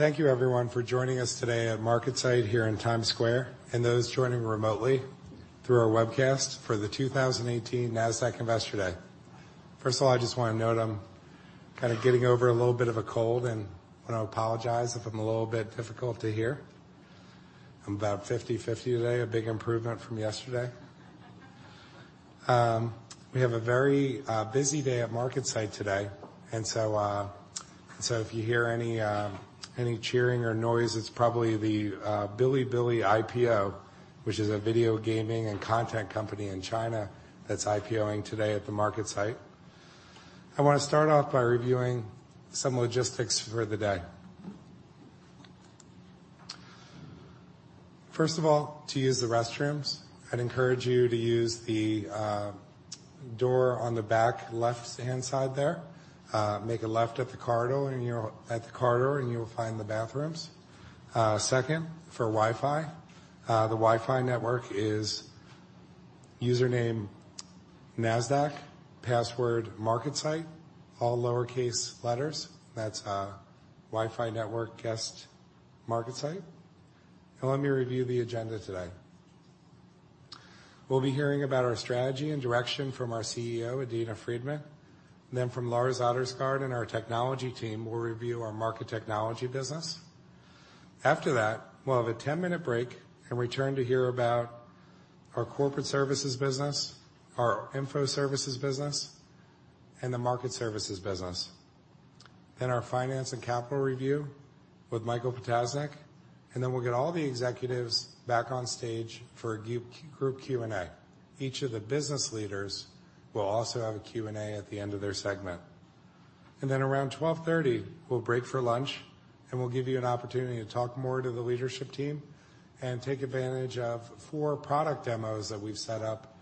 Thank you, everyone, for joining us today at MarketSite here in Times Square, and those joining remotely through our webcast for the 2018 Nasdaq Investor Day. First of all, I just want to note I'm kind of getting over a little bit of a cold, and want to apologize if I'm a little bit difficult to hear. I'm about 50/50 today, a big improvement from yesterday. We have a very busy day at MarketSite today. If you hear any cheering or noise, it's probably the Bilibili IPO, which is a video gaming and content company in China that's IPO-ing today at the MarketSite. I want to start off by reviewing some logistics for the day. First of all, to use the restrooms, I'd encourage you to use the door on the back left-hand side there. Make a left at the corridor and you will find the bathrooms. Second, for Wi-Fi. The Wi-Fi network is username, Nasdaq, password, MarketSite, all lowercase letters. That's Wi-Fi network guest MarketSite. Let me review the agenda today. We'll be hearing about our strategy and direction from our CEO, Adena Friedman. Lars Ottersgård and our technology team, we'll review our Market Technology business. After that, we'll have a 10-minute break and return to hear about our corporate services business, our info services business, and the market services business. Our finance and capital review with Michael Ptasznik, then we'll get all the executives back on stage for a group Q&A. Each of the business leaders will also have a Q&A at the end of their segment. Around 12:30 P.M., we'll break for lunch, and we'll give you an opportunity to talk more to the leadership team and take advantage of four product demos that we've set up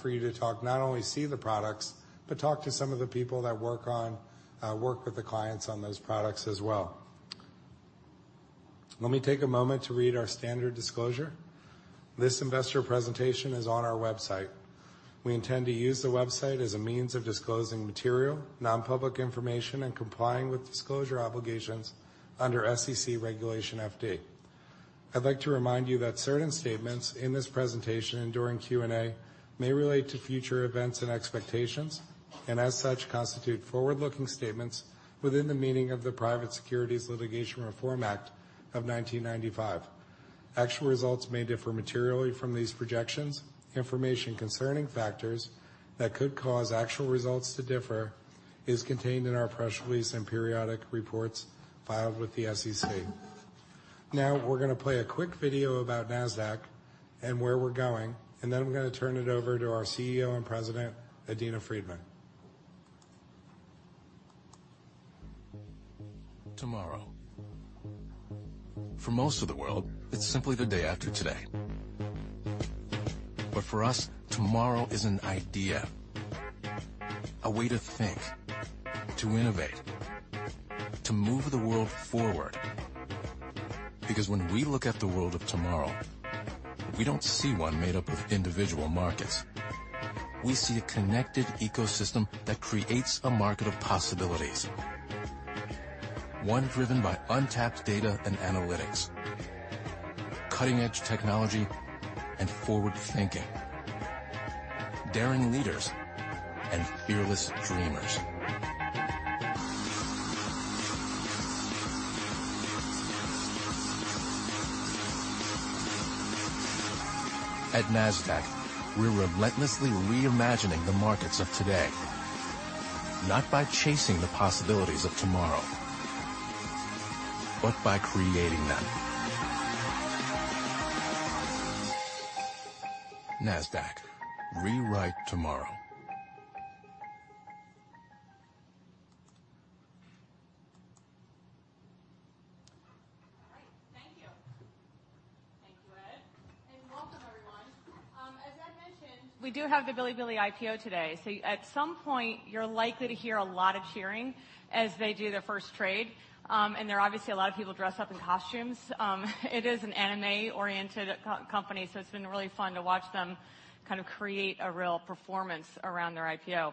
for you to not only see the products, but talk to some of the people that work with the clients on those products as well. Let me take a moment to read our standard disclosure. This investor presentation is on our website. We intend to use the website as a means of disclosing material, non-public information, and complying with disclosure obligations under SEC Regulation FD. I'd like to remind you that certain statements in this presentation and during Q&A may relate to future events and expectations, and as such, constitute forward-looking statements within the meaning of the Private Securities Litigation Reform Act of 1995. Actual results may differ materially from these projections. Information concerning factors that could cause actual results to differ is contained in our press release and periodic reports filed with the SEC. We're going to play a quick video about Nasdaq and where we're going, I'm going to turn it over to our CEO and President, Adena Friedman. Tomorrow. For most of the world, it's simply the day after today. For us, tomorrow is an idea, a way to think, to innovate, to move the world forward. When we look at the world of tomorrow, we don't see one made up of individual markets. We see a connected ecosystem that creates a market of possibilities. One driven by untapped data and analytics, cutting-edge technology, and forward thinking, daring leaders, and fearless dreamers. At Nasdaq, we're relentlessly reimagining the markets of today, not by chasing the possibilities of tomorrow, but by creating them. Nasdaq, rewrite tomorrow. All right. Thank you. Thank you, Ed, and welcome, everyone. As Ed mentioned, we do have the Bilibili IPO today. At some point, you're likely to hear a lot of cheering as they do their first trade. There are obviously a lot of people dressed up in costumes. It is an anime-oriented company, so it's been really fun to watch them kind of create a real performance around their IPO.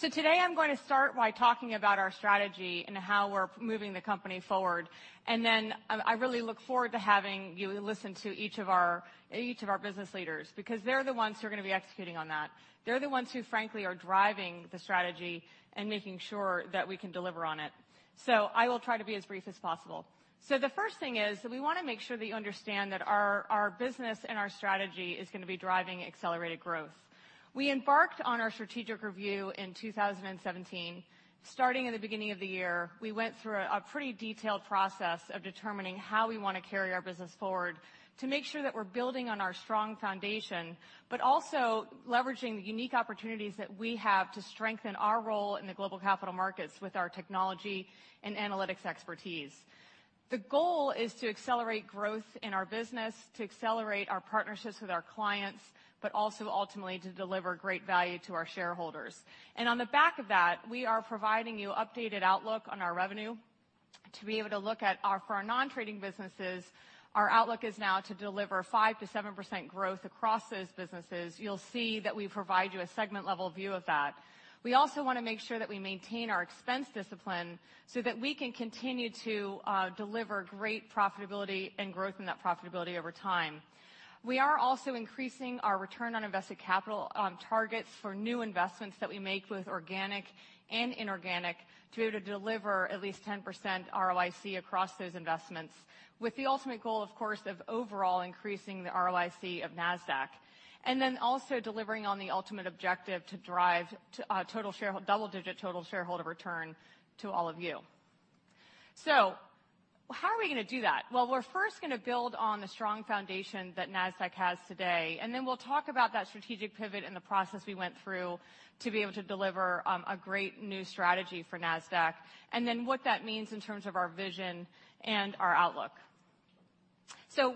Today, I'm going to start by talking about our strategy and how we're moving the company forward. Then I really look forward to having you listen to each of our business leaders, because they're the ones who are going to be executing on that. They're the ones who, frankly, are driving the strategy and making sure that we can deliver on it. I will try to be as brief as possible. The first thing is that we want to make sure that you understand that our business and our strategy is going to be driving accelerated growth. We embarked on our strategic review in 2017. Starting at the beginning of the year, we went through a pretty detailed process of determining how we want to carry our business forward to make sure that we're building on our strong foundation, but also leveraging the unique opportunities that we have to strengthen our role in the global capital markets with our technology and analytics expertise. The goal is to accelerate growth in our business, to accelerate our partnerships with our clients, but also ultimately to deliver great value to our shareholders. On the back of that, we are providing you updated outlook on our revenue. To be able to look at for our non-trading businesses, our outlook is now to deliver 5%-7% growth across those businesses. You'll see that we provide you a segment level view of that. We also want to make sure that we maintain our expense discipline so that we can continue to deliver great profitability and growth in that profitability over time. We are also increasing our return on invested capital targets for new investments that we make with organic and inorganic to be able to deliver at least 10% ROIC across those investments. With the ultimate goal, of course, of overall increasing the ROIC of Nasdaq, and then also delivering on the ultimate objective to drive double-digit total shareholder return to all of you. How are we going to do that? We're first going to build on the strong foundation that Nasdaq has today, we'll talk about that strategic pivot and the process we went through to be able to deliver a great new strategy for Nasdaq, what that means in terms of our vision and our outlook.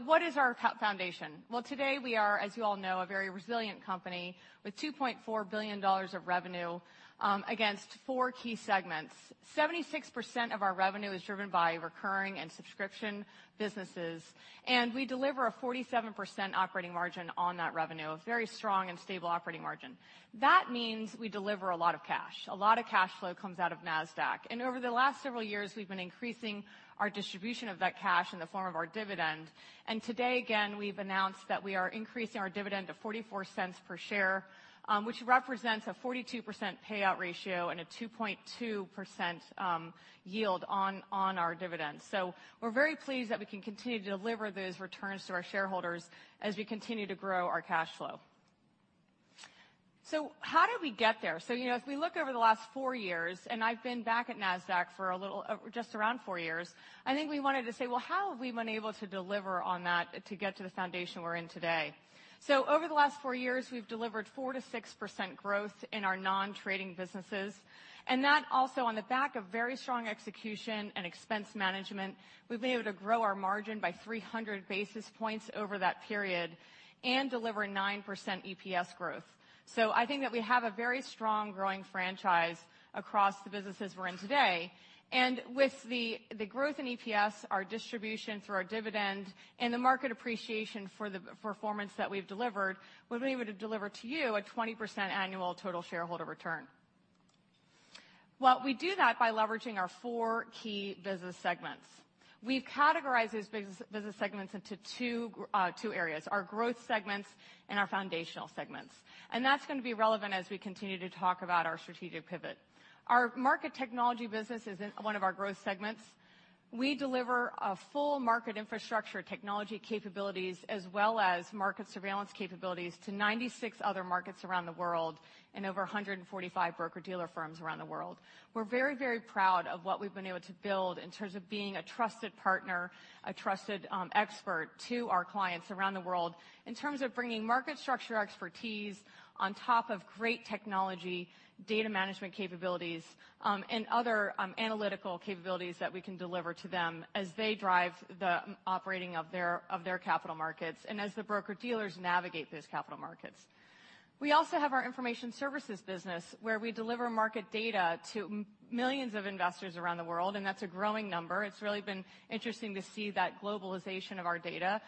What is our foundation? Today we are, as you all know, a very resilient company with $2.4 billion of revenue against four key segments. 76% of our revenue is driven by recurring and subscription businesses, we deliver a 47% operating margin on that revenue, a very strong and stable operating margin. That means we deliver a lot of cash. A lot of cash flow comes out of Nasdaq, and over the last several years, we've been increasing our distribution of that cash in the form of our dividend. Today, again, we've announced that we are increasing our dividend to $0.44 per share, which represents a 42% payout ratio and a 2.2% yield on our dividends. We're very pleased that we can continue to deliver those returns to our shareholders as we continue to grow our cash flow. How did we get there? As we look over the last four years, and I've been back at Nasdaq for just around four years, I think we wanted to say, "How have we been able to deliver on that to get to the foundation we're in today?" Over the last four years, we've delivered 4%-6% growth in our non-trading businesses. That also on the back of very strong execution and expense management, we've been able to grow our margin by 300 basis points over that period and deliver 9% EPS growth. I think that we have a very strong growing franchise across the businesses we're in today. With the growth in EPS, our distribution through our dividend, and the market appreciation for the performance that we've delivered, we've been able to deliver to you a 20% annual total shareholder return. We do that by leveraging our four key business segments. We've categorized those business segments into two areas, our growth segments and our foundational segments. That's going to be relevant as we continue to talk about our strategic pivot. Our market technology business is one of our growth segments. We deliver a full market infrastructure technology capabilities as well as market surveillance capabilities to 96 other markets around the world and over 145 broker-dealer firms around the world. We're very proud of what we've been able to build in terms of being a trusted partner, a trusted expert to our clients around the world in terms of bringing market structure expertise on top of great technology, data management capabilities, and other analytical capabilities that we can deliver to them as they drive the operating of their capital markets and as the broker-dealers navigate those capital markets. We also have our information services business, where we deliver market data to millions of investors around the world, and that's a growing number. It's really been interesting to see that globalization of our data,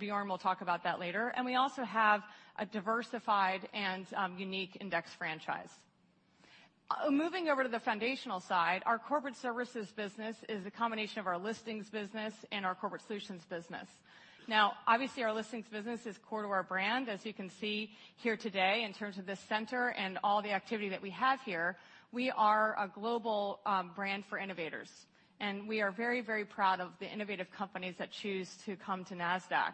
Bjørn will talk about that later. We also have a diversified and unique index franchise. Moving over to the foundational side, our corporate services business is a combination of our listings business and our corporate solutions business. Obviously, our listings business is core to our brand, as you can see here today in terms of this center and all the activity that we have here. We are a global brand for innovators, and we are very proud of the innovative companies that choose to come to Nasdaq.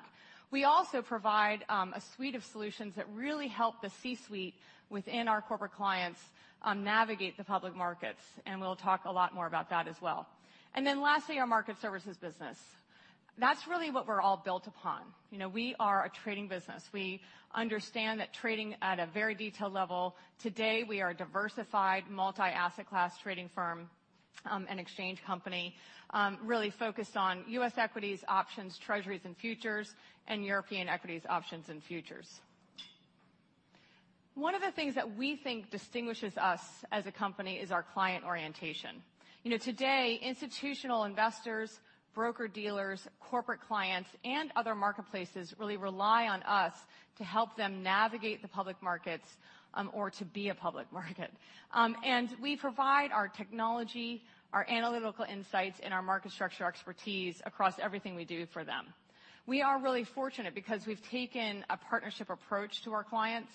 We also provide a suite of solutions that really help the C-suite within our corporate clients navigate the public markets, and we'll talk a lot more about that as well. Lastly, our market services business. That's really what we're all built upon. We are a trading business. We understand that trading at a very detailed level. Today, we are a diversified multi-asset class trading firm, an exchange company, really focused on U.S. equities, options, treasuries, and futures, and European equities, options, and futures. One of the things that we think distinguishes us as a company is our client orientation. Today, institutional investors, broker-dealers, corporate clients, and other marketplaces really rely on us to help them navigate the public markets or to be a public market. We provide our technology, our analytical insights, and our market structure expertise across everything we do for them. We are really fortunate because we've taken a partnership approach to our clients,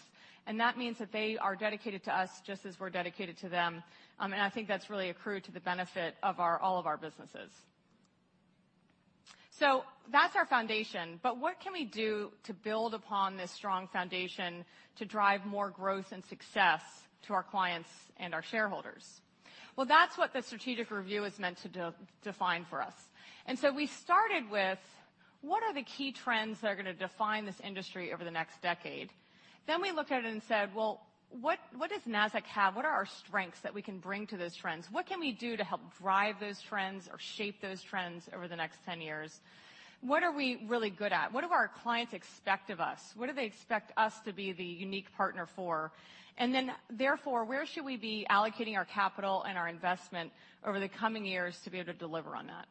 and that means that they are dedicated to us just as we're dedicated to them. I think that's really accrued to the benefit of all of our businesses. That's our foundation. What can we do to build upon this strong foundation to drive more growth and success to our clients and our shareholders? Well, that's what the strategic review is meant to define for us. We started with, what are the key trends that are going to define this industry over the next decade? We looked at it and said, "Well, what does Nasdaq have? What are our strengths that we can bring to those trends? What can we do to help drive those trends or shape those trends over the next ten years? What are we really good at? What do our clients expect of us? What do they expect us to be the unique partner for?" Therefore, where should we be allocating our capital and our investment over the coming years to be able to deliver on that?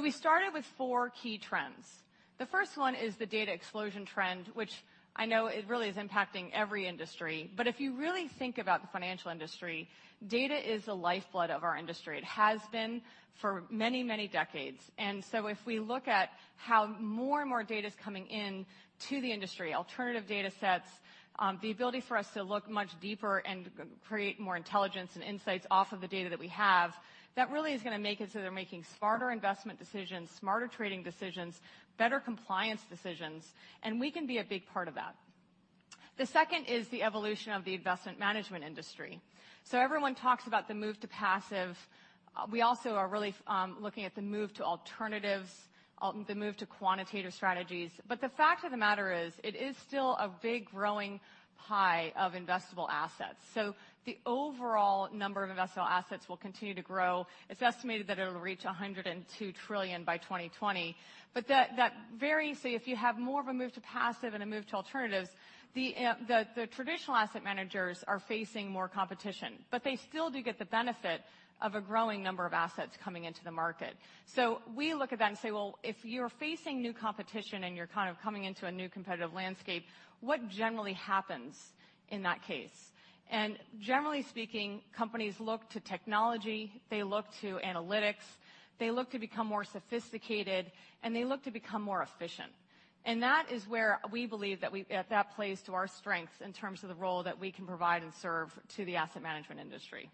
We started with four key trends. The first one is the data explosion trend, which I know it really is impacting every industry. If you really think about the financial industry, data is the lifeblood of our industry. It has been for many, many decades. If we look at how more and more data is coming in to the industry, alternative data sets, the ability for us to look much deeper and create more intelligence and insights off of the data that we have, that really is going to make it so they're making smarter investment decisions, smarter trading decisions, better compliance decisions, and we can be a big part of that. The second is the evolution of the investment management industry. Everyone talks about the move to passive. We also are really looking at the move to alternatives, the move to quantitative strategies. The fact of the matter is, it is still a big growing pie of investable assets. The overall number of investable assets will continue to grow. It's estimated that it'll reach 102 trillion by 2020. That varies. If you have more of a move to passive and a move to alternatives, the traditional asset managers are facing more competition. They still do get the benefit of a growing number of assets coming into the market. We look at that and say, well, if you're facing new competition and you're coming into a new competitive landscape, what generally happens in that case? Generally speaking, companies look to technology, they look to analytics, they look to become more sophisticated, and they look to become more efficient. That is where we believe that plays to our strengths in terms of the role that we can provide and serve to the asset management industry.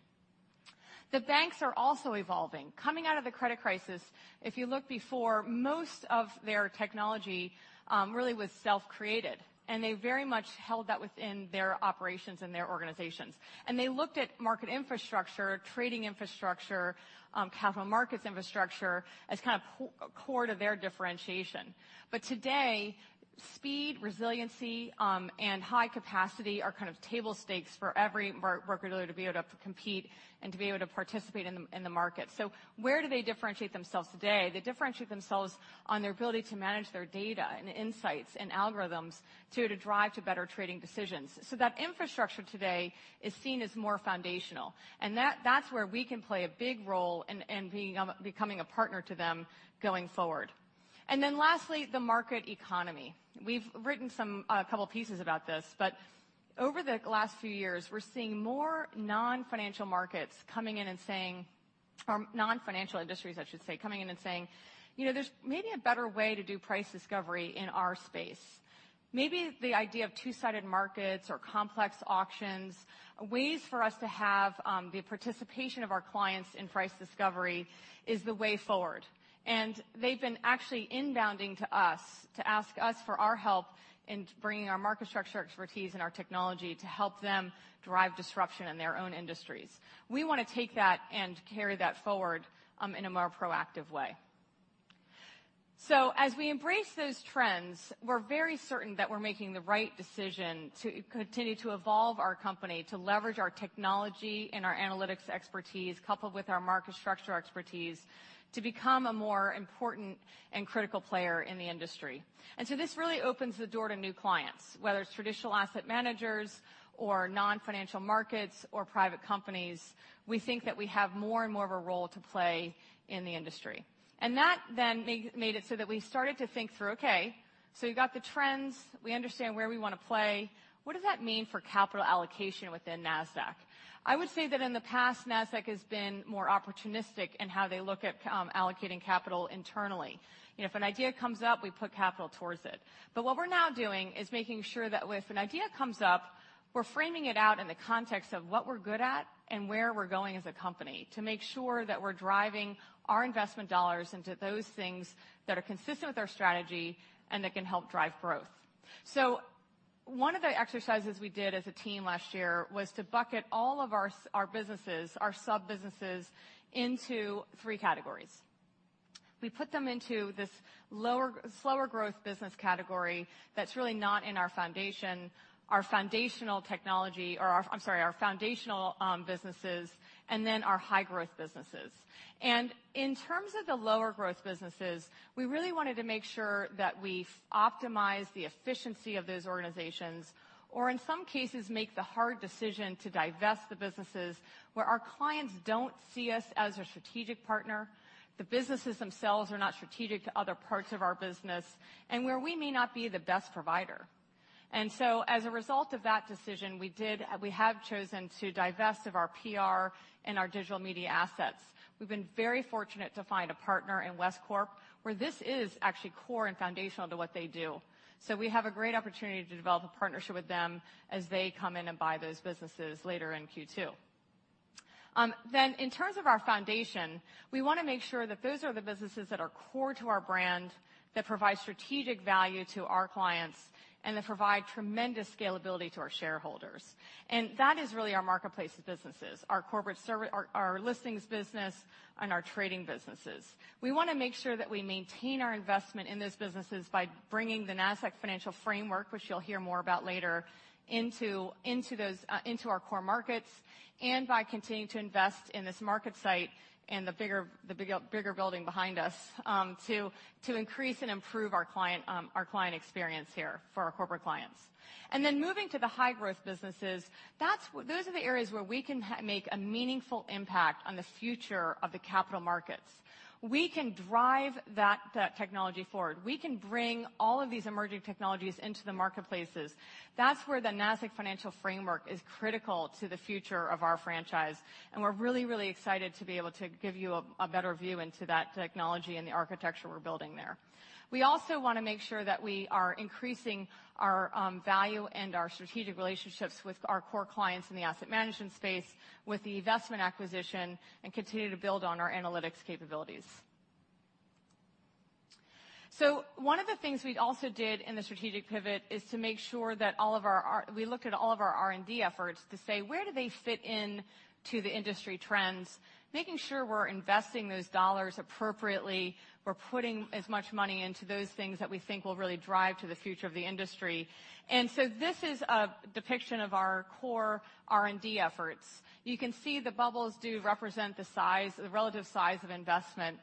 The banks are also evolving. Coming out of the credit crisis, if you look before, most of their technology really was self-created, and they very much held that within their operations and their organizations. They looked at market infrastructure, trading infrastructure, capital markets infrastructure as kind of core to their differentiation. Today, speed, resiliency, and high capacity are kind of table stakes for every market leader to be able to compete and to be able to participate in the market. Where do they differentiate themselves today? They differentiate themselves on their ability to manage their data and insights and algorithms to drive to better trading decisions. That infrastructure today is seen as more foundational, and that's where we can play a big role in becoming a partner to them going forward. Lastly, the market economy. We've written a couple pieces about this, over the last few years, we're seeing more non-financial markets coming in and saying, or non-financial industries, I should say, coming in and saying, "There's maybe a better way to do price discovery in our space. Maybe the idea of two-sided markets or complex auctions, ways for us to have the participation of our clients in price discovery is the way forward." They've been actually inbounding to us to ask us for our help in bringing our market structure expertise and our technology to help them drive disruption in their own industries. We want to take that and carry that forward in a more proactive way. As we embrace those trends, we're very certain that we're making the right decision to continue to evolve our company, to leverage our technology and our analytics expertise, coupled with our market structure expertise, to become a more important and critical player in the industry. This really opens the door to new clients, whether it's traditional asset managers or non-financial markets or private companies. We think that we have more and more of a role to play in the industry. That made it so that we started to think through, okay, you got the trends. We understand where we want to play. What does that mean for capital allocation within Nasdaq? I would say that in the past, Nasdaq has been more opportunistic in how they look at allocating capital internally. If an idea comes up, we put capital towards it. What we're now doing is making sure that if an idea comes up, we're framing it out in the context of what we're good at and where we're going as a company to make sure that we're driving our investment dollars into those things that are consistent with our strategy and that can help drive growth. One of the exercises we did as a team last year was to bucket all of our sub-businesses into 3 categories. We put them into this slower growth business category that's really not in our foundational businesses, and then our high growth businesses. In terms of the lower growth businesses, we really wanted to make sure that we optimize the efficiency of those organizations, or in some cases, make the hard decision to divest the businesses where our clients don't see us as a strategic partner, the businesses themselves are not strategic to other parts of our business, and where we may not be the best provider. As a result of that decision, we have chosen to divest of our PR and our digital media assets. We've been very fortunate to find a partner in West Corp, where this is actually core and foundational to what they do. We have a great opportunity to develop a partnership with them as they come in and buy those businesses later in Q2. In terms of our foundation, we want to make sure that those are the businesses that are core to our brand, that provide strategic value to our clients, and that provide tremendous scalability to our shareholders. That is really our marketplace businesses, our listings business, and our trading businesses. We want to make sure that we maintain our investment in those businesses by bringing the Nasdaq Financial Framework, which you'll hear more about later, into our core markets and by continuing to invest in this MarketSite and the bigger building behind us to increase and improve our client experience here for our corporate clients. Moving to the high growth businesses, those are the areas where we can make a meaningful impact on the future of the capital markets. We can drive that technology forward. We can bring all of these emerging technologies into the marketplaces. That's where the Nasdaq Financial Framework is critical to the future of our franchise, we're really excited to be able to give you a better view into that technology and the architecture we're building there. We also want to make sure that we are increasing our value and our strategic relationships with our core clients in the asset management space with the investment acquisition and continue to build on our analytics capabilities. One of the things we also did in the strategic pivot is to make sure that we looked at all of our R&D efforts to say, where do they fit in to the industry trends, making sure we're investing those dollars appropriately. We're putting as much money into those things that we think will really drive to the future of the industry. This is a depiction of our core R&D efforts. You can see the bubbles do represent the relative size of investment,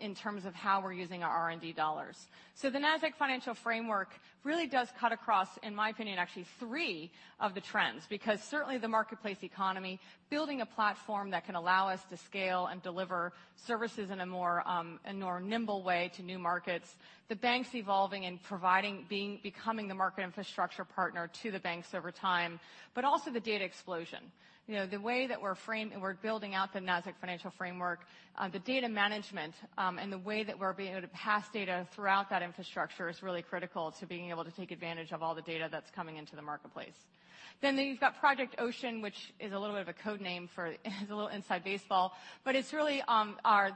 in terms of how we're using our R&D dollars. The Nasdaq Financial Framework really does cut across, in my opinion, actually three of the trends, because certainly the marketplace economy, building a platform that can allow us to scale and deliver services in a more nimble way to new markets, the banks evolving and becoming the market infrastructure partner to the banks over time, also the data explosion. The way that we're building out the Nasdaq Financial Framework, the data management, the way that we're being able to pass data throughout that infrastructure is really critical to being able to take advantage of all the data that's coming into the marketplace. You've got Project Ocean, which is a little bit of a code name for a little inside baseball, but it's really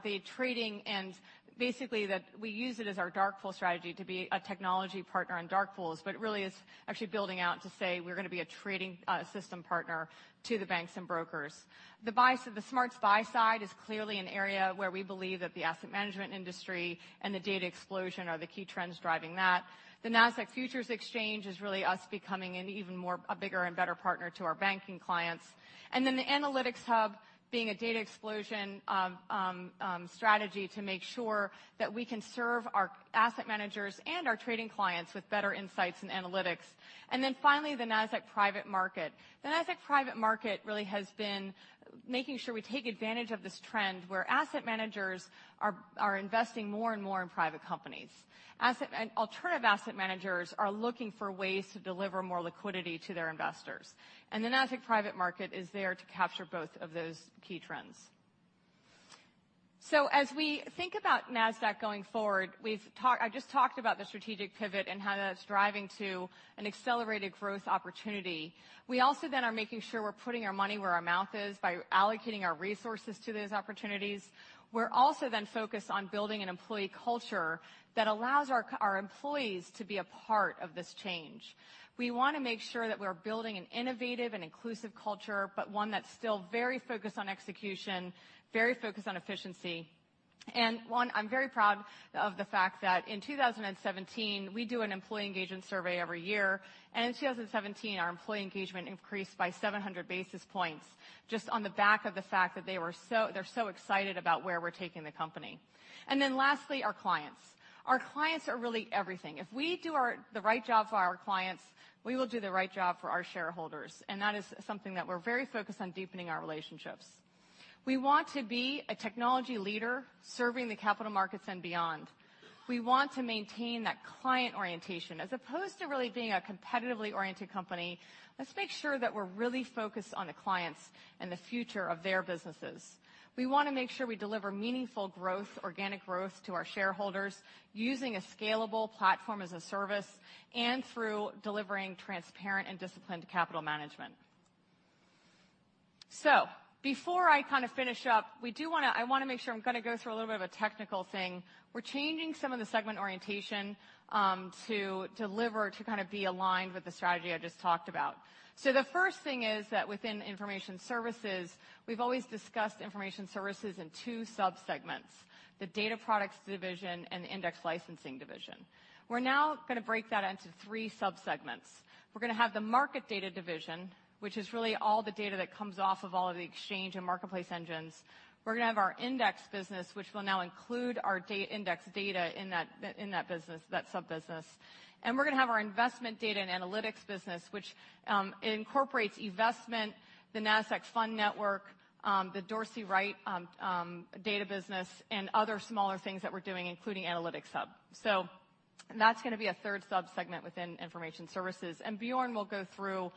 the trading and that we use it as our dark pool strategy to be a technology partner on dark pools. It really is actually building out to say we're going to be a trading system partner to the banks and brokers. The smart buy side is clearly an area where we believe that the asset management industry and the data explosion are the key trends driving that. The Nasdaq Futures Exchange is really us becoming an even bigger and better partner to our banking clients. The Analytics Hub being a data explosion strategy to make sure that we can serve our asset managers and our trading clients with better insights and analytics. Finally, the Nasdaq Private Market. The Nasdaq Private Market really has been making sure we take advantage of this trend where asset managers are investing more and more in private companies. Alternative asset managers are looking for ways to deliver more liquidity to their investors. The Nasdaq Private Market is there to capture both of those key trends. As we think about Nasdaq going forward, I just talked about the strategic pivot and how that's driving to an accelerated growth opportunity. We also are making sure we're putting our money where our mouth is by allocating our resources to those opportunities. We're also focused on building an employee culture that allows our employees to be a part of this change. We want to make sure that we're building an innovative and inclusive culture, one that's still very focused on execution, very focused on efficiency. One, I'm very proud of the fact that in 2017, we do an employee engagement survey every year, in 2017, our employee engagement increased by 700 basis points just on the back of the fact that they're so excited about where we're taking the company. Lastly, our clients. Our clients are really everything. If we do the right job for our clients, we will do the right job for our shareholders, that is something that we're very focused on deepening our relationships. We want to be a technology leader serving the capital markets and beyond. We want to maintain that client orientation. As opposed to really being a competitively oriented company, let's make sure that we're really focused on the clients and the future of their businesses. We want to make sure we deliver meaningful growth, organic growth to our shareholders using a scalable platform as a service and through delivering transparent and disciplined capital management. Before I finish up, I want to make sure I'm going to go through a little bit of a technical thing. We're changing some of the segment orientation, to deliver, to be aligned with the strategy I just talked about. The first thing is that within Information Services, we've always discussed Information Services in two sub-segments, the data products division and the index licensing division. We're now going to break that into three sub-segments. We're going to have the market data division, which is really all the data that comes off of all of the exchange and marketplace engines. We're going to have our index business, which will now include our index data in that sub-business. We're going to have our investment data and analytics business, which, incorporates investment, the Nasdaq Fund Network, the Dorsey Wright data business, and other smaller things that we're doing, including Analytics Hub. That's going to be a third sub-segment within Information Services. Bjørn will go through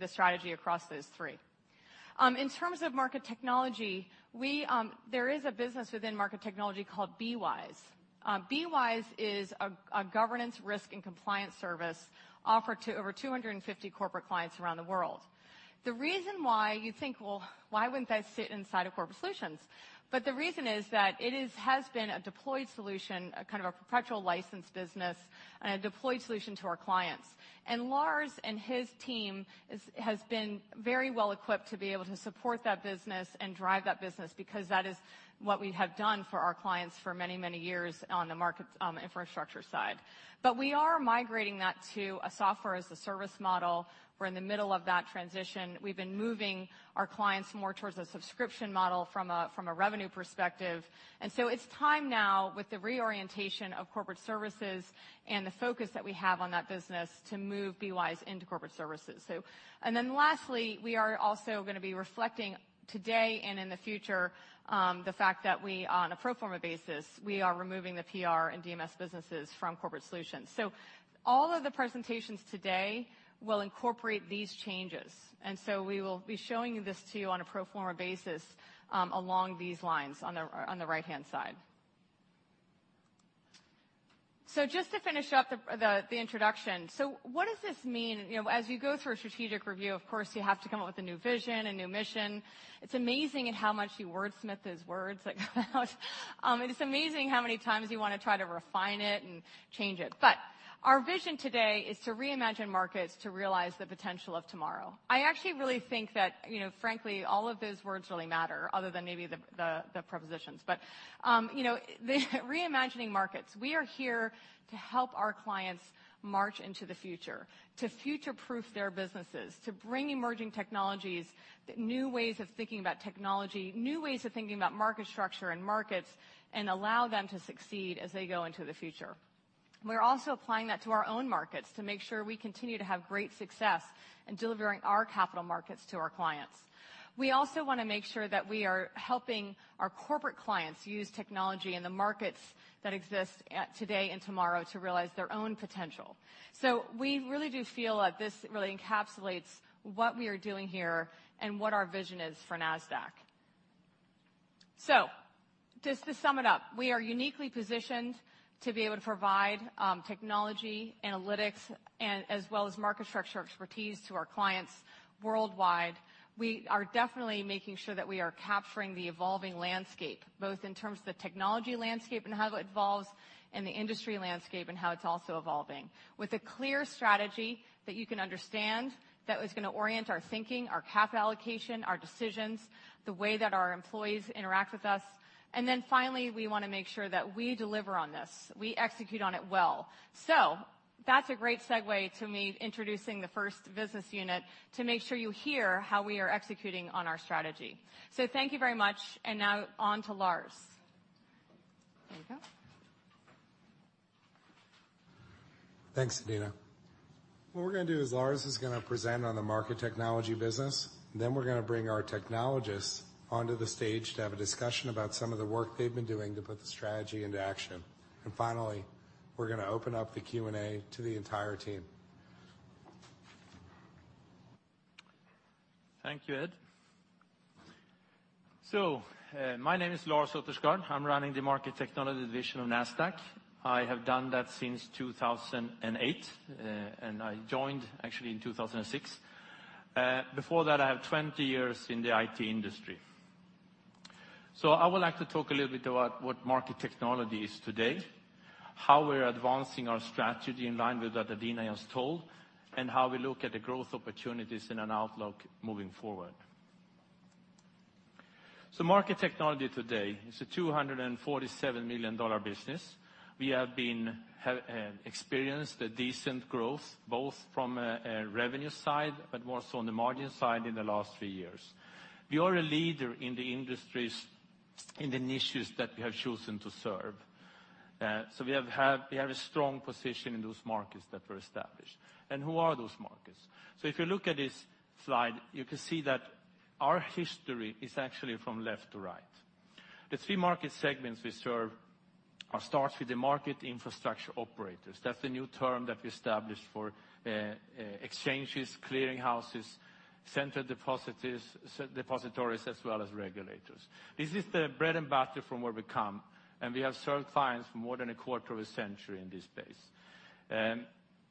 the strategy across those three. In terms of Market Technology, there is a business within Market Technology called BWise. BWise is a governance, risk, and compliance service offered to over 250 corporate clients around the world. The reason why you think, "Well, why wouldn't that sit inside of Corporate Solutions?" The reason is that it has been a deployed solution, a kind of a perpetual license business and a deployed solution to our clients. Lars and his team has been very well equipped to be able to support that business and drive that business because that is what we have done for our clients for many, many years on the market infrastructure side. We are migrating that to a software as a service model. We're in the middle of that transition. We've been moving our clients more towards a subscription model from a revenue perspective. It's time now with the reorientation of Corporate Solutions and the focus that we have on that business to move BWise into Corporate Solutions. Lastly, we are also going to be reflecting today and in the future, the fact that we, on a pro forma basis, we are removing the PR and DMS businesses from Corporate Solutions. All of the presentations today will incorporate these changes, we will be showing this to you on a pro forma basis, along these lines on the right-hand side. Just to finish up the introduction. What does this mean? As you go through a strategic review, of course, you have to come up with a new vision, a new mission. It's amazing at how much you wordsmith those words that go out. It's amazing how many times you want to try to refine it and change it. Our vision today is to reimagine markets to realize the potential of tomorrow. I actually really think that, frankly, all of those words really matter other than maybe the prepositions. The reimagining markets. We are here to help our clients march into the future, to future-proof their businesses, to bring emerging technologies, new ways of thinking about technology, new ways of thinking about market structure and markets, and allow them to succeed as they go into the future. We're also applying that to our own markets to make sure we continue to have great success in delivering our capital markets to our clients. We also want to make sure that we are helping our corporate clients use technology in the markets that exist today and tomorrow to realize their own potential. We really do feel that this really encapsulates what we are doing here and what our vision is for Nasdaq. Just to sum it up, we are uniquely positioned to be able to provide technology, analytics, as well as market structure expertise to our clients worldwide. We are definitely making sure that we are capturing the evolving landscape, both in terms of the technology landscape and how it evolves, and the industry landscape and how it's also evolving. With a clear strategy that you can understand, that is going to orient our thinking, our capital allocation, our decisions, the way that our employees interact with us. Finally, we want to make sure that we deliver on this, we execute on it well. That's a great segue to me introducing the first business unit to make sure you hear how we are executing on our strategy. Thank you very much. Now on to Lars. There you go. Thanks, Adena. What we're going to do is Lars is going to present on the Market Technology business. We're going to bring our technologists onto the stage to have a discussion about some of the work they've been doing to put the strategy into action. Finally, we're going to open up the Q&A to the entire team. Thank you, Ed. My name is Lars Ottersgård. I'm running the Market Technology division of Nasdaq. I have done that since 2008, and I joined actually in 2006. Before that, I have 20 years in the IT industry. I would like to talk a little bit about what Market Technology is today, how we're advancing our strategy in line with what Adena has told, and how we look at the growth opportunities and an outlook moving forward. Market Technology today is a $247 million business. We have experienced a decent growth, both from a revenue side, but more so on the margin side in the last three years. We are a leader in the industries and the niches that we have chosen to serve. We have a strong position in those markets that were established. Who are those markets? If you look at this slide, you can see that our history is actually from left to right. The three market segments we serve all start with the market infrastructure operators. That's the new term that we established for exchanges, clearing houses, central depositories, as well as regulators. This is the bread and butter from where we come. We have served clients for more than a quarter of a century in this space.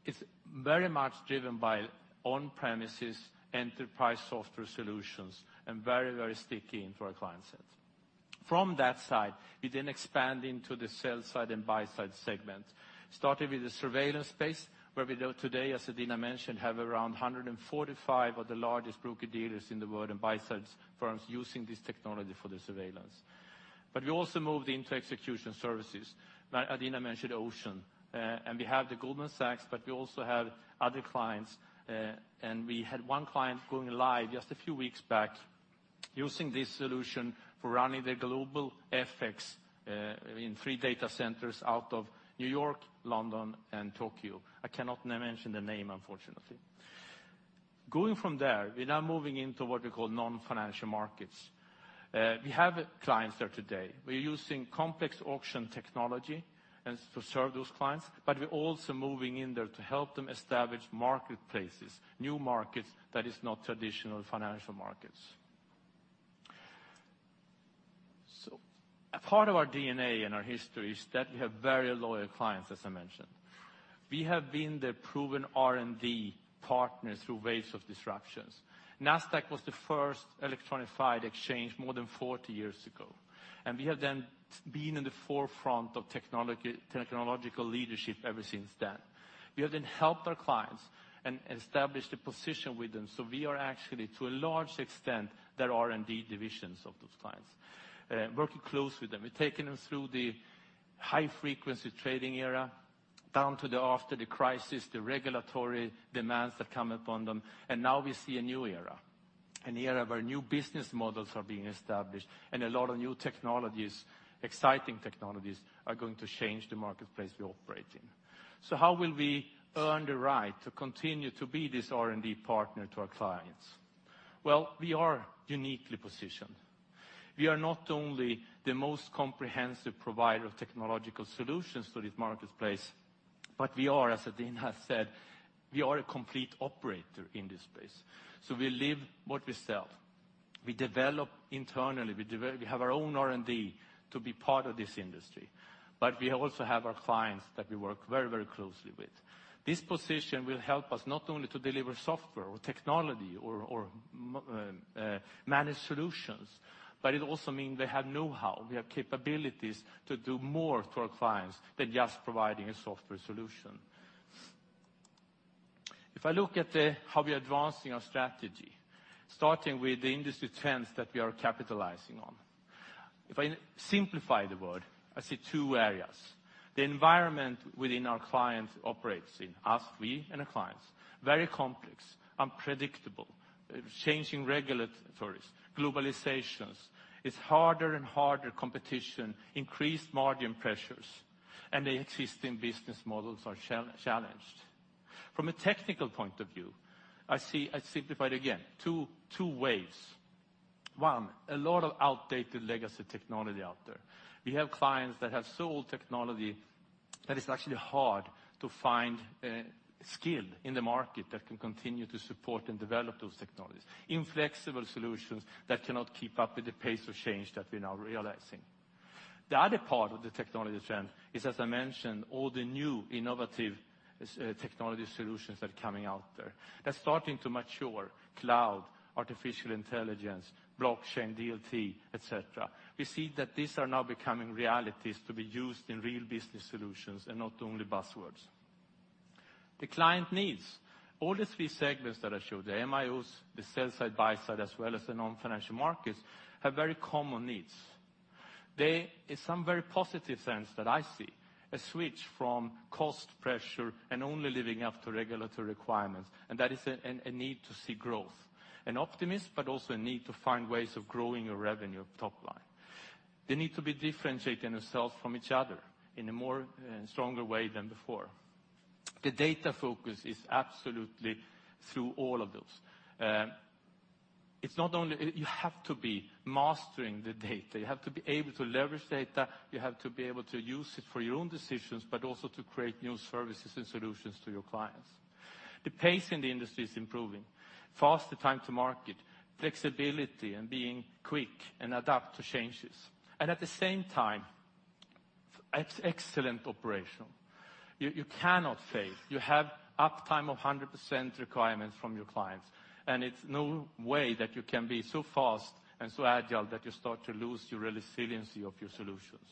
It's very much driven by on-premises enterprise software solutions, and very sticky for our client set. From that side, we expand into the sell-side and buy-side segment, starting with the surveillance space, where we know today, as Adena mentioned, have around 145 of the largest broker-dealers in the world and buy-side firms using this technology for their surveillance. We also moved into execution services. Adena mentioned Ocean. We have the Goldman Sachs. We also have other clients. We had one client going live just a few weeks back using this solution for running their global FX in three data centers out of New York, London, and Tokyo. I cannot mention the name, unfortunately. Going from there, we're now moving into what we call non-financial markets. We have clients there today. We're using complex auction technology to serve those clients. We're also moving in there to help them establish marketplaces, new markets that is not traditional financial markets. A part of our DNA and our history is that we have very loyal clients, as I mentioned. We have been the proven R&D partner through waves of disruptions. Nasdaq was the first electronic FI exchange more than 40 years ago. We have then been in the forefront of technological leadership ever since then. We have helped our clients and established a position with them, so we are actually, to a large extent, their R&D divisions of those clients, working close with them. We've taken them through the high-frequency trading era, down to after the crisis, the regulatory demands that come upon them. Now we see a new era, an era where new business models are being established and a lot of new technologies, exciting technologies, are going to change the marketplace we operate in. How will we earn the right to continue to be this R&D partner to our clients? Well, we are uniquely positioned. We are not only the most comprehensive provider of technological solutions to this marketplace. We are, as Adena said, we are a complete operator in this space. We live what we sell. We develop internally. We have our own R&D to be part of this industry. We also have our clients that we work very closely with. This position will help us not only to deliver software or technology or manage solutions. It also means we have know-how. We have capabilities to do more for our clients than just providing a software solution. If I look at how we are advancing our strategy, starting with the industry trends that we are capitalizing on. If I simplify the world, I see two areas. The environment within our clients operates in, us, we and our clients, very complex, unpredictable, changing regulations, globalizations. It's harder and harder competition, increased margin pressures, and the existing business models are challenged. From a technical point of view, I simplify it again, two waves. One, a lot of outdated legacy technology out there. We have clients that have so old technology that it's actually hard to find skill in the market that can continue to support and develop those technologies. Inflexible solutions that cannot keep up with the pace of change that we're now realizing. The other part of the technology trend is, as I mentioned, all the new innovative technology solutions that are coming out there. They're starting to mature, cloud, artificial intelligence, blockchain, DLT, et cetera. We see that these are now becoming realities to be used in real business solutions and not only buzzwords. The client needs. All these three segments that I showed, the MIOs, the sell side, buy side, as well as the non-financial markets, have very common needs. There is some very positive signs that I see, a switch from cost pressure and only living up to regulatory requirements, and that is a need to see growth. An optimist, also a need to find ways of growing your revenue top line. They need to be differentiating themselves from each other in a more stronger way than before. The data focus is absolutely through all of those. You have to be mastering the data. You have to be able to leverage data, you have to be able to use it for your own decisions, but also to create new services and solutions to your clients. The pace in the industry is improving. Faster time to market, flexibility and being quick and adapt to changes. At the same time, excellent operation. You cannot fail. You have uptime of 100% requirements from your clients, and it's no way that you can be so fast and so agile that you start to lose your resiliency of your solutions.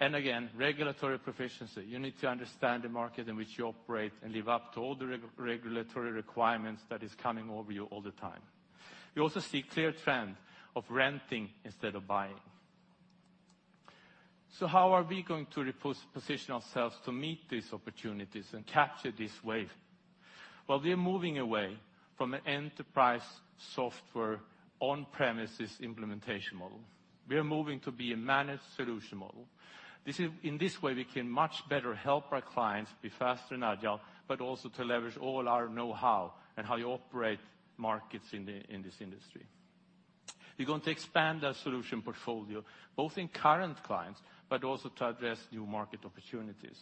Again, regulatory proficiency. You need to understand the market in which you operate and live up to all the regulatory requirements that is coming over you all the time. You also see clear trend of renting instead of buying. How are we going to reposition ourselves to meet these opportunities and capture this wave? Well, we're moving away from an enterprise software on-premises implementation model. We are moving to be a managed solution model. In this way, we can much better help our clients be faster and agile, but also to leverage all our know-how and how you operate markets in this industry. We're going to expand our solution portfolio, both in current clients, but also to address new market opportunities.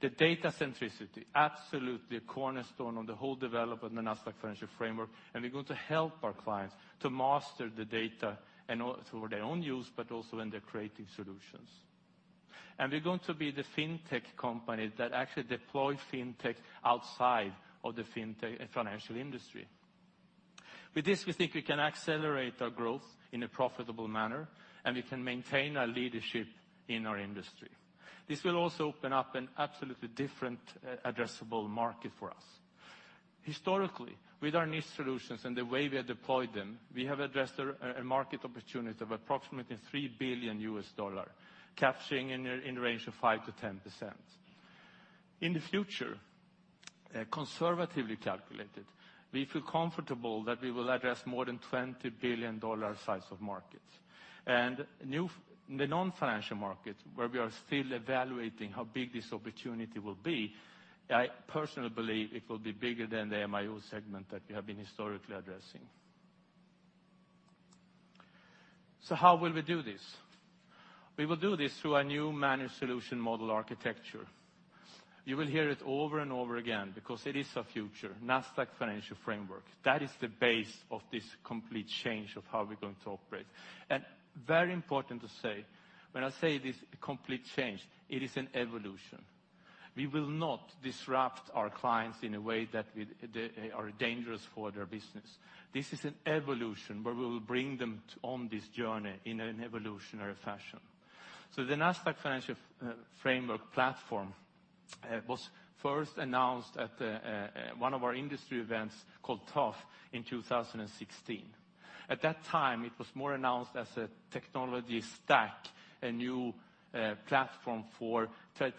The data centricity, absolutely a cornerstone on the whole development of Nasdaq Financial Framework, and we're going to help our clients to master the data for their own use, but also when they're creating solutions. We're going to be the fintech company that actually deploy fintech outside of the fintech financial industry. With this, we think we can accelerate our growth in a profitable manner, and we can maintain our leadership in our industry. This will also open up an absolutely different addressable market for us. Historically, with our niche solutions and the way we have deployed them, we have addressed a market opportunity of approximately $3 billion, capturing in the range of 5%-10%. In the future, conservatively calculated, we feel comfortable that we will address more than $20 billion size of markets. The non-financial markets, where we are still evaluating how big this opportunity will be, I personally believe it will be bigger than the MIO segment that we have been historically addressing. How will we do this? We will do this through our new managed solution model architecture. You will hear it over and over again because it is our future, Nasdaq Financial Framework. That is the base of this complete change of how we are going to operate. Very important to say, when I say this complete change, it is an evolution. We will not disrupt our clients in a way that are dangerous for their business. This is an evolution where we will bring them on this journey in an evolutionary fashion. The Nasdaq Financial Framework platform was first announced at one of our industry events called ToF in 2016. At that time, it was more announced as a technology stack, a new platform for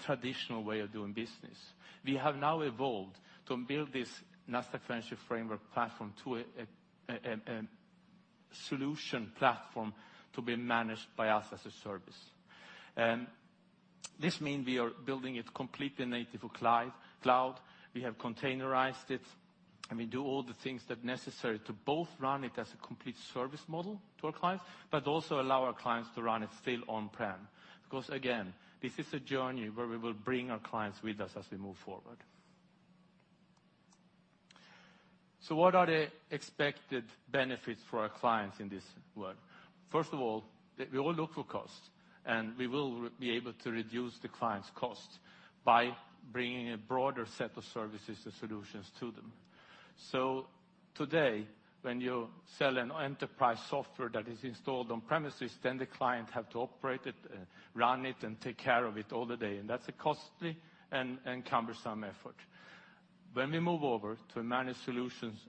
traditional way of doing business. We have now evolved to build this Nasdaq Financial Framework platform to a solution platform to be managed by us as a service. This means we are building it completely native to cloud. We have containerized it, and we do all the things that necessary to both run it as a complete service model to our clients, but also allow our clients to run it still on-prem. Because again, this is a journey where we will bring our clients with us as we move forward. What are the expected benefits for our clients in this work? First of all, we all look for cost. We will be able to reduce the client's cost by bringing a broader set of services and solutions to them. Today, when you sell an enterprise software that is installed on premises, the client have to operate it, run it, and take care of it all the day. That's a costly and cumbersome effort. When we move over to a managed solutions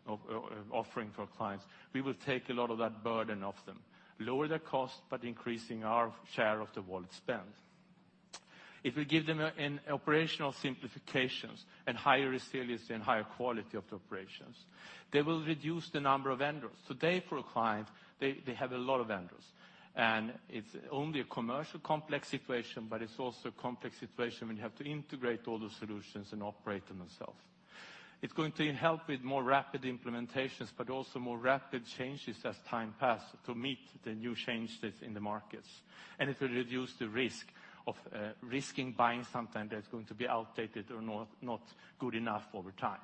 offering for clients, we will take a lot of that burden off them, lower their cost, but increasing our share of the wallet spend. It will give them an operational simplifications and higher resilience and higher quality of the operations. They will reduce the number of vendors. Today for a client, they have a lot of vendors. It's only a commercial complex situation, but it's also a complex situation when you have to integrate all the solutions and operate them yourself. It's going to help with more rapid implementations, but also more rapid changes as time passes to meet the new changes in the markets. It will reduce the risk of, risking buying something that's going to be outdated or not good enough over time.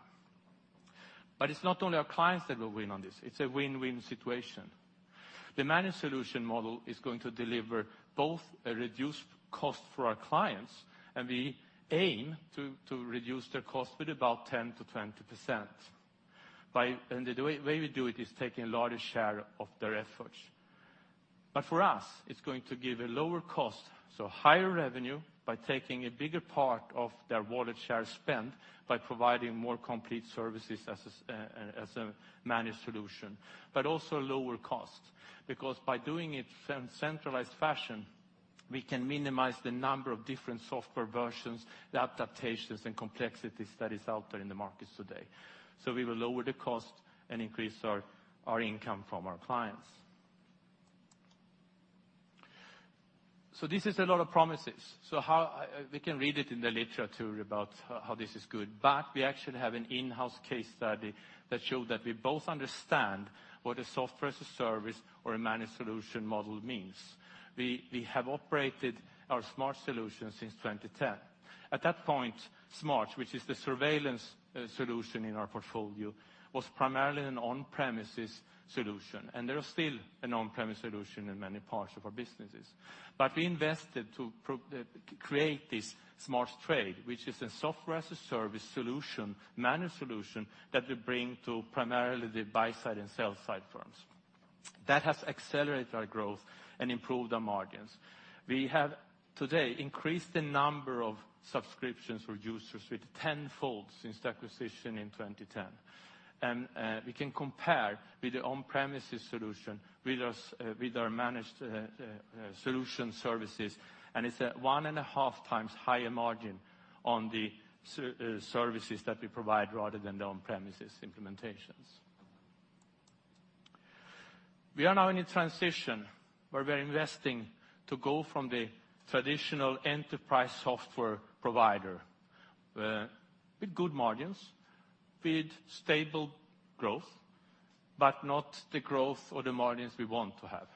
It's not only our clients that will win on this, it's a win-win situation. The managed solution model is going to deliver both a reduced cost for our clients, and we aim to reduce their cost with about 10%-20%. The way we do it is taking a larger share of their efforts. For us, it's going to give a lower cost, so higher revenue by taking a bigger part of their wallet share spend by providing more complete services as a managed solution. Also lower cost, because by doing it in centralized fashion, we can minimize the number of different software versions, the adaptations, and complexities that is out there in the markets today. We will lower the cost and increase our income from our clients. This is a lot of promises. We can read it in the literature about how this is good, but we actually have an in-house case study that showed that we both understand what a software as a service or a managed solution model means. We have operated our SMARTS solution since 2010. At that point, SMARTS, which is the surveillance solution in our portfolio, was primarily an on-premises solution, and there are still an on-premise solution in many parts of our businesses. We invested to create this SMARTS Trade, which is a software as a service solution, managed solution, that we bring to primarily the buy-side and sell-side firms. That has accelerated our growth and improved our margins. We have today increased the number of subscriptions for users with tenfold since the acquisition in 2010. We can compare with the on-premises solution with our managed solution services, and it's at one and a half times higher margin on the services that we provide rather than the on-premises implementations. We are now in a transition where we're investing to go from the traditional enterprise software provider, with good margins, with stable growth, but not the growth or the margins we want to have.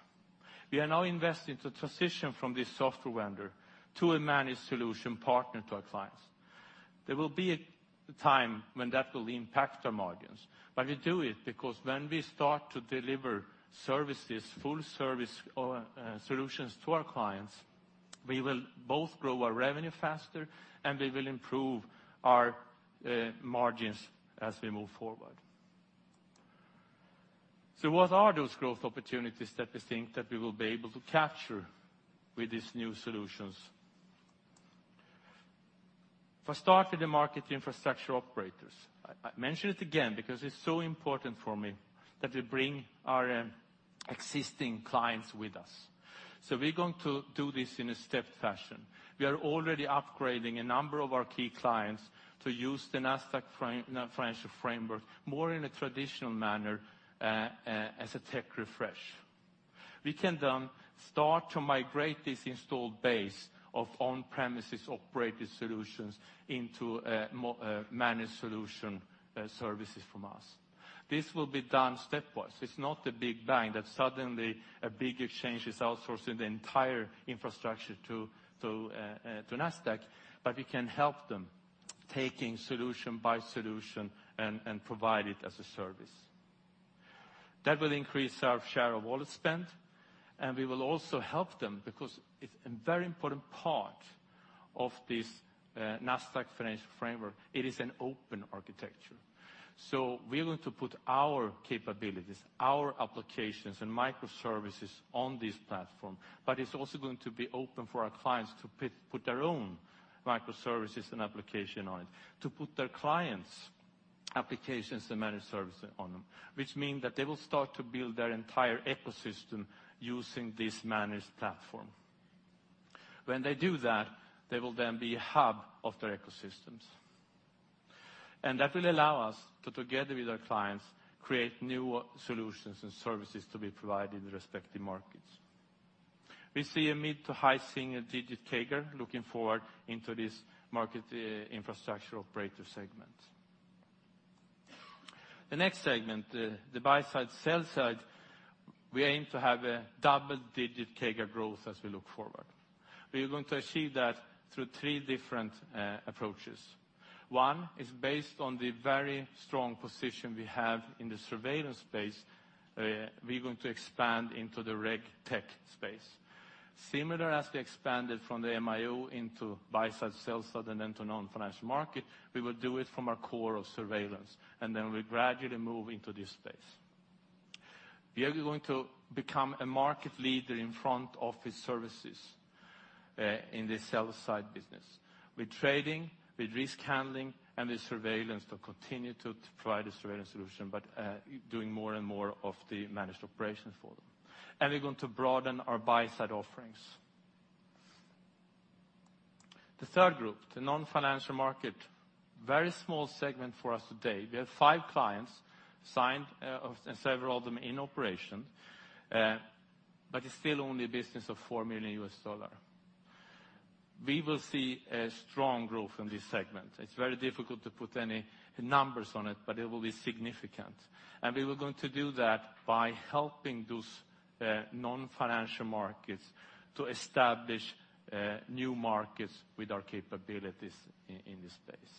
We are now investing to transition from this software vendor to a managed solution partner to our clients. There will be a time when that will impact our margins, but we do it because when we start to deliver services, full service solutions to our clients, we will both grow our revenue faster, and we will improve our margins as we move forward. What are those growth opportunities that we think that we will be able to capture with these new solutions? Start with the market infrastructure operators. I mention it again because it's so important for me that we bring our existing clients with us. We're going to do this in a stepped fashion. We are already upgrading a number of our key clients to use the Nasdaq Financial Framework more in a traditional manner, as a tech refresh. We can start to migrate this installed base of on-premises operated solutions into managed solution services from us. This will be done stepwise. It's not a big bang that suddenly a big exchange is outsourcing the entire infrastructure to Nasdaq, but we can help them, taking solution by solution and provide it as a service. That will increase our share of wallet spend, and we will also help them because it's a very important part of this Nasdaq Financial Framework, it is an open architecture. We're going to put our capabilities, our applications, and microservices on this platform, but it's also going to be open for our clients to put their own microservices and application on it. To put their clients' applications and managed services on them, which means that they will start to build their entire ecosystem using this managed platform. When they do that, they will then be hub of their ecosystems. That will allow us to, together with our clients, create new solutions and services to be provided in respective markets. We see a mid to high single-digit CAGR looking forward into this market infrastructure operator segment. The next segment, the buy-side, sell-side, we aim to have a double-digit CAGR growth as we look forward. We are going to achieve that through three different approaches. One is based on the very strong position we have in the surveillance space. We're going to expand into the RegTech space. Similar as we expanded from the MIO into buy-side, sell-side, and then to non-financial market, we will do it from our core of surveillance, and then we gradually move into this space. We are going to become a market leader in front office services, in the sell-side business. With trading, with risk handling, and with surveillance to continue to provide a surveillance solution, but doing more and more of the managed operations for them. We're going to broaden our buy-side offerings. The third group, the non-financial market, very small segment for us today. We have five clients signed, and several of them in operation, but it's still only a business of $4 million. We will see a strong growth in this segment. It's very difficult to put any numbers on it, but it will be significant. We are going to do that by helping those non-financial markets to establish new markets with our capabilities in this space.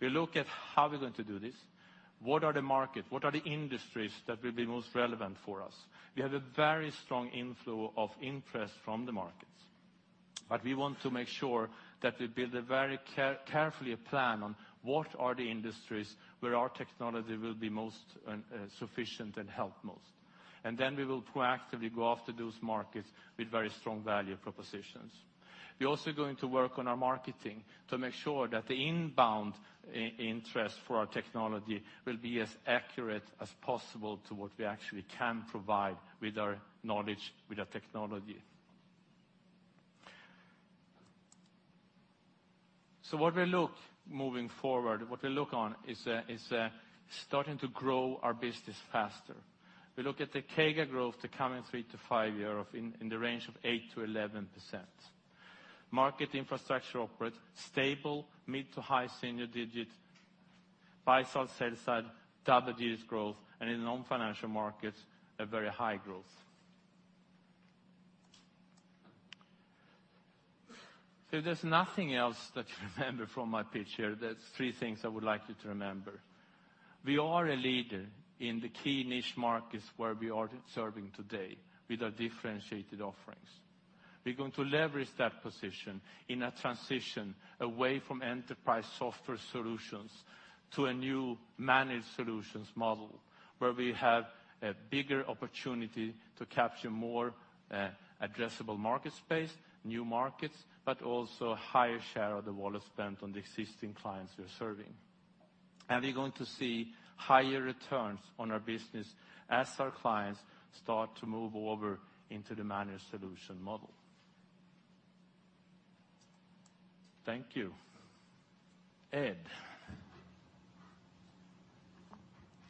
We look at how we're going to do this. What are the markets? What are the industries that will be most relevant for us? We have a very strong inflow of interest from the markets, but we want to make sure that we build a very careful plan on what are the industries where our technology will be most sufficient and help most. We will proactively go after those markets with very strong value propositions. We're also going to work on our marketing to make sure that the inbound interest for our technology will be as accurate as possible to what we actually can provide with our knowledge, with our technology. What we look moving forward is starting to grow our business faster. We look at the CAGR growth, the coming 3 to 5 year, in the range of 8%-11%. Market infrastructure operator stable, mid to high single-digit. Buy-side, sell-side, double-digit growth, and in non-financial markets, a very high growth. If there's nothing else that you remember from my pitch here, there's three things I would like you to remember. We are a leader in the key niche markets where we are serving today with our differentiated offerings. We're going to leverage that position in a transition away from enterprise software solutions to a new managed solutions model, where we have a bigger opportunity to capture more addressable market space, new markets, but also a higher share of the wallet spent on the existing clients we're serving. We're going to see higher returns on our business as our clients start to move over into the managed solution model. Thank you, Ed.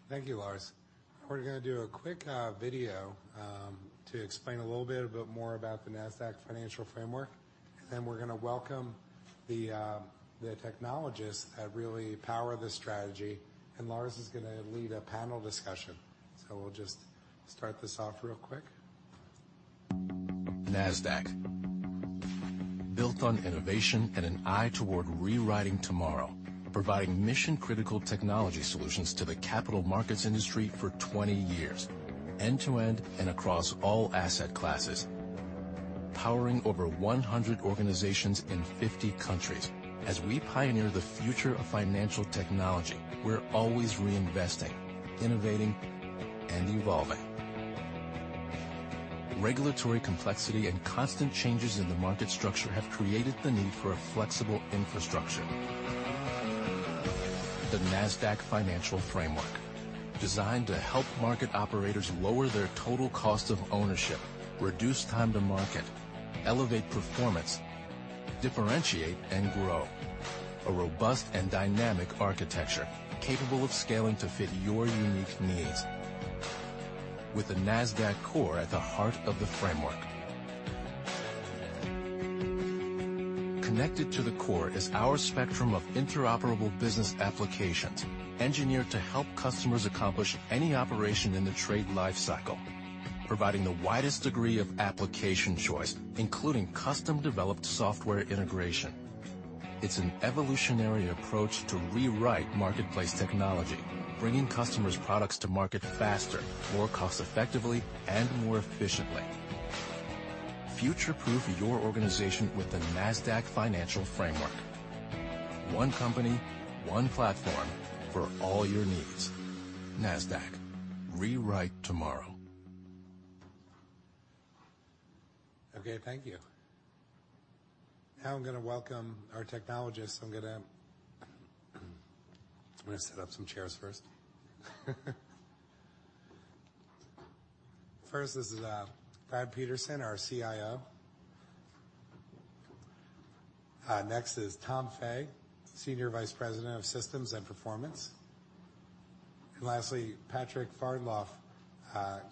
Thank you, Lars. We're gonna do a quick video to explain a little bit more about the Nasdaq Financial Framework. We're gonna welcome the technologists that really power this strategy, and Lars is gonna lead a panel discussion. We'll just start this off real quick. Nasdaq. Built on innovation and an eye toward rewriting tomorrow. Providing mission-critical technology solutions to the capital markets industry for 20 years, end to end and across all asset classes. Powering over 100 organizations in 50 countries. As we pioneer the future of financial technology, we're always reinvesting, innovating, and evolving. Regulatory complexity and constant changes in the market structure have created the need for a flexible infrastructure. The Nasdaq Financial Framework, designed to help market operators lower their total cost of ownership, reduce time to market, elevate performance, differentiate and grow. A robust and dynamic architecture capable of scaling to fit your unique needs. With the Nasdaq Core at the heart of the framework. Connected to the core is our spectrum of interoperable business applications, engineered to help customers accomplish any operation in the trade life cycle, providing the widest degree of application choice, including custom-developed software integration. It's an evolutionary approach to rewrite marketplace technology, bringing customers' products to market faster, more cost effectively, and more efficiently. Future-proof your organization with the Nasdaq Financial Framework. One company, one platform for all your needs. Nasdaq. Rewrite tomorrow. Okay, thank you. Now I'm going to welcome our technologists. I'm gonna set up some chairs first. First is Brad Peterson, our CIO. Next is Tom Fay, Senior Vice President of Systems and Performance. Lastly, Patrik Färnlöf.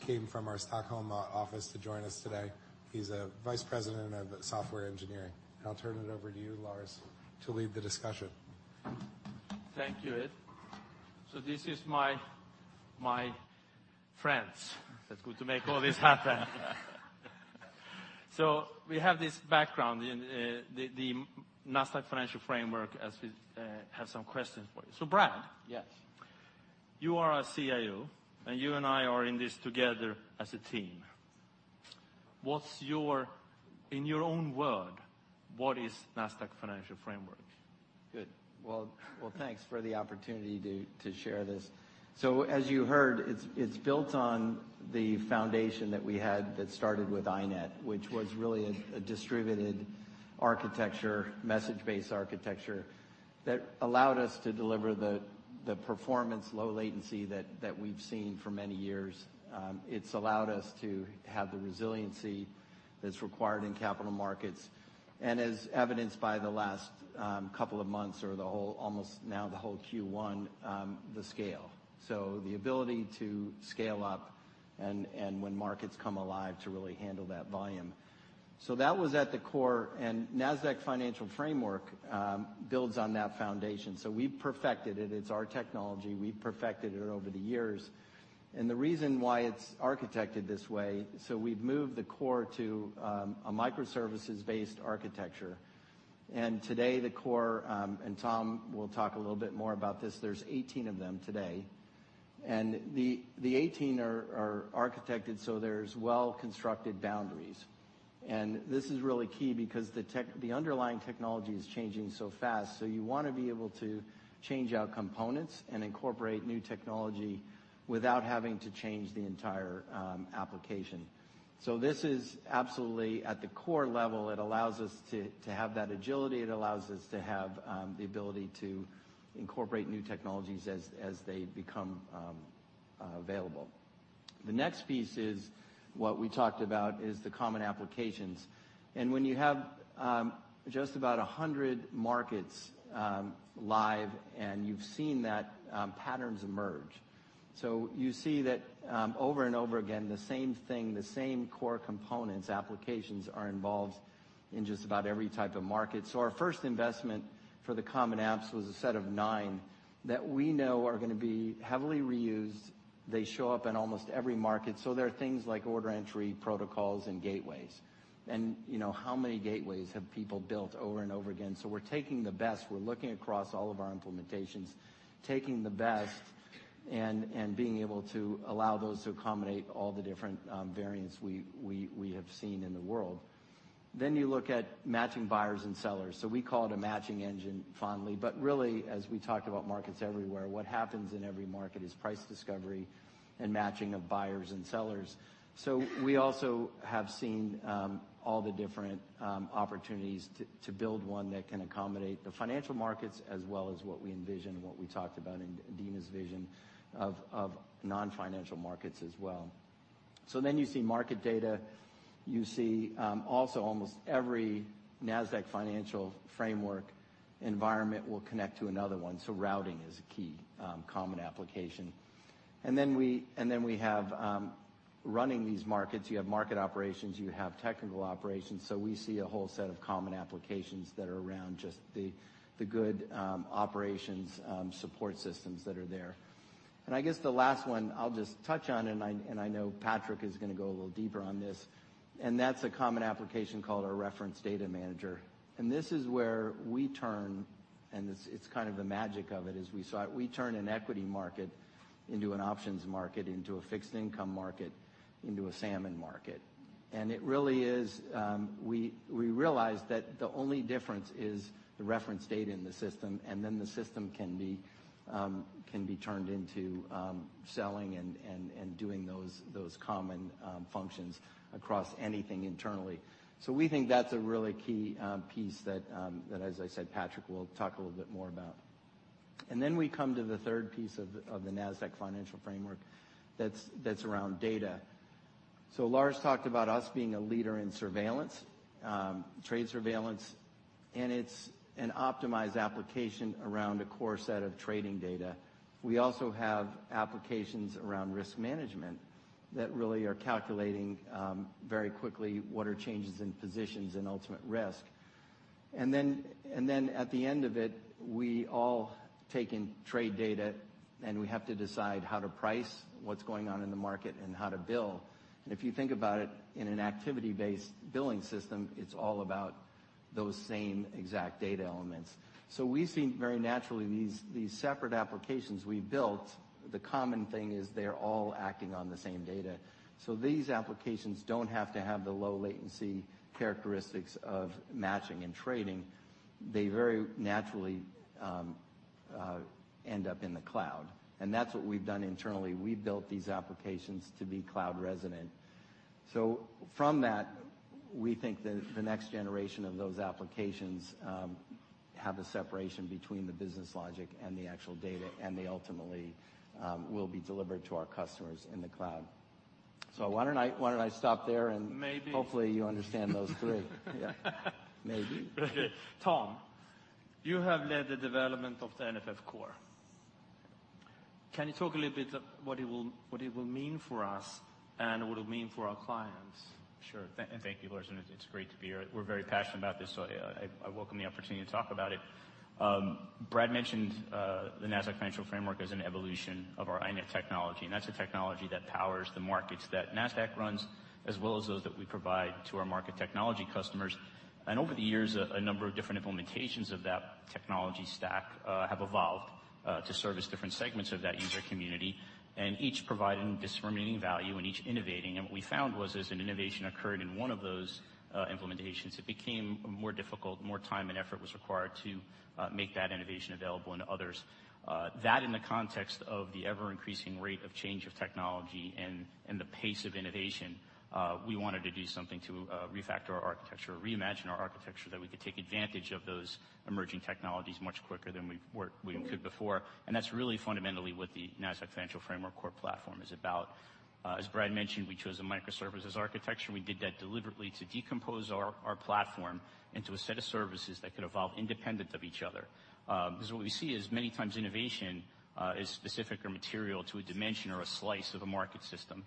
Came from our Stockholm office to join us today. He's a vice president of software engineering. I'll turn it over to you, Lars, to lead the discussion. Thank you, Ed. This is my friends. That's good to make all this happen. We have this background in the Nasdaq Financial Framework, as we have some questions for you. Brad? Yes. You are our CIO. You and I are in this together as a team. In your own word, what is Nasdaq Financial Framework? Good. Well, thanks for the opportunity to share this. As you heard, it's built on the foundation that we had that started with INET, which was really a distributed architecture, message-based architecture, that allowed us to deliver the performance low latency that we've seen for many years. It's allowed us to have the resiliency that's required in capital markets. As evidenced by the last couple of months or almost now the whole Q1, the scale. The ability to scale up. When markets come alive, to really handle that volume. That was at the core. Nasdaq Financial Framework builds on that foundation. We perfected it. It's our technology. We perfected it over the years. The reason why it's architected this way, we've moved the core to a microservices-based architecture. Today, the core, and Tom will talk a little bit more about this, there's 18 of them today. The 18 are architected so there's well-constructed boundaries. This is really key because the underlying technology is changing so fast, so you want to be able to change out components and incorporate new technology without having to change the entire application. This is absolutely at the core level. It allows us to have that agility. It allows us to have the ability to incorporate new technologies as they become available. The next piece is what we talked about, is the common applications. When you have just about 100 markets live, and you've seen that, patterns emerge. You see that over and over again, the same thing, the same core components, applications, are involved in just about every type of market. Our first investment for the common apps was a set of nine that we know are going to be heavily reused. They show up in almost every market. They're things like order entry protocols and gateways. How many gateways have people built over and over again? We're taking the best, we're looking across all of our implementations, taking the best, and being able to allow those to accommodate all the different variants we have seen in the world. You look at matching buyers and sellers. We call it a matching engine fondly. Really, as we talked about markets everywhere, what happens in every market is price discovery and matching of buyers and sellers. We also have seen all the different opportunities to build one that can accommodate the financial markets as well as what we envision, what we talked about in Adena's vision of non-financial markets as well. You see market data. You see also almost every Nasdaq Financial Framework environment will connect to another one, so routing is a key common application. We have, running these markets, you have market operations, you have technical operations. We see a whole set of common applications that are around just the good operations support systems that are there. I guess the last one I'll just touch on, and I know Patrik is going to go a little deeper on this, and that's a common application called our Reference Data Manager. This is where we turn, and it's kind of the magic of it, is we turn an equity market into an options market, into a fixed income market, into a salmon market. We realize that the only difference is the reference data in the system, and then the system can be turned into selling and doing those common functions across anything internally. We think that's a really key piece that, as I said, Patrik will talk a little bit more about. We come to the third piece of the Nasdaq Financial Framework, that's around data. Lars talked about us being a leader in surveillance, trade surveillance, and it's an optimized application around a core set of trading data. We also have applications around risk management that really are calculating very quickly what are changes in positions and ultimate risk. At the end of it, we all take in trade data, and we have to decide how to price what's going on in the market and how to bill. If you think about it, in an activity-based billing system, it's all about those same exact data elements. We've seen very naturally, these separate applications we built, the common thing is they're all acting on the same data. These applications don't have to have the low latency characteristics of matching and trading. They very naturally end up in the cloud, and that's what we've done internally. We've built these applications to be cloud resident. From that, we think that the next generation of those applications have a separation between the business logic and the actual data, and they ultimately will be delivered to our customers in the cloud. Why don't I stop there and- Maybe. Hopefully you understand those three. Yeah. Maybe. Tom You have led the development of the NFF core. Can you talk a little bit what it will mean for us, and what it will mean for our clients? Sure. Thank you, Lars, it's great to be here. We're very passionate about this, so I welcome the opportunity to talk about it. Brad mentioned the Nasdaq Financial Framework as an evolution of our INET technology. That's the technology that powers the markets that Nasdaq runs, as well as those that we provide to our market technology customers. Over the years, a number of different implementations of that technology stack have evolved to service different segments of that user community, each providing disproportionate value and each innovating. What we found was, as an innovation occurred in one of those implementations, it became more difficult, more time and effort was required to make that innovation available in others. That in the context of the ever-increasing rate of change of technology and the pace of innovation, we wanted to do something to refactor our architecture, reimagine our architecture, that we could take advantage of those emerging technologies much quicker than we could before. That's really fundamentally what the Nasdaq Financial Framework core platform is about. As Brad mentioned, we chose a microservices architecture. We did that deliberately to decompose our platform into a set of services that could evolve independent of each other. What we see is many times innovation is specific or material to a dimension or a slice of a market system.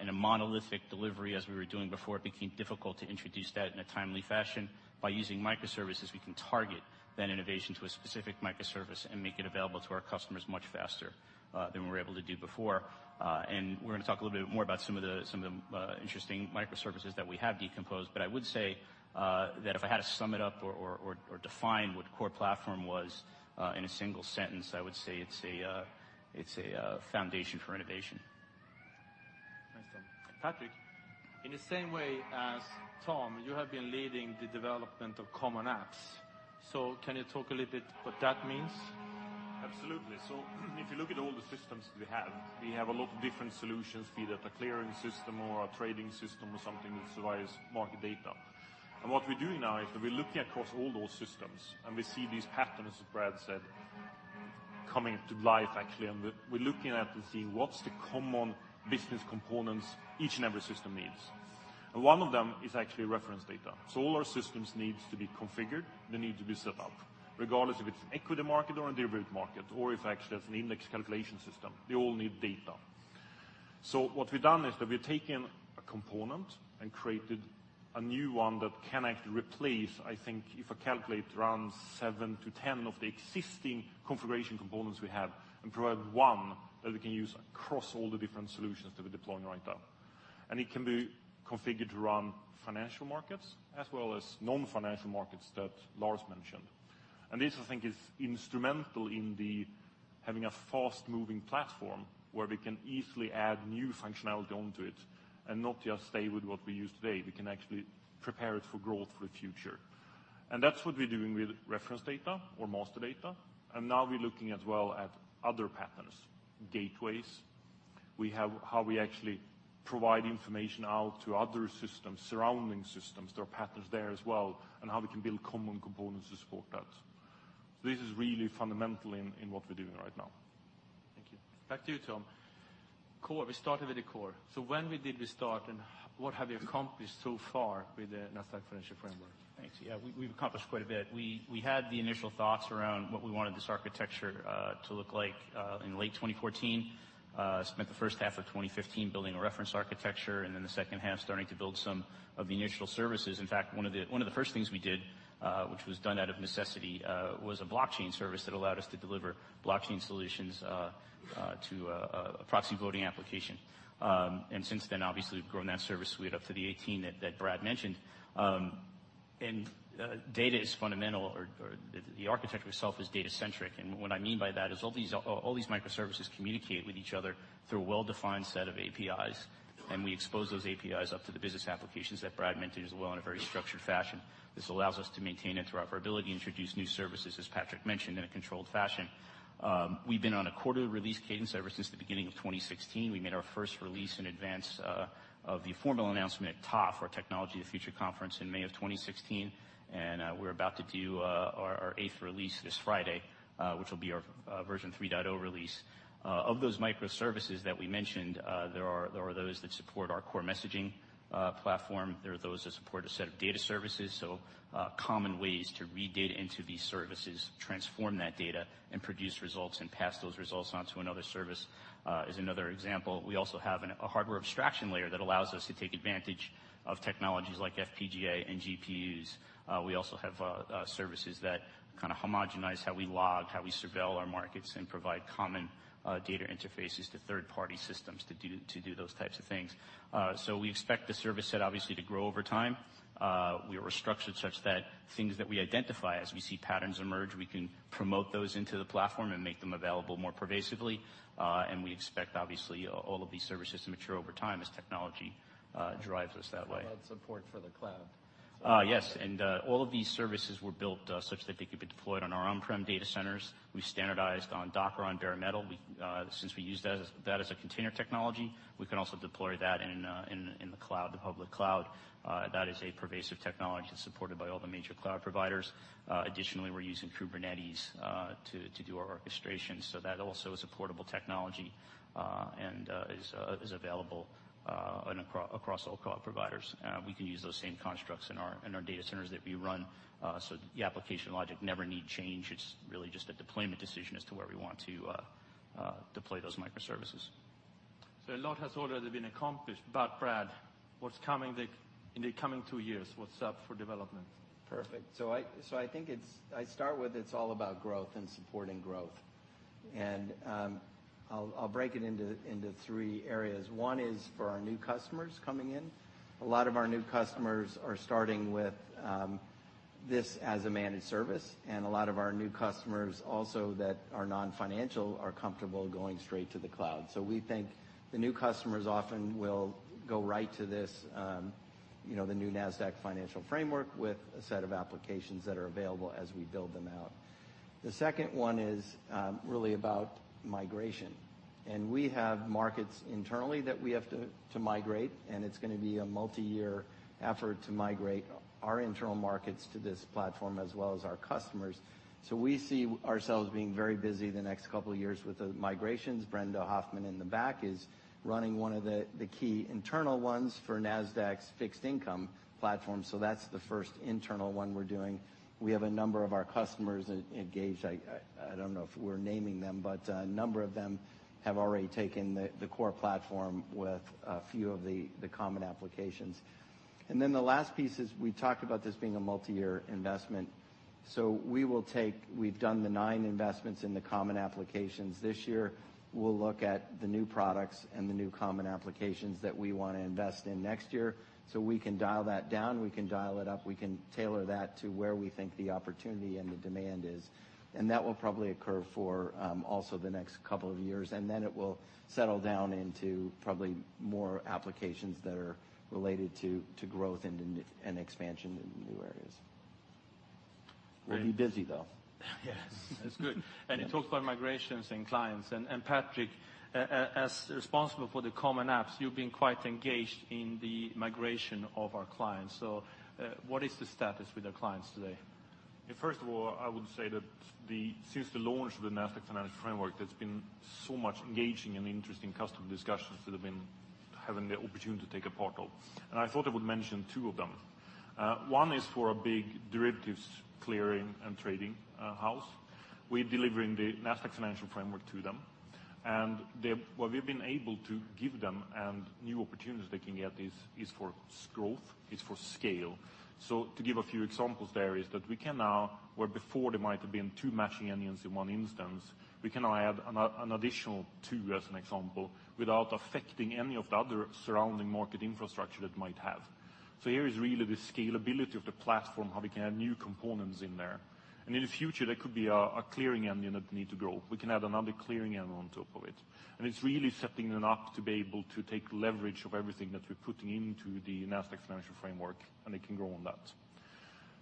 In a monolithic delivery, as we were doing before, it became difficult to introduce that in a timely fashion. By using microservices, we can target that innovation to a specific microservice and make it available to our customers much faster than we were able to do before. We're going to talk a little bit more about some of the interesting microservices that we have decomposed. I would say that if I had to sum it up or define what core platform was in a single sentence, I would say it's a foundation for innovation. Thanks, Tom. Patrik, in the same way as Tom, you have been leading the development of Common Apps. Can you talk a little bit what that means? Absolutely. If you look at all the systems we have, we have a lot of different solutions, be that a clearing system or a trading system or something that surveys market data. What we're doing now is that we're looking across all those systems, and we see these patterns, as Brad said, coming to life, actually, and we're looking at and seeing what's the common business components each and every system needs. One of them is actually reference data. All our systems need to be configured, they need to be set up, regardless if it's an equity market or a derivative market, or if actually that's an index calculation system. They all need data. What we've done is that we've taken a component and created a new one that can actually replace, I think, if I calculate, around 7 to 10 of the existing configuration components we have and provide one that we can use across all the different solutions that we're deploying right now. It can be configured to run financial markets as well as non-financial markets that Lars mentioned. This, I think, is instrumental in the having a fast-moving platform where we can easily add new functionality onto it and not just stay with what we use today. We can actually prepare it for growth for the future. That's what we're doing with reference data or master data, and now we're looking as well at other patterns, gateways. We have how we actually provide information out to other systems, surrounding systems. There are patterns there as well, and how we can build common components to support that. This is really fundamental in what we're doing right now. Thank you. Back to you, Tom. Core, we started with the core. When did we start, and what have you accomplished so far with the Nasdaq Financial Framework? Thanks. Yeah, we've accomplished quite a bit. We had the initial thoughts around what we wanted this architecture to look like in late 2014. Spent the first half of 2015 building a reference architecture, the second half starting to build some of the initial services. In fact, one of the first things we did, which was done out of necessity, was a blockchain service that allowed us to deliver blockchain solutions to a proxy voting application. Since then, obviously, we've grown that service suite up to the 18 that Brad mentioned. Data is fundamental, or the architecture itself is data-centric. What I mean by that is all these microservices communicate with each other through a well-defined set of APIs, we expose those APIs up to the business applications that Brad mentioned as well, in a very structured fashion. This allows us to maintain interoperability, introduce new services, as Patrik mentioned, in a controlled fashion. We've been on a quarterly release cadence ever since the beginning of 2016. We made our first release in advance of the formal announcement at ToF, our Technology of the Future Conference in May of 2016. We're about to do our eighth release this Friday, which will be our version 3.0 release. Of those microservices that we mentioned, there are those that support our core messaging platform. There are those that support a set of data services. Common ways to read data into these services, transform that data, produce results and pass those results on to another service is another example. We also have a hardware abstraction layer that allows us to take advantage of technologies like FPGA and GPUs. We also have services that kind of homogenize how we log, how we surveil our markets, and provide common data interfaces to third-party systems to do those types of things. We expect the service set obviously to grow over time. We are structured such that things that we identify, as we see patterns emerge, we can promote those into the platform and make them available more pervasively. We expect, obviously, all of these services to mature over time as technology drives us that way. How about support for the cloud? Yes. All of these services were built such that they could be deployed on our on-prem data centers. We standardized on Docker on bare metal. Since we use that as a container technology, we can also deploy that in the cloud, the public cloud. That is a pervasive technology that is supported by all the major cloud providers. Additionally, we are using Kubernetes to do our orchestration, so that also is a portable technology, and is available across all cloud providers. We can use those same constructs in our data centers that we run, so the application logic never need change. It is really just a deployment decision as to where we want to deploy those microservices. A lot has already been accomplished. Brad, what is coming in the coming two years? What is up for development? Perfect. I start with, it is all about growth and supporting growth. I will break it into three areas. One is for our new customers coming in. A lot of our new customers are starting with this as a managed service, and a lot of our new customers also that are non-financial are comfortable going straight to the cloud. We think the new customers often will go right to this, the new Nasdaq Financial Framework, with a set of applications that are available as we build them out. The second one is really about migration. We have markets internally that we have to migrate, and it is going to be a multi-year effort to migrate our internal markets to this platform, as well as our customers. We see ourselves being very busy the next couple of years with the migrations. Brenda Hoffman in the back is running one of the key internal ones for Nasdaq's fixed income platform. That is the first internal one we are doing. We have a number of our customers engaged. I do not know if we are naming them, but a number of them have already taken the core platform with a few of the common applications. Then the last piece is, we talked about this being a multi-year investment. We have done the nine investments in the common applications this year. We will look at the new products and the new common applications that we want to invest in next year. We can dial that down, we can dial it up, we can tailor that to where we think the opportunity and the demand is. That will probably occur for, also the next couple of years, and then it will settle down into probably more applications that are related to growth and expansion in new areas. We'll be busy, though. Yes. That's good. You talked about migrations and clients, and, Patrik, as responsible for the common apps, you've been quite engaged in the migration of our clients. What is the status with our clients today? First of all, I would say that since the launch of the Nasdaq Financial Framework, there's been so much engaging and interesting customer discussions that I've been having the opportunity to take a part of. I thought I would mention two of them. One is for a big derivatives clearing and trading house. We're delivering the Nasdaq Financial Framework to them, and what we've been able to give them and new opportunities they can get is for growth, is for scale. To give a few examples there is that we can now, where before there might have been two matching engines in one instance, we can now add an additional two, as an example, without affecting any of the other surrounding market infrastructure that might have. Here is really the scalability of the platform, how we can add new components in there. In the future, there could be a clearing engine that need to grow. We can add another clearing engine on top of it. It's really setting it up to be able to take leverage of everything that we're putting into the Nasdaq Financial Framework, and it can grow on that.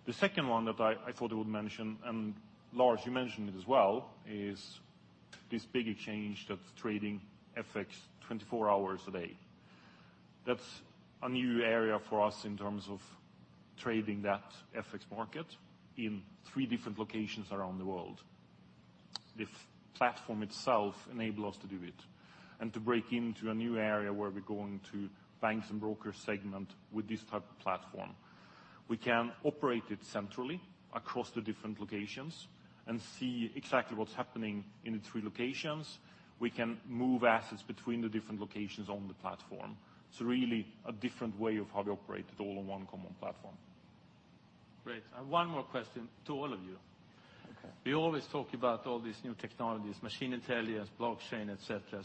The second one that I thought I would mention, and Lars, you mentioned it as well, is this big exchange that's trading FX 24 hours a day. That's a new area for us in terms of trading that FX market in three different locations around the world. The platform itself enable us to do it and to break into a new area where we're going to banks and broker segment with this type of platform. We can operate it centrally across the different locations and see exactly what's happening in the three locations. We can move assets between the different locations on the platform. It's really a different way of how we operate it all on one common platform. Great. I have one more question to all of you. Okay. We always talk about all these new technologies, machine intelligence, blockchain, et cetera.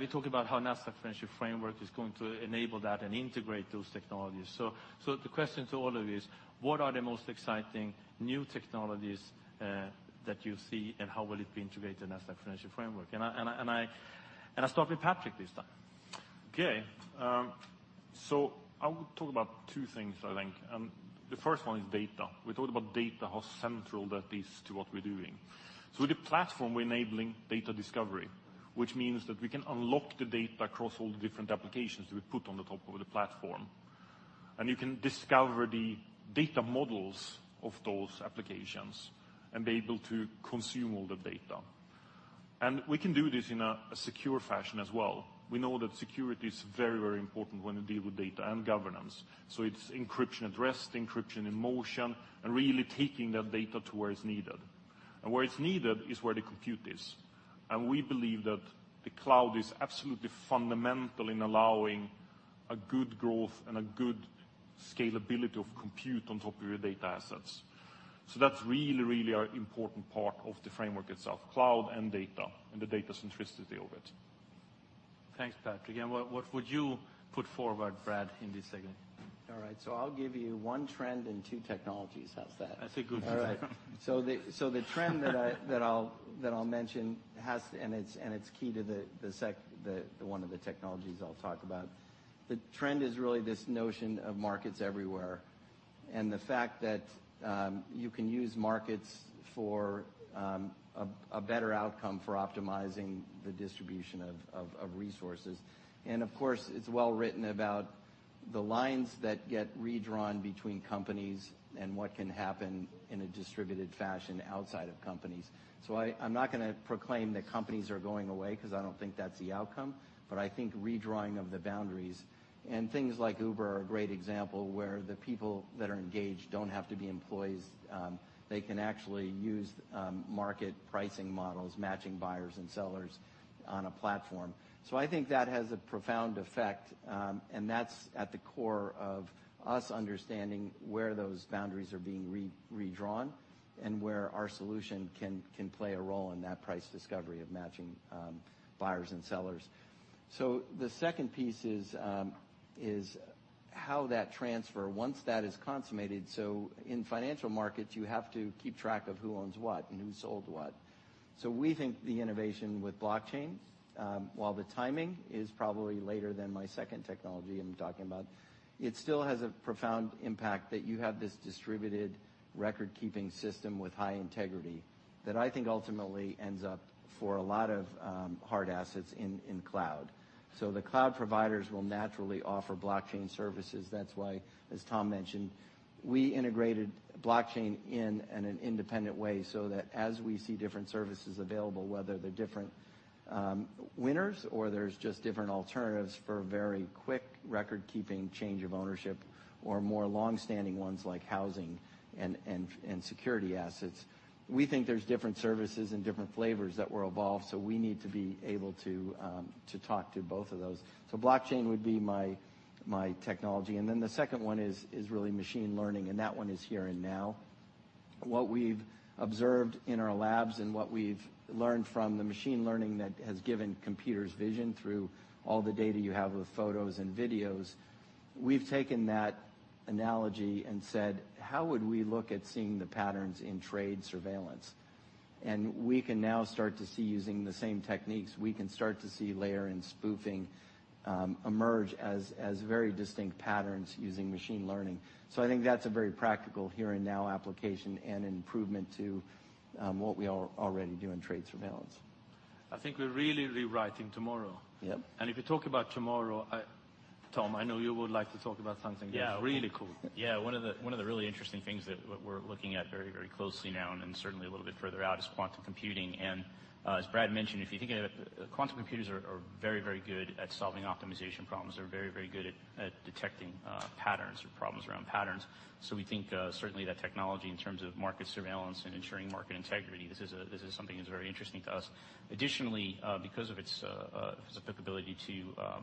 We talk about how Nasdaq Financial Framework is going to enable that and integrate those technologies. The question to all of you is, what are the most exciting new technologies that you see, and how will it be integrated in Nasdaq Financial Framework? I start with Patrik this time. Okay. I would talk about two things, I think. The first one is data. We talked about data, how central that is to what we're doing. With the platform, we're enabling data discovery, which means that we can unlock the data across all the different applications that we put on the top of the platform. You can discover the data models of those applications and be able to consume all the data. We can do this in a secure fashion as well. We know that security is very, very important when we deal with data and governance. It's encryption at rest, encryption in motion, and really taking that data to where it's needed. Where it's needed is where the compute is. We believe that the cloud is absolutely fundamental in allowing a good growth and a good scalability of compute on top of your data assets. That's really our important part of the framework itself, cloud and data and the data centricity of it. Thanks, Patrik. What would you put forward, Brad, in this segment? All right. I'll give you one trend and two technologies. How's that? That's a good one. The trend that I'll mention, it's key to one of the technologies I'll talk about. The trend is really this notion of markets everywhere, the fact that you can use markets for a better outcome for optimizing the distribution of resources. Of course, it's well written about the lines that get redrawn between companies and what can happen in a distributed fashion outside of companies. I'm not going to proclaim that companies are going away, because I don't think that's the outcome, but I think redrawing of the boundaries. Things like Uber are a great example, where the people that are engaged don't have to be employees. They can actually use market pricing models, matching buyers and sellers on a platform. I think that has a profound effect, that's at the core of us understanding where those boundaries are being redrawn and where our solution can play a role in that price discovery of matching buyers and sellers. The second piece is how that transfer, once that is consummated. In financial markets, you have to keep track of who owns what and who sold what. We think the innovation with blockchain, while the timing is probably later than my second technology I'm talking about, it still has a profound impact that you have this distributed record-keeping system with high integrity that I think ultimately ends up for a lot of hard assets in cloud. The cloud providers will naturally offer blockchain services. That's why, as Tom mentioned, we integrated blockchain in an independent way so that as we see different services available, whether they're different winners or there's just different alternatives for very quick record keeping, change of ownership, or more long-standing ones like housing and security assets. We think there's different services and different flavors that will evolve, we need to be able to talk to both of those. Blockchain would be my technology, the second one is really machine learning, that one is here and now. What we've observed in our labs and what we've learned from the machine learning that has given computers vision through all the data you have with photos and videos, we've taken that analogy and said, "How would we look at seeing the patterns in trade surveillance?" We can now start to see, using the same techniques, we can start to see layering, spoofing emerge as very distinct patterns using machine learning. I think that's a very practical here-and-now application and an improvement to what we already do in trade surveillance. I think we're really rewriting tomorrow. Yep. If you talk about tomorrow, Tom, I know you would like to talk about something. Yeah. That's really cool. Yeah. One of the really interesting things that we're looking at very closely now and then certainly a little bit further out is quantum computing. As Brad mentioned, if you think of it, quantum computers are very good at solving optimization problems. They're very good at detecting patterns or problems around patterns. We think, certainly that technology in terms of market surveillance and ensuring market integrity, this is something that's very interesting to us. Additionally, because of its applicability to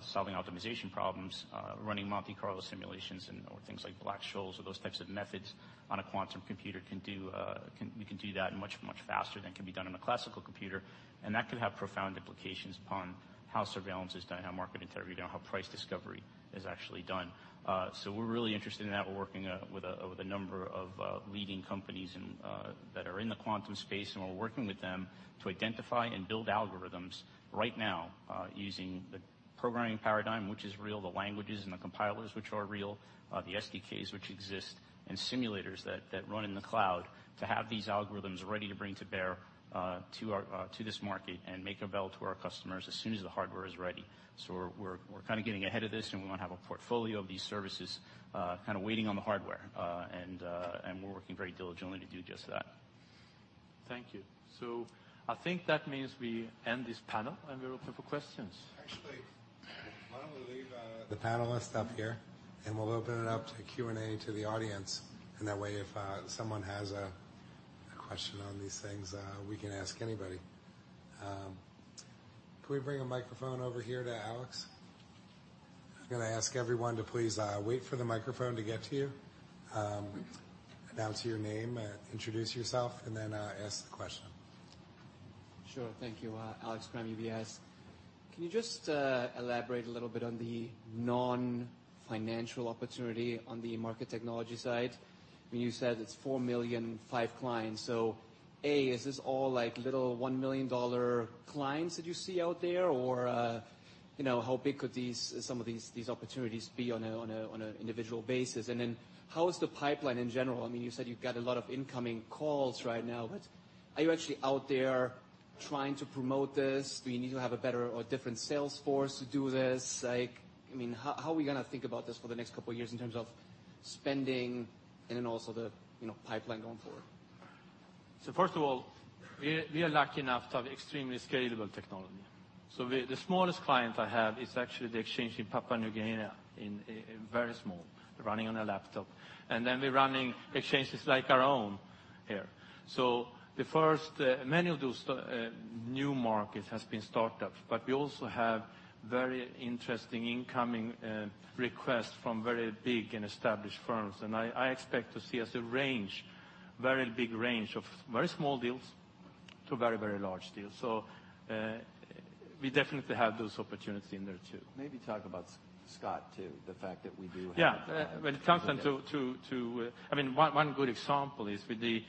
solving optimization problems, running Monte Carlo simulations and/or things like Black-Scholes or those types of methods on a quantum computer, we can do that much faster than can be done on a classical computer. That could have profound implications upon how surveillance is done, how market integrity and how price discovery is actually done. We're really interested in that. We're working with a number of leading companies that are in the quantum space, and we're working with them to identify and build algorithms right now using the programming paradigm, which is real, the languages and the compilers, which are real, the SDKs which exist, and simulators that run in the cloud to have these algorithms ready to bring to bear to this market and make available to our customers as soon as the hardware is ready. We're kind of getting ahead of this, and we want to have a portfolio of these services kind of waiting on the hardware. We're working very diligently to do just that. Thank you. I think that means we end this panel and we're open for questions. Actually, why don't we leave the panelists up here, and we'll open it up to Q&A to the audience. That way, if someone has a question on these things, we can ask anybody. Can we bring a microphone over here to Alex? I'm going to ask everyone to please wait for the microphone to get to you, announce your name, introduce yourself, and then ask the question. Sure. Thank you. Alex from UBS. Can you just elaborate a little bit on the non-financial opportunity on the market technology side? I mean, you said it's $4 million, 5 clients. A, is this all little $1 million clients that you see out there? Or how big could some of these opportunities be on an individual basis? How is the pipeline in general? I mean, you said you've got a lot of incoming calls right now, but are you actually out there trying to promote this? Do you need to have a better or different sales force to do this? How are we going to think about this for the next couple of years in terms of spending and then also the pipeline going forward? First of all, we are lucky enough to have extremely scalable technology. The smallest client I have is actually the exchange in Papua New Guinea, very small, running on a laptop. Then we're running exchanges like our own here. Many of those new markets have been startups, but we also have very interesting incoming requests from very big and established firms. I expect to see us a range, very big range of very small deals to very large deals. We definitely have those opportunities in there, too. Maybe talk about, Scott, too, the fact that we do have- One good example is with the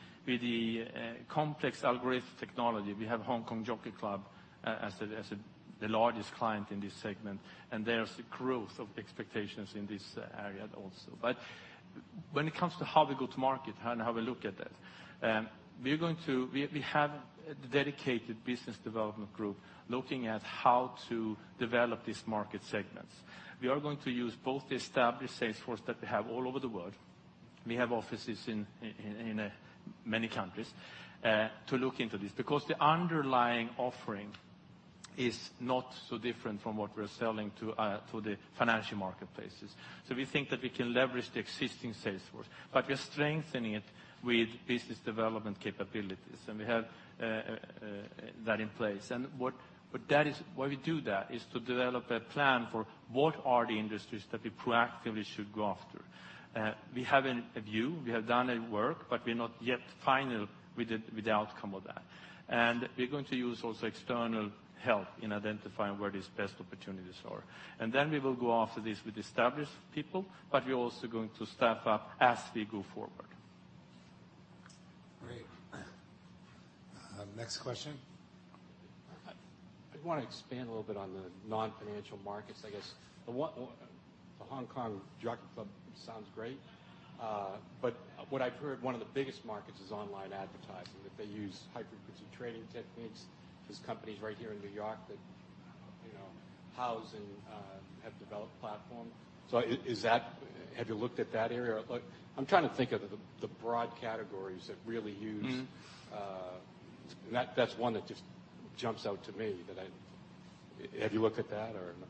complex algorithmic technology. We have Hong Kong Jockey Club as the largest client in this segment, there's growth of expectations in this area also. When it comes to how we go to market and how we look at that, we have a dedicated business development group looking at how to develop these market segments. We are going to use both the established sales force that we have all over the world, we have offices in many countries, to look into this because the underlying offering is not so different from what we're selling to the financial marketplaces. We think that we can leverage the existing sales force. We are strengthening it with business development capabilities, and we have that in place. Why we do that is to develop a plan for what are the industries that we proactively should go after. We have a view, we have done work, but we're not yet final with the outcome of that. We're going to use also external help in identifying where these best opportunities are. Then we will go after this with established people, but we're also going to staff up as we go forward. Great. Next question. I want to expand a little bit on the non-financial markets, I guess. The Hong Kong Jockey Club sounds great. What I've heard, one of the biggest markets is online advertising, that they use high-frequency trading techniques. There's companies right here in New York that house and have developed platforms. Have you looked at that area? I'm trying to think of the broad categories that really use-- That's one that just jumps out to me. Have you looked at that or no?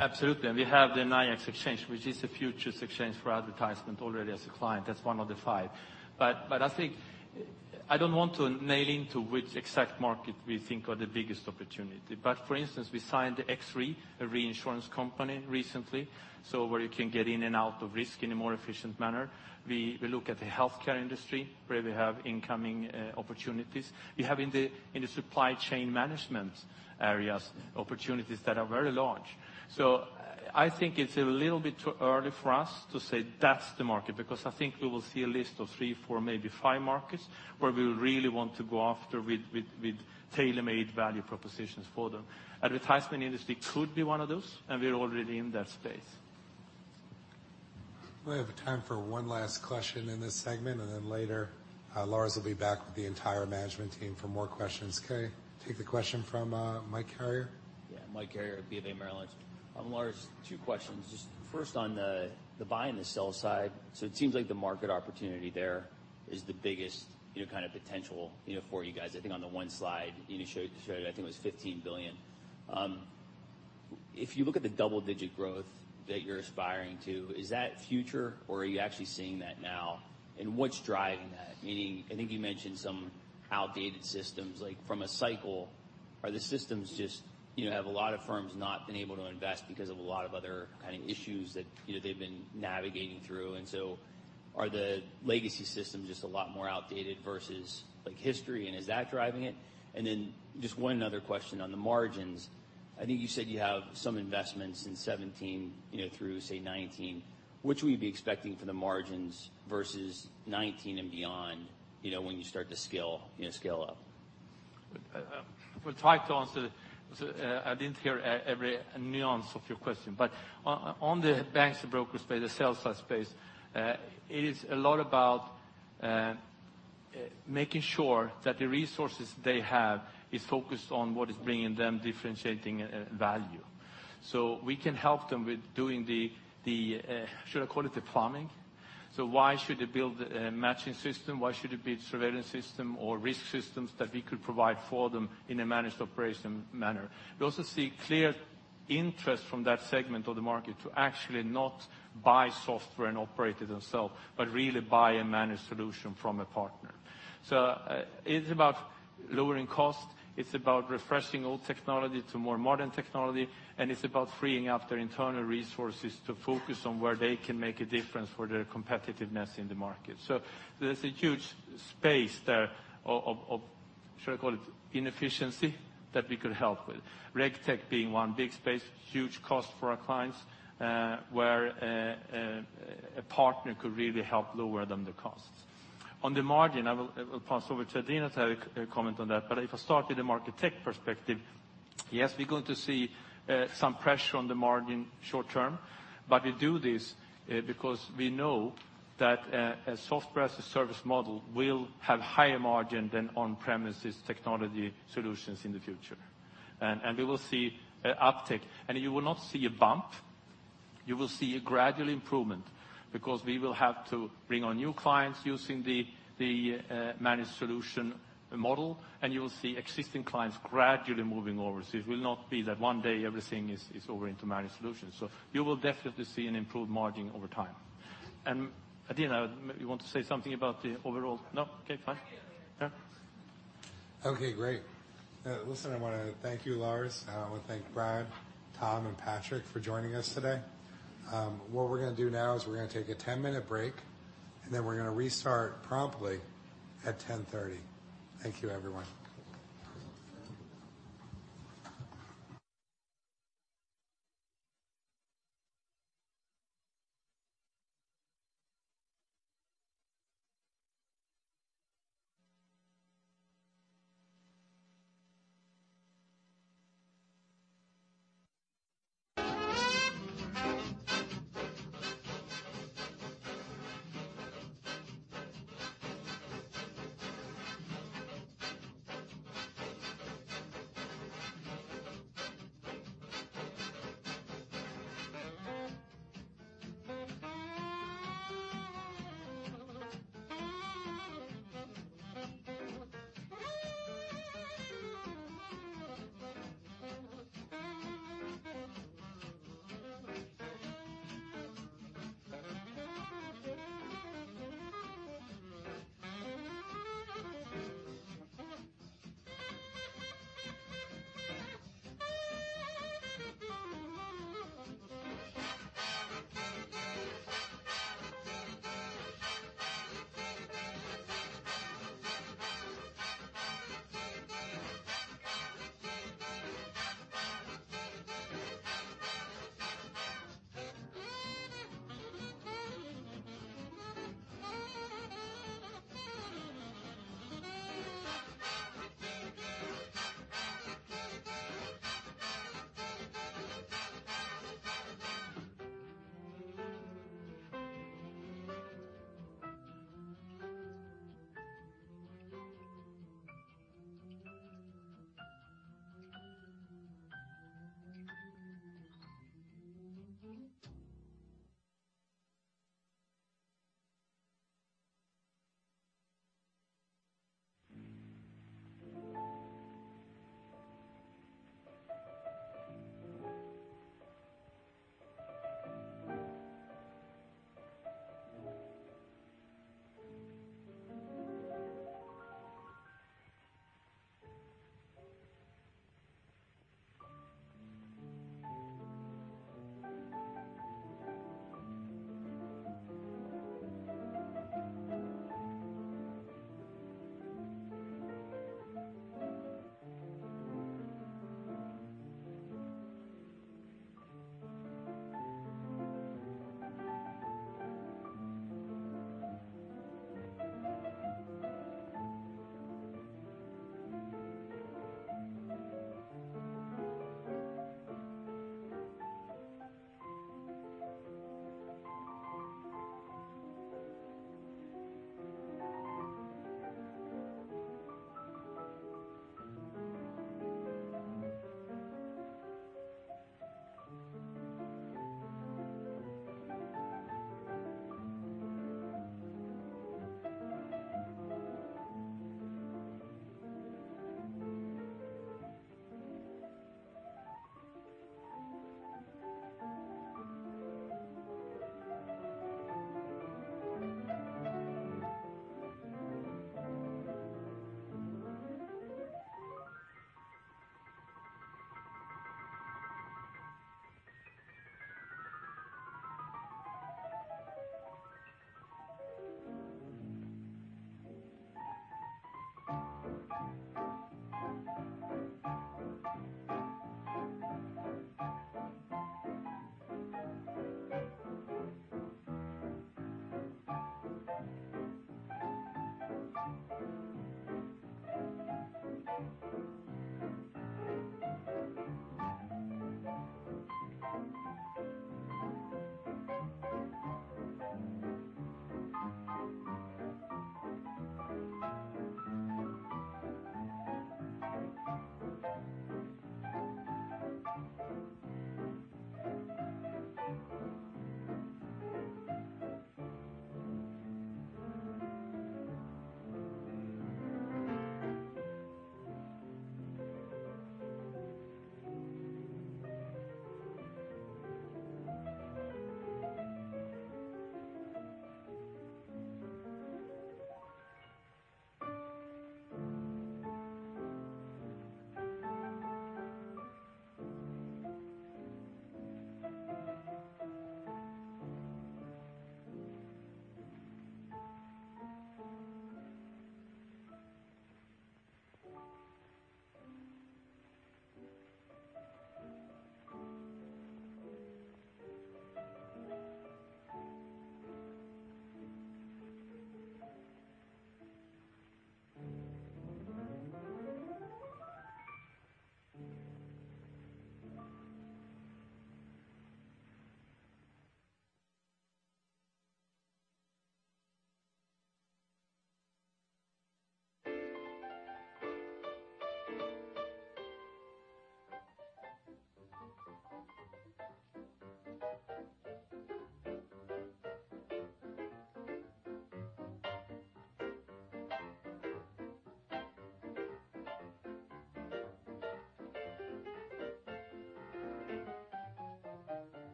Absolutely. We have the NYIAX Exchange, which is a futures exchange for advertisement already as a client. That's one of the five. I think I don't want to nail into which exact market we think are the biggest opportunity. For instance, we signed [XRe, a reinsurance company, recently, where you can get in and out of risk in a more efficient manner. We look at the healthcare industry, where we have incoming opportunities. We have in the supply chain management areas, opportunities that are very large. I think it's a little bit too early for us to say that's the market, because I think we will see a list of three, four, maybe five markets where we really want to go after with tailor-made value propositions for them. Advertisement industry could be one of those, and we're already in that space. We have time for one last question in this segment. Later, Lars will be back with the entire management team for more questions. Okay, take the question from Mike Carrier. Yeah, Mike Carrier, BofA, Merrill Lynch. Lars, two questions. First on the buy and the sell side. It seems like the market opportunity there is the biggest potential for you guys. I think on the one slide you showed, I think it was $15 billion. If you look at the double-digit growth that you're aspiring to, is that future, or are you actually seeing that now? What's driving that? Meaning, I think you mentioned some outdated systems, like from a cycle, have a lot of firms not been able to invest because of a lot of other kind of issues that they've been navigating through? Are the legacy systems just a lot more outdated versus like history, and is that driving it? Just one other question on the margins. I think you said you have some investments in 2017 through, say, 2019. What should we be expecting for the margins versus 2019 and beyond when you start to scale up? I will try to answer. I didn't hear every nuance of your question. On the banks and brokers space, the sell-side space, it is a lot about making sure that the resources they have is focused on what is bringing them differentiating value. We can help them with doing the, should I call it the plumbing? Why should they build a matching system? Why should it be a surveillance system or risk systems that we could provide for them in a managed operation manner? We also see clear interest from that segment of the market to actually not buy software and operate it themselves, but really buy a managed solution from a partner. It's about lowering cost, it's about refreshing old technology to more modern technology, and it's about freeing up their internal resources to focus on where they can make a difference for their competitiveness in the market. There's a huge space there of, should I call it inefficiency, that we could help with. RegTech being one big space, huge cost for our clients, where a partner could really help lower them the costs. On the margin, I will pass over to Adena to comment on that. If I start with a Market Tech perspective, yes, we're going to see some pressure on the margin short-term, but we do this because we know that a software as a service model will have higher margin than on-premises technology solutions in the future. We will see an uptick. You will not see a bump. You will see a gradual improvement because we will have to bring on new clients using the managed solution model, and you will see existing clients gradually moving over. It will not be that one day everything is over into managed solutions. You will definitely see an improved margin over time. Adena, you want to say something about the overall? No? Okay, fine. I can later. Okay, great. Listen, I want to thank you, Lars. I want to thank Brian, Tom, and Patrik for joining us today. What we're going to do now is we're going to take a 10-minute break, and then we're going to restart promptly at 10:30 A.M. Thank you, everyone.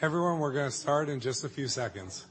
Everyone, we're going to start in just a few seconds.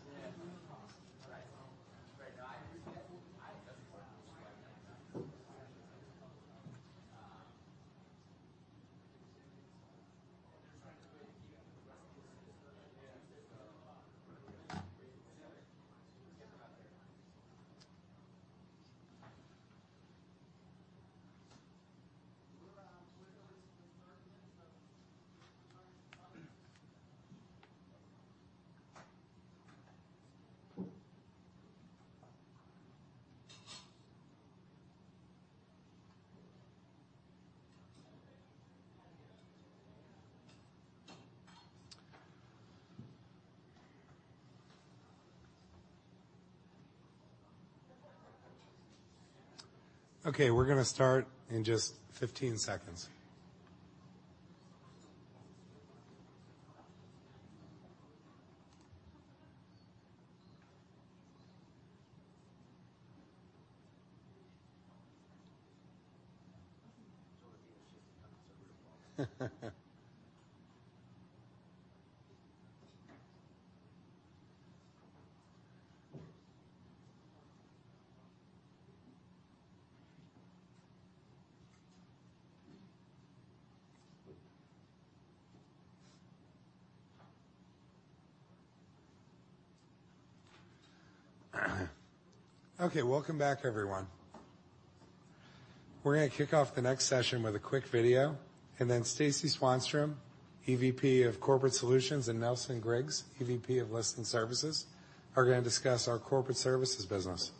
Okay, we're going to start in just 15 seconds. Okay, welcome back everyone. We're going to kick off the next session with a quick video, and then Stacie Swanstrom, Executive Vice President, Corporate Solutions, and Nelson Griggs, Executive Vice President, Listing Services, are going to discuss our corporate services business.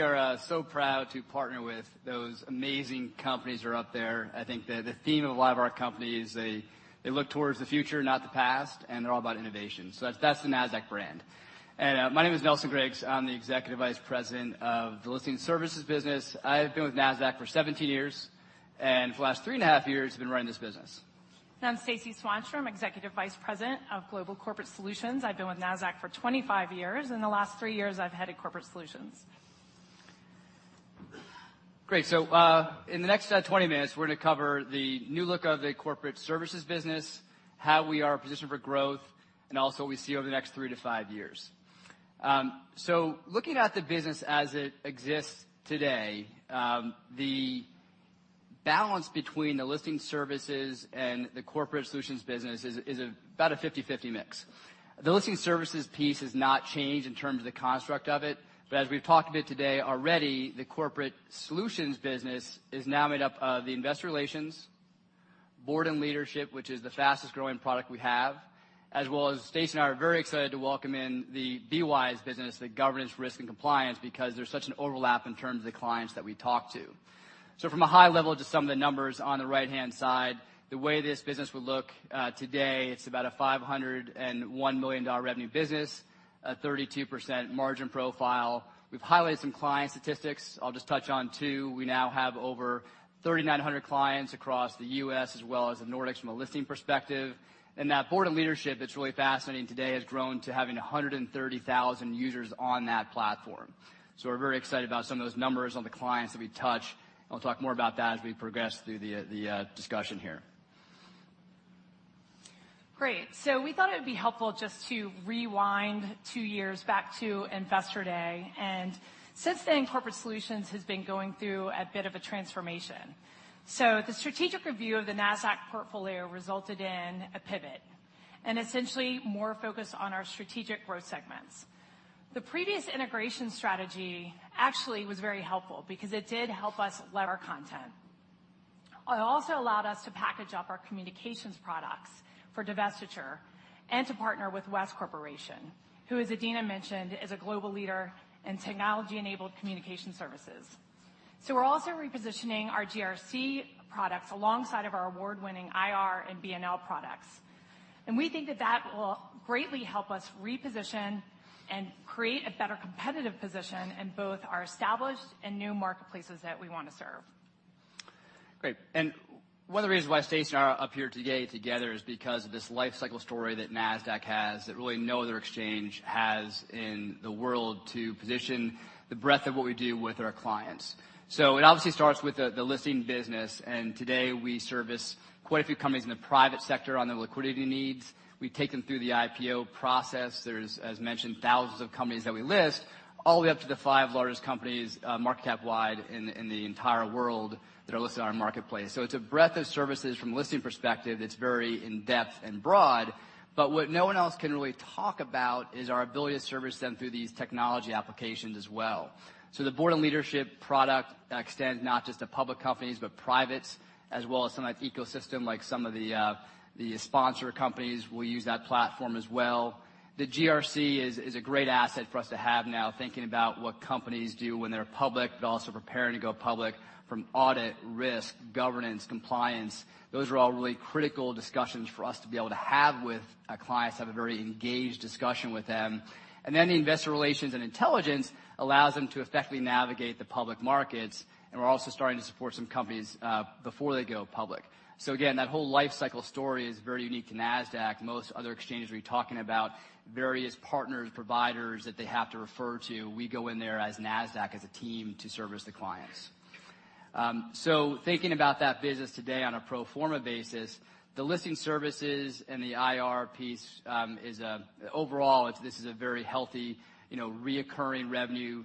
Okay. We are so proud to partner with those amazing companies who are up there. I think that the theme of a lot of our companies, they look towards the future, not the past, and they're all about innovation. That's the Nasdaq brand. My name is Nelson Griggs. I'm the Executive Vice President of the Listing Services business. I have been with Nasdaq for 17 years, and for the last three and a half years, been running this business. I'm Stacie Swanstrom, Executive Vice President of Global Corporate Solutions. I've been with Nasdaq for 25 years, and the last three years, I've headed Corporate Solutions. Great. In the next 20 minutes, we're going to cover the new look of the Corporate Services business, how we are positioned for growth, and also what we see over the next three to five years. Looking at the business as it exists today, the balance between the Listing Services and the Corporate Solutions business is about a 50/50 mix. The Listing Services piece has not changed in terms of the construct of it, but as we've talked a bit today already, the Corporate Solutions business is now made up of the Investor Relations, Board and Leadership, which is the fastest-growing product we have. As well as, Stacie and I are very excited to welcome in the BWise business, the governance, risk, and compliance, because there's such an overlap in terms of the clients that we talk to. From a high level, just some of the numbers on the right-hand side. The way this business would look today, it's about a $501 million revenue business, a 32% margin profile. We've highlighted some client statistics. I'll just touch on two. We now have over 3,900 clients across the U.S. as well as the Nordics from a listing perspective. That Board and Leadership, that's really fascinating today, has grown to having 130,000 users on that platform. We're very excited about some of those numbers on the clients that we touch, and I'll talk more about that as we progress through the discussion here. We thought it would be helpful just to rewind 2 years back to Investor Day. Since then, Corporate Solutions has been going through a bit of a transformation. The strategic review of the Nasdaq portfolio resulted in a pivot, essentially more focus on our strategic growth segments. The previous integration strategy actually was very helpful because it did help us lever our content. It also allowed us to package up our communications products for divestiture and to partner with West Corporation, who as Adena mentioned, is a global leader in technology-enabled communication services. We're also repositioning our GRC products alongside of our award-winning IR and BNL products. We think that that will greatly help us reposition and create a better competitive position in both our established and new marketplaces that we want to serve. One of the reasons why Stacie and I are up here today together is because of this life cycle story that Nasdaq has that really no other exchange has in the world to position the breadth of what we do with our clients. It obviously starts with the listing business, and today we service quite a few companies in the private sector on their liquidity needs. We take them through the IPO process. There's, as mentioned, thousands of companies that we list, all the way up to the five largest companies, market cap wide in the entire world that are listed on our marketplace. It's a breadth of services from a listing perspective. It's very in-depth and broad, what no one else can really talk about is our ability to service them through these technology applications as well. The board and leadership product extends not just to public companies, but privates as well as some of that ecosystem, like some of the sponsor companies will use that platform as well. The GRC is a great asset for us to have now, thinking about what companies do when they're public, but also preparing to go public from audit, risk, governance, compliance. Those are all really critical discussions for us to be able to have with our clients, have a very engaged discussion with them. The investor relations and intelligence allows them to effectively navigate the public markets. We're also starting to support some companies before they go public. Again, that whole life cycle story is very unique to Nasdaq. Most other exchanges are talking about various partners, providers that they have to refer to. We go in there as Nasdaq, as a team, to service the clients. Thinking about that business today on a pro forma basis, the listing services and the IR piece is, overall, this is a very healthy reoccurring revenue,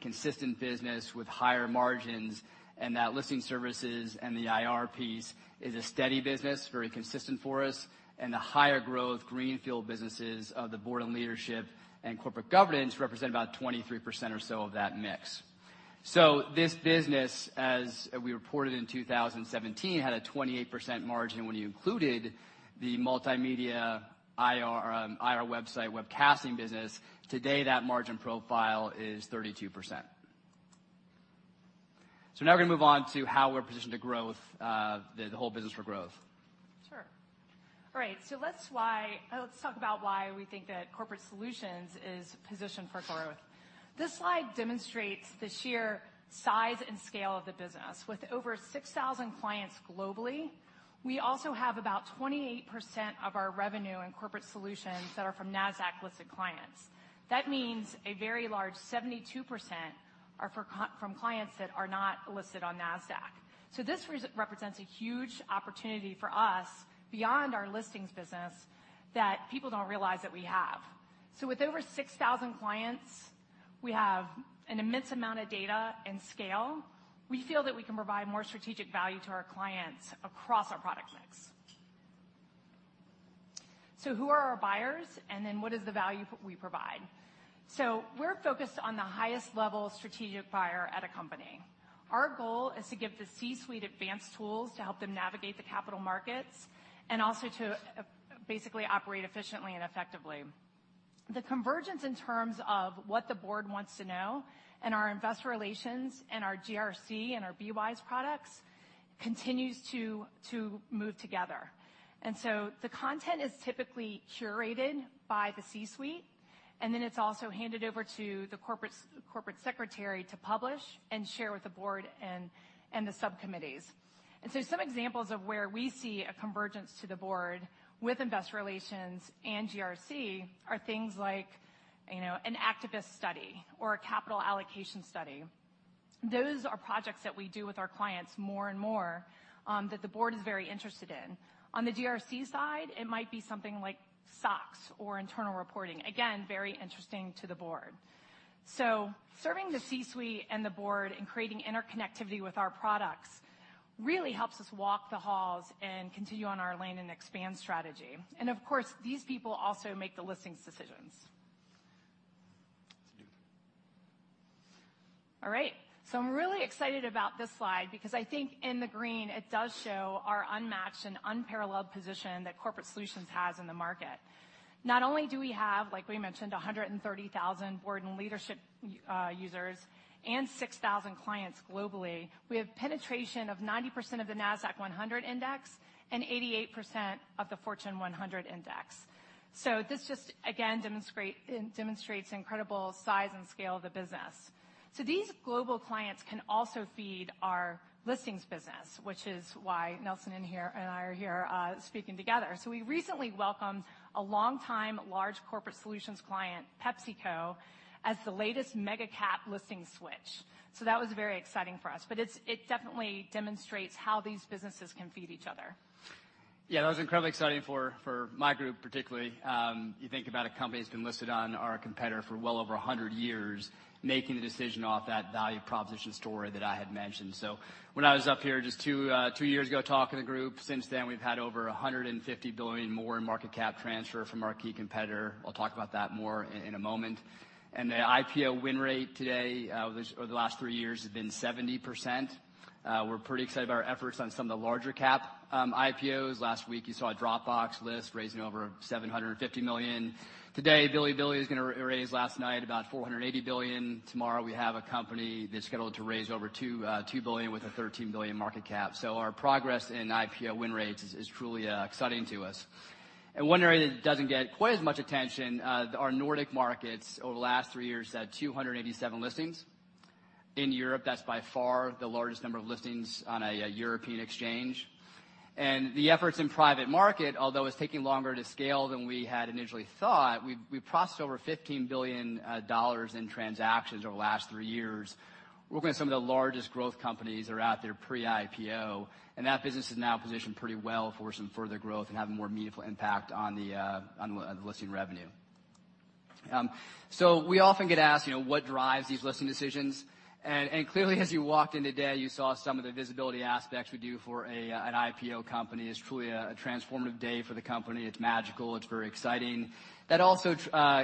consistent business with higher margins. That listing services and the IR piece is a steady business, very consistent for us. The higher growth greenfield businesses of the board and leadership and corporate governance represent about 23% or so of that mix. This business, as we reported in 2017, had a 28% margin when you included the multimedia IR website, webcasting business. Today, that margin profile is 32%. Now we're going to move on to how we're positioned to grow the whole business for growth. Sure. All right. Let's talk about why we think that Corporate Solutions is positioned for growth. This slide demonstrates the sheer size and scale of the business. With over 6,000 clients globally, we also have about 28% of our revenue in Corporate Solutions that are from Nasdaq-listed clients. That means a very large 72% are from clients that are not listed on Nasdaq. This represents a huge opportunity for us beyond our listings business that people don't realize that we have. With over 6,000 clients, we have an immense amount of data and scale. We feel that we can provide more strategic value to our clients across our product mix. Who are our buyers, and what is the value we provide? We're focused on the highest level strategic buyer at a company. Our goal is to give the C-suite advanced tools to help them navigate the capital markets, and also to basically operate efficiently and effectively. The convergence in terms of what the board wants to know and our investor relations and our GRC and our BWise products continues to move together. The content is typically curated by the C-suite, and it's also handed over to the corporate secretary to publish and share with the board and the subcommittees. Some examples of where we see a convergence to the board with investor relations and GRC are things like an activist study or a capital allocation study. Those are projects that we do with our clients more and more, that the board is very interested in. On the GRC side, it might be something like SOX or internal reporting. Again, very interesting to the board. Serving the C-suite and the board and creating interconnectivity with our products really helps us walk the halls and continue on our land-and-expand strategy. Of course, these people also make the listings decisions. Let's do. All right. I'm really excited about this slide because I think in the green, it does show our unmatched and unparalleled position that Corporate Solutions has in the market. Not only do we have, like we mentioned, 130,000 board and leadership users and 6,000 clients globally, we have penetration of 90% of the Nasdaq-100 index and 88% of the Fortune 100 index. This just, again, demonstrates incredible size and scale of the business. These global clients can also feed our listings business, which is why Nelson and I are here speaking together. We recently welcomed a long-time large Corporate Solutions client, PepsiCo, as the latest mega-cap listing switch. That was very exciting for us. It definitely demonstrates how these businesses can feed each other. Yeah, that was incredibly exciting for my group particularly. You think about a company that's been listed on our competitor for well over 100 years, making the decision off that value proposition story that I had mentioned. When I was up here just two years ago, talking to the group, since then, we've had over $150 billion more in market cap transfer from our key competitor. I'll talk about that more in a moment. The IPO win rate today, or the last three years, has been 70%. We're pretty excited about our efforts on some of the larger cap IPOs. Last week, you saw Dropbox list raising over $750 million. Today, Bilibili is going to raise last night about $480 million. Tomorrow, we have a company that's scheduled to raise over $2 billion with a $13 billion market cap. Our progress in IPO win rates is truly exciting to us. One area that doesn't get quite as much attention, our Nordic markets over the last three years had 287 listings. In Europe, that's by far the largest number of listings on a European exchange. The efforts in private market, although it's taking longer to scale than we had initially thought, we processed over $15 billion in transactions over the last three years. Working with some of the largest growth companies that are out there pre-IPO, and that business is now positioned pretty well for some further growth and having more meaningful impact on the listing revenue. We often get asked, what drives these listing decisions? Clearly, as you walked in today, you saw some of the visibility aspects we do for an IPO company. It's truly a transformative day for the company. It's magical. It's very exciting. That also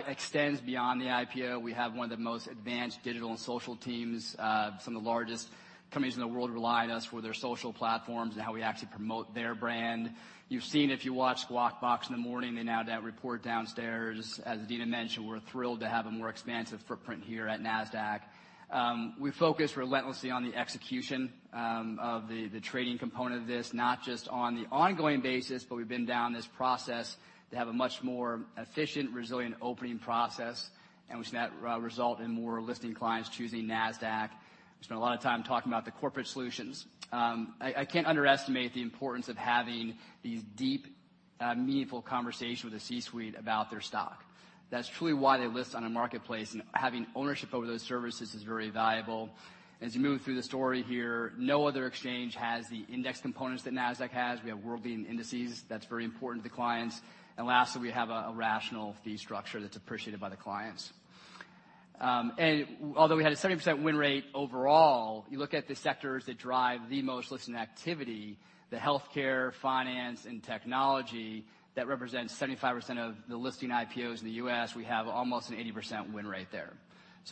extends beyond the IPO. We have one of the most advanced digital and social teams. Some of the largest companies in the world rely on us for their social platforms and how we actually promote their brand. You've seen if you watch Squawk Box in the morning, they now report downstairs. As Adena mentioned, we're thrilled to have a more expansive footprint here at Nasdaq. We focus relentlessly on the execution of the trading component of this, not just on the ongoing basis, but we've been down this process to have a much more efficient, resilient opening process, and we've seen that result in more listing clients choosing Nasdaq. We spent a lot of time talking about the Corporate Solutions. I can't underestimate the importance of having these deep, meaningful conversations with the C-suite about their stock. That's truly why they list on a marketplace, having ownership over those services is very valuable. As you move through the story here, no other exchange has the index components that Nasdaq has. We have world-leading indices. That's very important to clients. Lastly, we have a rational fee structure that's appreciated by the clients. Although we had a 70% win rate overall, you look at the sectors that drive the most listing activity, the healthcare, finance, and technology, that represents 75% of the listing IPOs in the U.S. We have almost an 80% win rate there.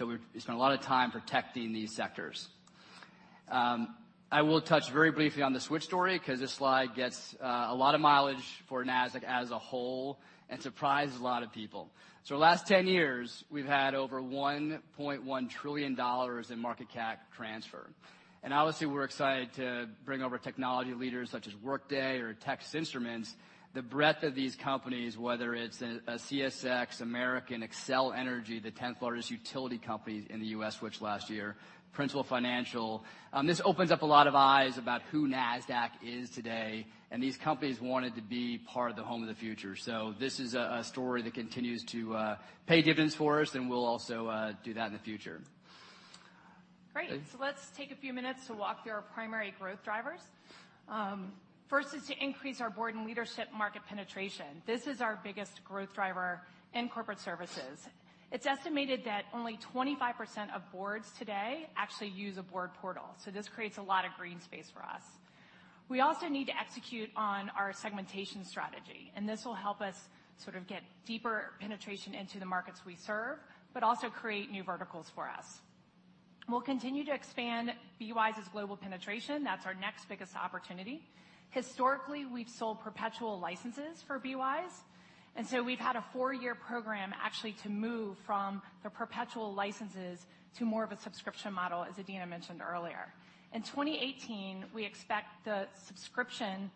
We spend a lot of time protecting these sectors. I will touch very briefly on the switch story because this slide gets a lot of mileage for Nasdaq as a whole and surprises a lot of people. The last 10 years, we've had over $1.1 trillion in market cap transfer. Obviously, we're excited to bring over technology leaders such as Workday or Texas Instruments. The breadth of these companies, whether it's a CSX, American, Xcel Energy, the 10th largest utility company in the U.S., switched last year, Principal Financial. This opens up a lot of eyes about who Nasdaq is today, and these companies wanted to be part of the home of the future. This is a story that continues to pay dividends for us, and we'll also do that in the future. Great. Let's take a few minutes to walk through our primary growth drivers. First is to increase our board and leadership market penetration. This is our biggest growth driver in corporate services. It's estimated that only 25% of boards today actually use a board portal. This creates a lot of green space for us. We also need to execute on our segmentation strategy, and this will help us sort of get deeper penetration into the markets we serve, but also create new verticals for us. We'll continue to expand BWise's global penetration. That's our next biggest opportunity. Historically, we've sold perpetual licenses for BWise, and so we've had a four-year program actually to move from the perpetual licenses to more of a subscription model, as Adena mentioned earlier. In 2018, we expect the subscription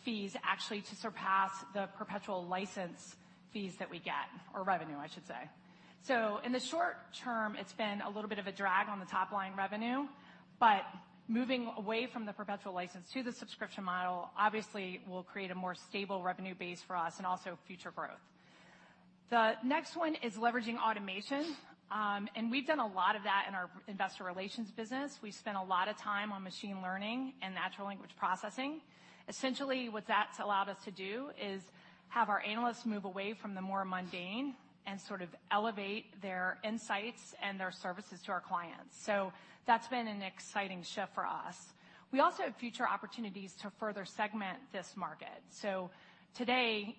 fees actually to surpass the perpetual license fees that we get, or revenue, I should say. In the short term, it's been a little bit of a drag on the top-line revenue, but moving away from the perpetual license to the subscription model obviously will create a more stable revenue base for us and also future growth. The next one is leveraging automation, and we've done a lot of that in our investor relations business. We've spent a lot of time on machine learning and natural language processing. Essentially, what that's allowed us to do is have our analysts move away from the more mundane and sort of elevate their insights and their services to our clients. That's been an exciting shift for us. We also have future opportunities to further segment this market. Today,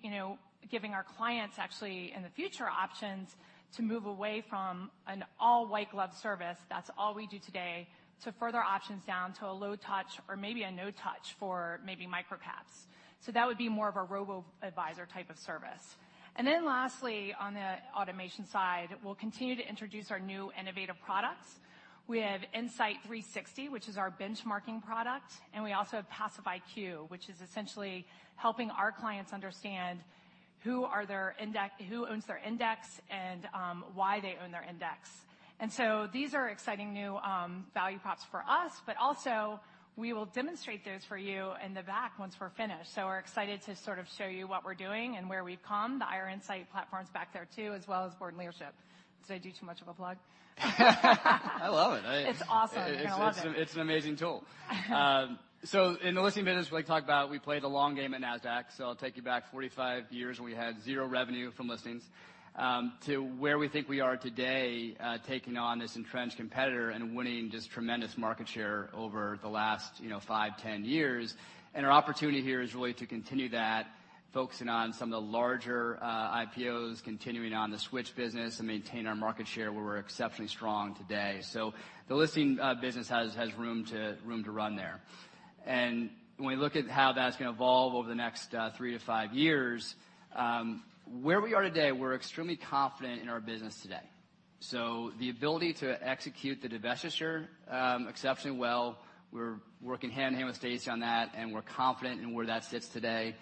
giving our clients actually, in the future, options to move away from an all white glove service, that's all we do today, to further options down to a low touch or maybe a no touch for maybe micro caps. That would be more of a robo-advisor type of service. Lastly, on the automation side, we'll continue to introduce our new innovative products. We have Insight360, which is our benchmarking product, and we also have passiveIQ, which is essentially helping our clients understand who owns their index and why they own their index. These are exciting new value props for us, but also we will demonstrate those for you in the back once we're finished. We're excited to sort of show you what we're doing and where we've come. The IR Insight platform's back there too, as well as board and leadership. Did I do too much of a plug? I love it. It's awesome. You're going to love it. It's an amazing tool. In the listing business, we talk about we play the long game at Nasdaq. I'll take you back 45 years, when we had zero revenue from listings, to where we think we are today, taking on this entrenched competitor and winning just tremendous market share over the last five, 10 years. Our opportunity here is really to continue that, focusing on some of the larger IPOs, continuing on the switch business, and maintain our market share where we're exceptionally strong today. The listing business has room to run there. When we look at how that's going to evolve over the next three to five years, where we are today, we're extremely confident in our business today. The ability to execute the divestiture exceptionally well, we're working hand-in-hand with Stacie on that, and we're confident in where that sits today.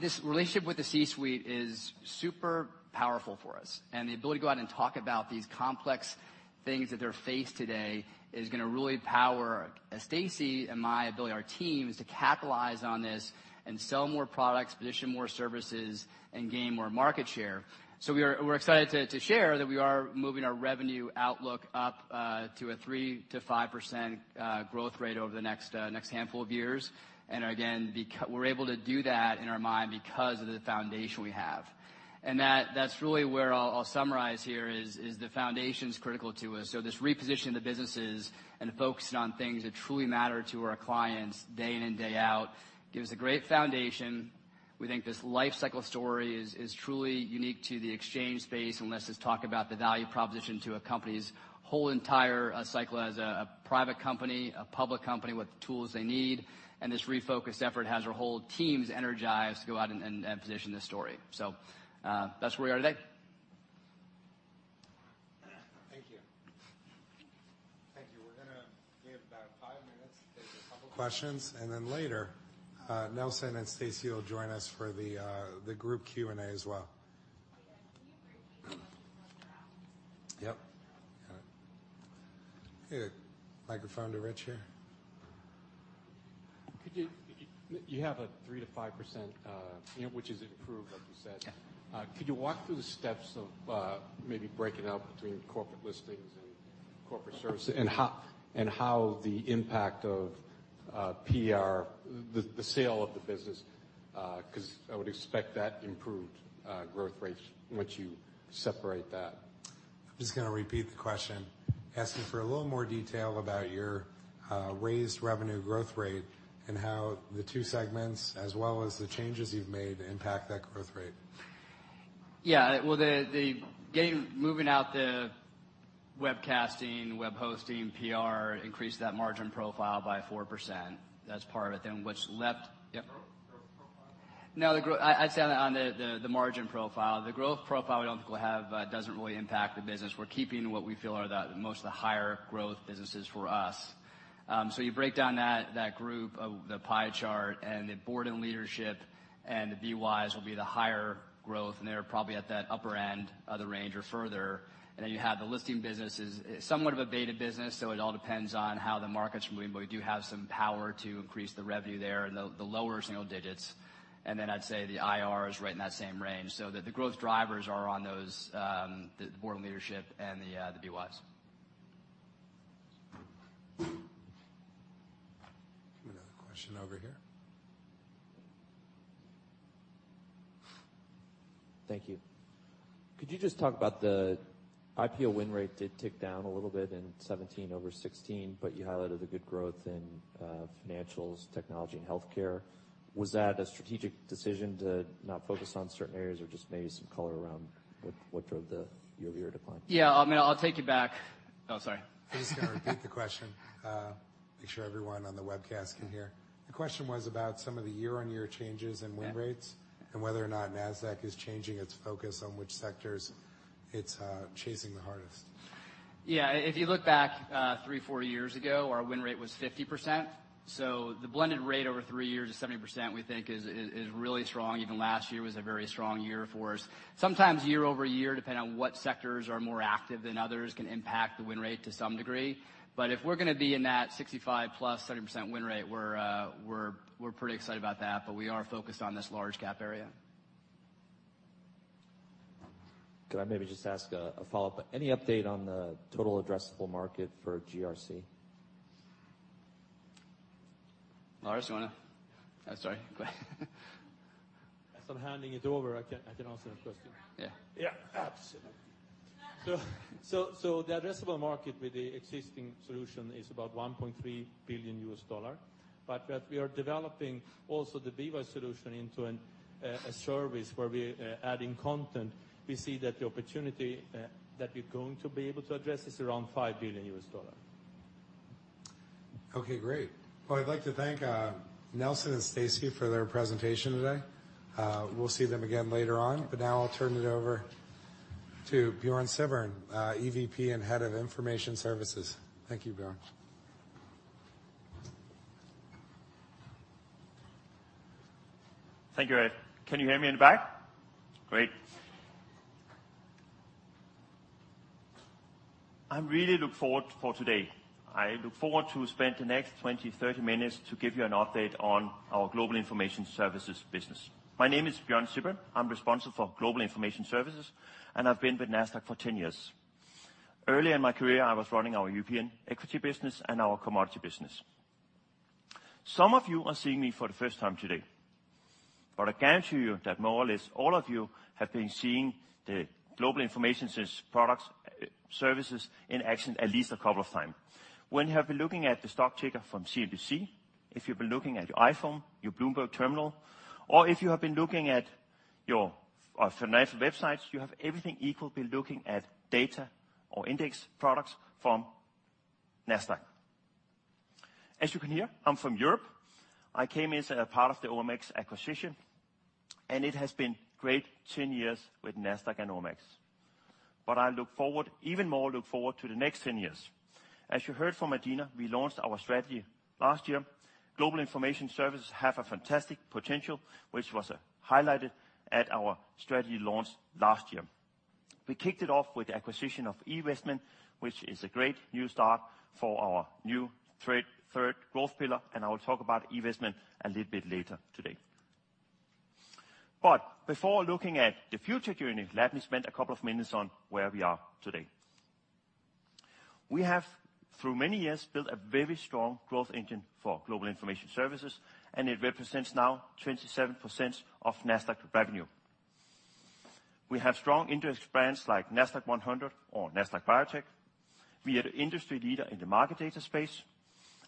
This relationship with the C-suite is super powerful for us, and the ability to go out and talk about these complex things that they face today is going to really power Stacie and my ability, our teams, to capitalize on this and sell more products, position more services, and gain more market share. We're excited to share that we are moving our revenue outlook up to a 3%-5% growth rate over the next handful of years. Again, we're able to do that in our mind because of the foundation we have. That's really where I'll summarize here is the foundation's critical to us. This reposition of the businesses and the focus on things that truly matter to our clients day in and day out gives a great foundation. We think this life cycle story is truly unique to the exchange space, lets us talk about the value proposition to a company's whole entire cycle as a private company, a public company, with the tools they need. This refocused effort has our whole teams energized to go out and position this story. That's where we are today. Thank you. Thank you. We're going to give about five minutes to take a couple questions, and then later, Nelson and Stacie will join us for the group Q&A as well. Adena, can you repeat the questions as they're asked? Yep. Got it. Okay. Microphone to Rich here. You have a 3%-5% which is improved, like you said. Yeah. Could you walk through the steps of maybe breaking out between corporate listings and corporate services, and how the impact of PR, the sale of the business, because I would expect that improved growth rate once you separate that. I'm just going to repeat the question. Asking for a little more detail about your raised revenue growth rate and how the two segments, as well as the changes you've made, impact that growth rate. Yeah. Well, moving out the webcasting, web hosting, PR, increased that margin profile by 4%. That's part of it. What's left Yeah? Growth profile? No, I'd say on the margin profile. The growth profile, we don't think, doesn't really impact the business. We're keeping what we feel are most of the higher growth businesses for us. You break down that group, the pie chart, and the board and leadership and the BWise will be the higher growth, and they're probably at that upper end of the range or further. You have the listing business is somewhat of a beta business, so it all depends on how the market's moving, but we do have some power to increase the revenue there in the lower single digits. I'd say the IR is right in that same range. The growth drivers are on those, the board and leadership and the BWise. Question over here. Thank you. Could you just talk about the IPO win rate did tick down a little bit in 2017 over 2016, you highlighted the good growth in financials, technology, and healthcare. Was that a strategic decision to not focus on certain areas or just maybe some color around what drove the year-over-year decline? Yeah, I'll take it back. Oh, sorry. I'm just going to repeat the question, make sure everyone on the webcast can hear. The question was about some of the year-on-year changes in win rates. Yeah. Whether or not Nasdaq is changing its focus on which sectors it's chasing the hardest. Yeah. If you look back three, four years ago, our win rate was 50%. The blended rate over three years is 70%, we think is really strong. Even last year was a very strong year for us. Sometimes year-over-year, depending on what sectors are more active than others, can impact the win rate to some degree. If we're going to be in that 65+, 70% win rate, we're pretty excited about that. We are focused on this large cap area. Could I maybe just ask a follow-up? Any update on the total addressable market for GRC? Lars, you want to I'm sorry, go ahead. As I'm handing it over, I can answer the question. Yeah. Absolutely. The addressable market with the existing solution is about $1.3 billion. We are developing also the Viva solution into a service where we adding content, we see that the opportunity, that we're going to be able to address is around $5 billion. Great. I'd like to thank Nelson and Stacie for their presentation today. We'll see them again later on, but now I'll turn it over to Bjørn Sibbern, EVP and Head of Global Information Services. Thank you, Bjørn. Thank you, Ed. Can you hear me in the back? Great. I really look forward for today. I look forward to spend the next 20, 30 minutes to give you an update on our Global Information Services business. My name is Bjørn Sibbern. I'm responsible for Global Information Services, and I've been with Nasdaq for 10 years. Early in my career, I was running our European equity business and our commodity business. Some of you are seeing me for the first time today, but I guarantee you that more or less all of you have been seeing the Global Information Services products, services in action at least a couple of time. When you have been looking at the stock ticker from CNBC, if you've been looking at your iPhone, your Bloomberg terminal, or if you have been looking at your financial websites, you have everything equal been looking at data or index products from Nasdaq. As you can hear, I'm from Europe. I came in as a part of the OMX acquisition, and it has been great 10 years with Nasdaq and OMX. I even more look forward to the next 10 years. As you heard from Adena, we launched our strategy last year. Global Information Services have a fantastic potential, which was highlighted at our strategy launch last year. We kicked it off with the acquisition of eVestment, which is a great new start for our new third growth pillar, and I will talk about eVestment a little bit later today. Before looking at the future journey, let me spend a couple of minutes on where we are today. We have through many years built a very strong growth engine for Global Information Services, and it represents now 27% of Nasdaq revenue. We have strong index brands like Nasdaq-100 or Nasdaq Biotechnology. We are the industry leader in the market data space,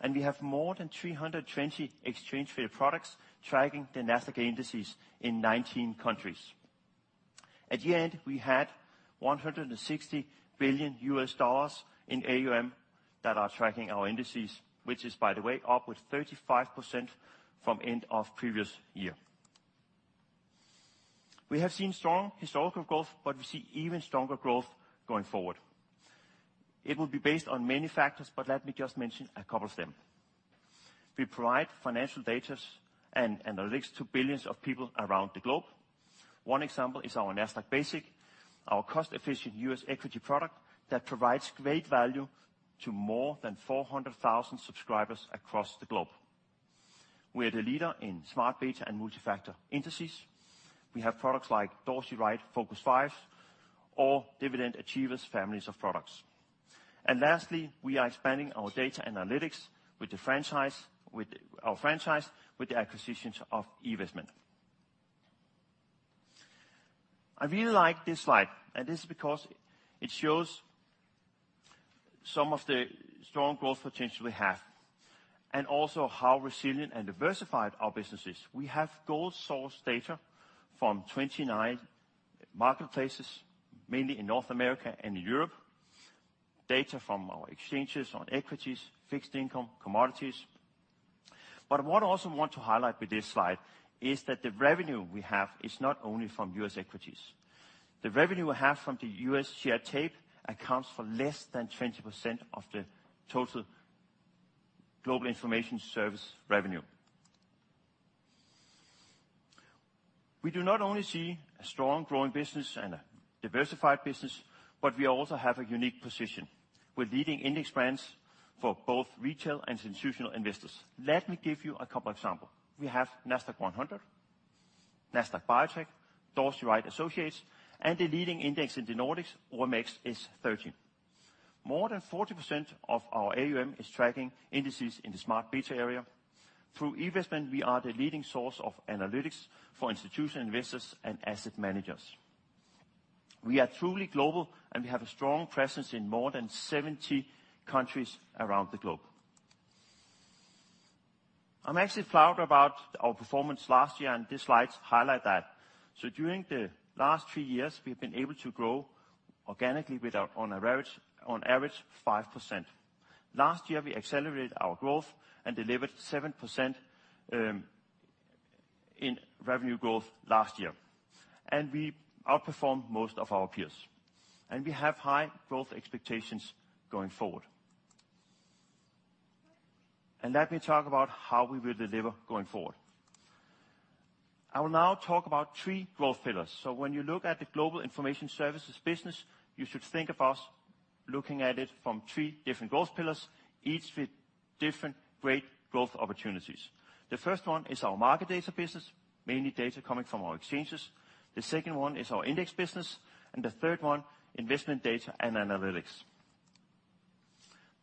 and we have more than 320 exchange-traded products tracking the Nasdaq indices in 19 countries. At the end, we had $160 billion in AUM that are tracking our indices, which is, by the way, upward 35% from end of previous year. We have seen strong historical growth, we see even stronger growth going forward. It will be based on many factors, let me just mention a couple of them. We provide financial data and analytics to billions of people around the globe. One example is our Nasdaq Basic, our cost-efficient U.S. equity product that provides great value to more than 400,000 subscribers across the globe. We are the leader in smart beta and multi-factor indices. We have products like Dorsey Wright Focus 5 or Dividend Achievers families of products. Lastly, we are expanding our data analytics with our franchise, with the acquisitions of eVestment. I really like this slide. This is because it shows some of the strong growth potential we have, and also how resilient and diversified our business is. We have gold source data from 29 marketplaces, mainly in North America and Europe, data from our exchanges on equities, Fixed Income, commodities. What I also want to highlight with this slide is that the revenue we have is not only from U.S. equities. The revenue we have from the U.S. share tape accounts for less than 20% of the total Global Information Services revenue. We do not only see a strong growing business and a diversified business, we also have a unique position with leading index brands for both retail and institutional investors. Let me give you a couple example. We have Nasdaq-100, Nasdaq Biotechnology, Dorsey Wright & Associates, and the leading index in the Nordics, OMXS30. More than 40% of our AUM is tracking indices in the smart beta area. Through eVestment, we are the leading source of analytics for institutional investors and asset managers. We are truly global, and we have a strong presence in more than 70 countries around the globe. I'm actually proud about our performance last year, these slides highlight that. During the last three years, we've been able to grow organically on average 5%. Last year, we accelerated our growth and delivered 7% in revenue growth last year, we outperformed most of our peers. We have high growth expectations going forward. Let me talk about how we will deliver going forward. I will now talk about three growth pillars. When you look at the Global Information Services business, you should think of us looking at it from three different growth pillars, each with different great growth opportunities. The first one is our market data business, mainly data coming from our exchanges. The second one is our index business, and the third one, investment data and analytics.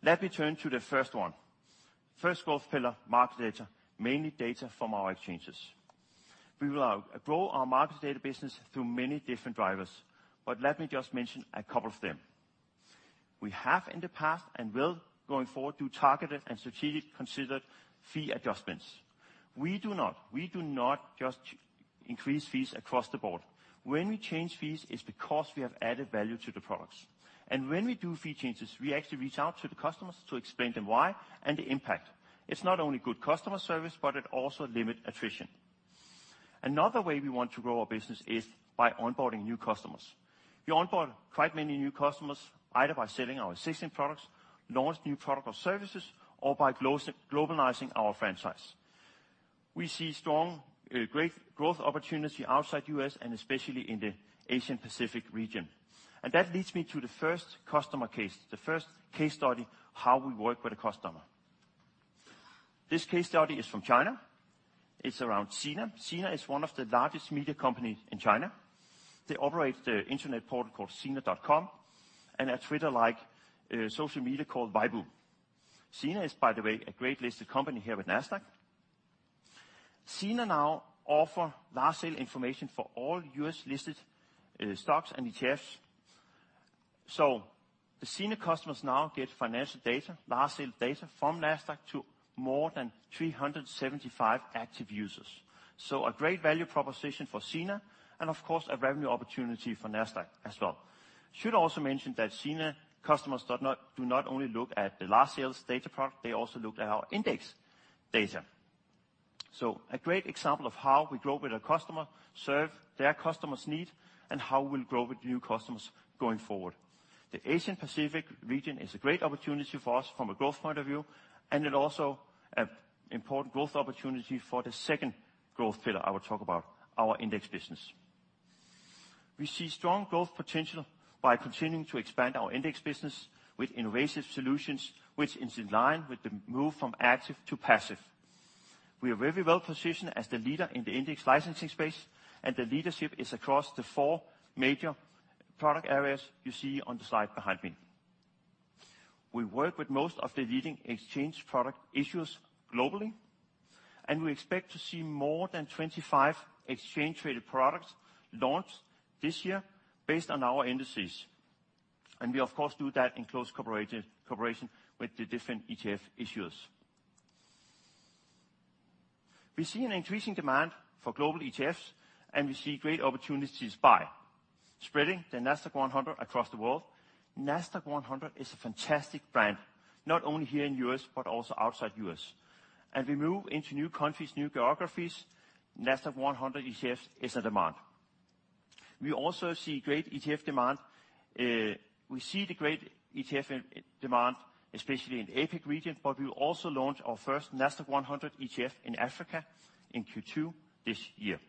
Let me turn to the first one. First growth pillar, market data, mainly data from our exchanges. We will grow our market data business through many different drivers, let me just mention a couple of them. We have in the past and will, going forward, do targeted and strategically considered fee adjustments. We do not just increase fees across the board. When we change fees, it's because we have added value to the products. When we do fee changes, we actually reach out to the customers to explain to them why and the impact. It's not only good customer service, but it also limit attrition. Another way we want to grow our business is by onboarding new customers. We onboard quite many new customers, either by selling our existing products, launch new product or services, or by globalizing our franchise. We see strong growth opportunity outside U.S. and especially in the Asia-Pacific region. That leads me to the first customer case, the first case study, how we work with a customer. This case study is from China. It's around Sina. Sina is one of the largest media companies in China. They operate the internet portal called SINA.com and a Twitter-like social media called Weibo. Sina is, by the way, a great listed company here with Nasdaq. Sina now offer last sale information for all U.S. listed stocks and ETFs. The Sina customers now get financial data, last sale data from Nasdaq to more than 375 active users. A great value proposition for Sina, and of course, a revenue opportunity for Nasdaq as well. Should also mention that Sina customers do not only look at the last sale data product, they also look at our index data. A great example of how we grow with a customer, serve their customer's need, and how we'll grow with new customers going forward. The Asia-Pacific region is a great opportunity for us from a growth point of view, it also an important growth opportunity for the second growth pillar I will talk about, our index business. We see strong growth potential by continuing to expand our index business with innovative solutions, which is in line with the move from active to passive. We are very well positioned as the leader in the index licensing space, the leadership is across the four major product areas you see on the slide behind me. We work with most of the leading exchange product issuers globally, and we expect to see more than 25 exchange-traded products launched this year based on our indices. We of course, do that in close cooperation with the different ETF issuers. We see an increasing demand for global ETFs, and we see great opportunities by spreading the Nasdaq-100 across the world. Nasdaq-100 is a fantastic brand, not only here in U.S., but also outside U.S. As we move into new countries, new geographies, Nasdaq-100 ETF is in demand. We see the great ETF demand, especially in the APAC region, but we will also launch our first Nasdaq-100 ETF in Africa in Q2 this year.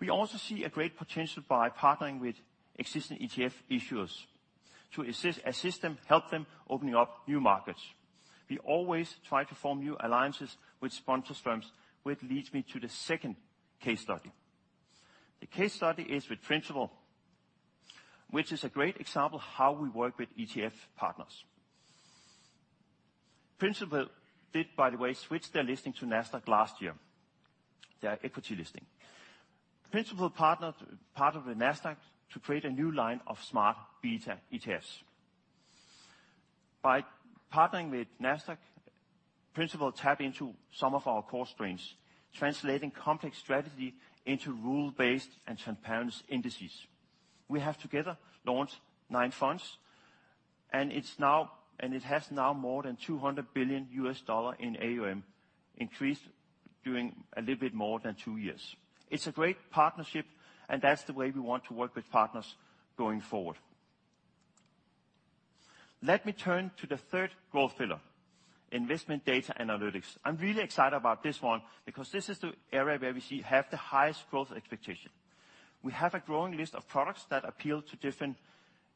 We also see a great potential by partnering with existing ETF issuers to assist them, help them opening up new markets. We always try to form new alliances with sponsor firms, which leads me to the second case study. The case study is with Principal, which is a great example how we work with ETF partners. Principal did, by the way, switch their listing to Nasdaq last year, their equity listing. Principal partnered with Nasdaq to create a new line of smart beta ETFs. By partnering with Nasdaq, Principal tap into some of our core strengths, translating complex strategy into rule-based and transparent indices. We have together launched nine funds, and it has now more than $200 billion in AUM, increased during a little bit more than two years. It's a great partnership, and that's the way we want to work with partners going forward. Let me turn to the third growth pillar, investment data analytics. I'm really excited about this one because this is the area where we have the highest growth expectation. We have a growing list of products that appeal to different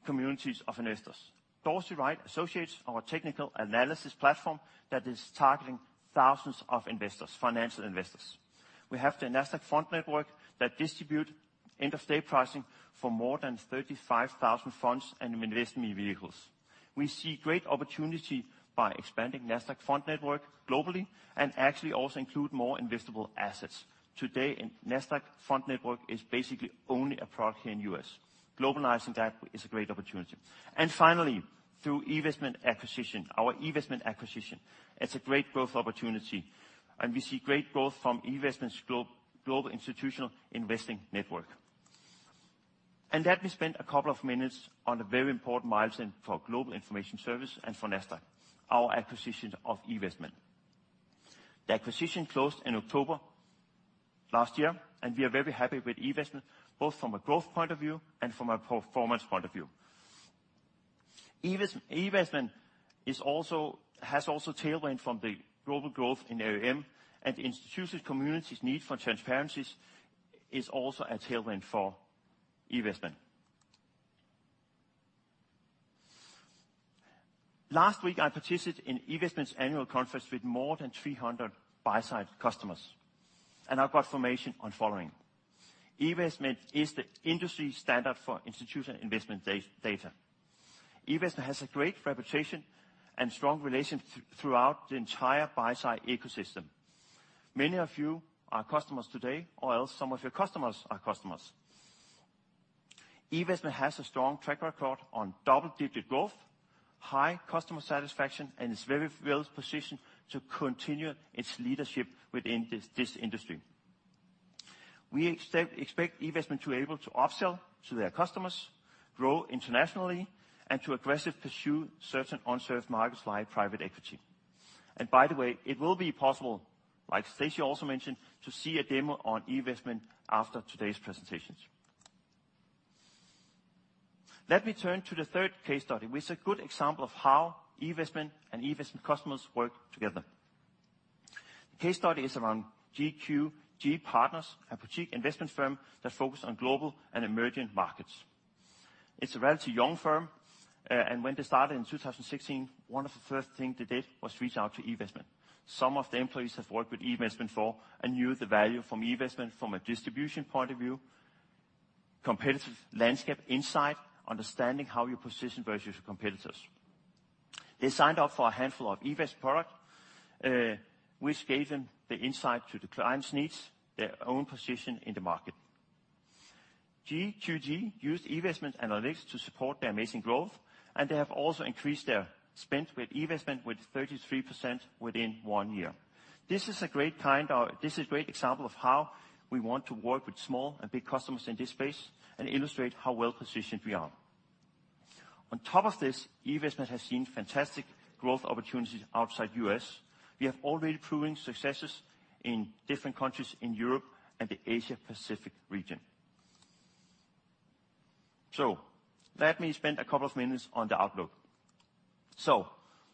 communities of investors. Dorsey Wright Associates, our technical analysis platform that is targeting thousands of investors, financial investors. We have the Nasdaq Fund Network that distribute end-of-day pricing for more than 35,000 funds and investment vehicles. We see great opportunity by expanding Nasdaq Fund Network globally and actually also include more investable assets. Today, Nasdaq Fund Network is basically only a product in U.S. Globalizing that is a great opportunity. Finally, through our eVestment acquisition, it's a great growth opportunity, and we see great growth from eVestment's global institutional investing network. Let me spend a couple of minutes on a very important milestone for Global Information Services and for Nasdaq, our acquisition of eVestment. The acquisition closed in October last year, and we are very happy with eVestment, both from a growth point of view and from a performance point of view. eVestment has also tailwind from the global growth in AUM and the institutional community's need for transparencies is also a tailwind for eVestment. Last week, I participated in eVestment's annual conference with more than 300 buy-side customers, and I got information on following. eVestment is the industry standard for institutional investment data. eVestment has a great reputation and strong relations throughout the entire buy-side ecosystem. Many of you are customers today or else some of your customers are customers. eVestment has a strong track record on double-digit growth, high customer satisfaction, and is very well positioned to continue its leadership within this industry. We expect eVestment to be able to upsell to their customers, grow internationally, and to aggressively pursue certain unserved markets like private equity. By the way, it will be possible, like Stacie also mentioned, to see a demo on eVestment after today's presentations. Let me turn to the third case study, which is a good example of how eVestment and eVestment customers work together. The case study is around GQG Partners, a boutique investment firm that focus on global and emerging markets. It's a relatively young firm, and when they started in 2016, one of the first things they did was reach out to eVestment. Some of the employees have worked with eVestment before and knew the value from eVestment from a distribution point of view, competitive landscape insight, understanding how you're positioned versus your competitors. They signed up for a handful of eVestment products, which gave them the insight to the client's needs, their own position in the market. GQG used eVestment analytics to support their amazing growth, and they have also increased their spend with eVestment with 33% within one year. This is a great example of how we want to work with small and big customers in this space and illustrate how well-positioned we are. On top of this, eVestment has seen fantastic growth opportunities outside U.S. We have already proven successes in different countries in Europe and the Asia Pacific region. Let me spend a couple of minutes on the outlook.